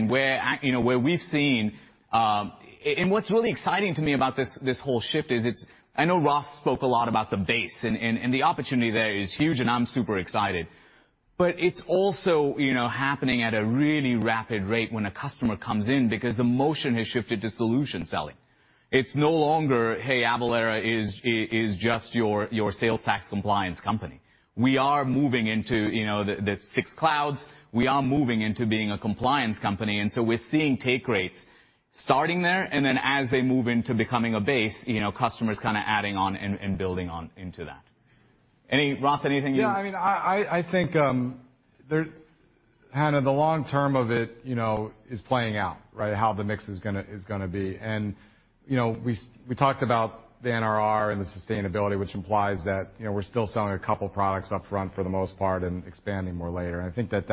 You know, where we've seen and what's really exciting to me about this whole shift is it's. I know Ross spoke a lot about the base, and the opportunity there is huge, and I'm super excited. It's also, you know, happening at a really rapid rate when a customer comes in, because the motion has shifted to solution selling. It's no longer, hey, Avalara is just your sales tax compliance company. We are moving into, you know, the six clouds. We are moving into being a compliance company. We're seeing take rates starting there, and then as they move into becoming a base, you know, customers kinda adding on and building on into that. Ross, anything you Yeah, I mean, I think, Hannah, the long term of it, you know, is playing out, right? How the mix is gonna be. You know, we talked about the NRR and the sustainability, which implies that, you know, we're still selling a couple products up front for the most part and expanding more later. I think that's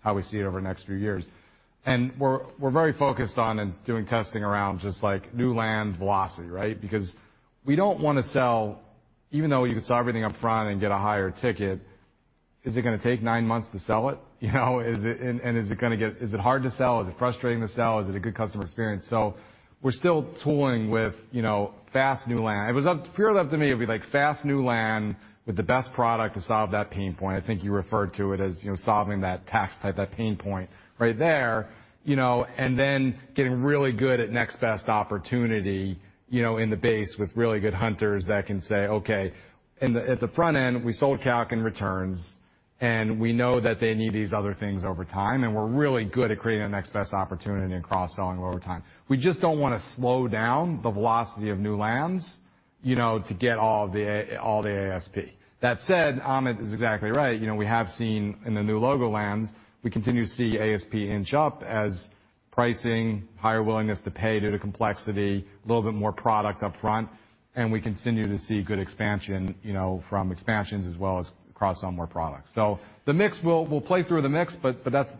how we see it over the next few years. We're very focused on and doing testing around just, like, new land velocity, right? Because we don't wanna sell everything up front and get a higher ticket, is it gonna take nine months to sell it? You know? Is it hard to sell? Is it frustrating to sell? Is it a good customer experience? We're still tooling with, you know, land and expand. If it were up to me, it would be, like, land and expand with the best product to solve that pain point. I think you referred to it as, you know, solving that tax type, that pain point right there. You know, and then getting really good at next best opportunity, you know, in the base with really good hunters that can say, "Okay, at the front end, we sold calc and returns, and we know that they need these other things over time, and we're really good at creating the next best opportunity and cross-selling over time." We just don't wanna slow down the velocity of new lands, you know, to get all the ACV, all the ASP. That said, Amit is exactly right. You know, we have seen in the new logo lands, we continue to see ASP inch up as pricing, higher willingness to pay due to complexity, little bit more product up front, and we continue to see good expansion, you know, from expansions as well as cross-sell more products. The mix. We'll play through the mix, but that's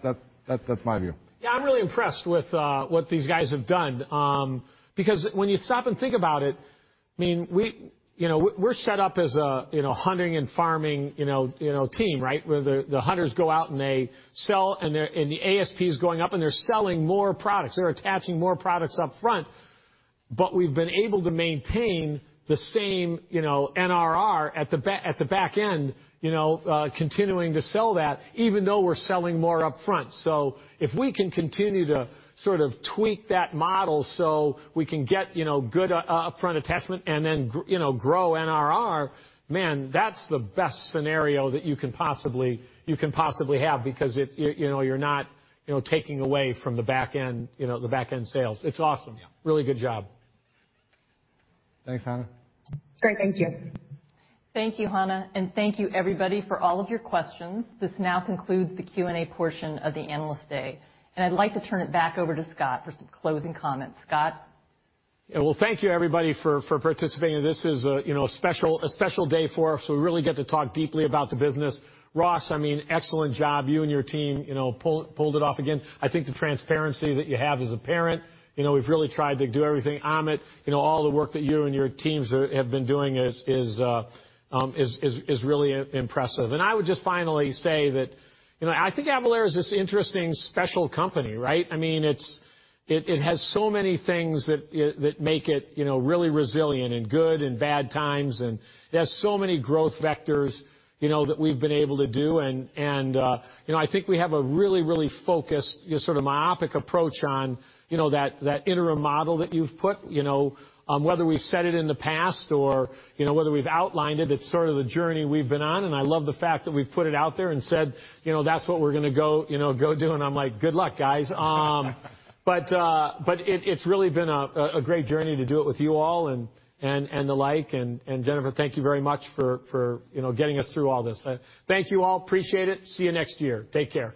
my view. Yeah, I'm really impressed with what these guys have done. Because when you stop and think about it, I mean, we, you know, we're set up as a, you know, hunting and farming, you know, team, right? Where the hunters go out and they sell, and the ASP is going up and they're selling more products. They're attaching more products up front. But we've been able to maintain the same, you know, NRR at the back end, you know, continuing to sell that even though we're selling more up front. So if we can continue to sort of tweak that model so we can get, you know, good upfront attachment and then, you know, grow NRR, man, that's the best scenario that you can possibly have, because it. You know, you're not, you know, taking away from the back end, you know, the back end sales. It's awesome. Yeah. Really good job. Thanks, Hannah. Great. Thank you. Thank you, Hannah. Thank you, everybody, for all of your questions. This now concludes the Q&A portion of the Analyst Day. I'd like to turn it back over to Scott for some closing comments. Scott? Yeah. Well, thank you, everybody, for participating. This is, you know, a special day for us, so we really get to talk deeply about the business. Ross, I mean, excellent job. You and your team, you know, pulled it off again. I think the transparency that you have as a parent, you know, we've really tried to do everything. Amit, you know, all the work that you and your teams have been doing is really impressive. I would just finally say that, you know, I think Avalara is this interesting, special company, right? I mean, it's. It has so many things that make it, you know, really resilient in good and bad times, and it has so many growth vectors, you know, that we've been able to do. You know, I think we have a really focused, you know, sort of myopic approach on, you know, that interim model that you've put. You know, whether we said it in the past or, you know, whether we've outlined it's sort of the journey we've been on, and I love the fact that we've put it out there and said, you know, "That's what we're gonna go, you know, go do," and I'm like, "Good luck, guys." But it's really been a great journey to do it with you all and the like. Jennifer, thank you very much for, you know, getting us through all this. Thank you all. Appreciate it. See you next year. Take care.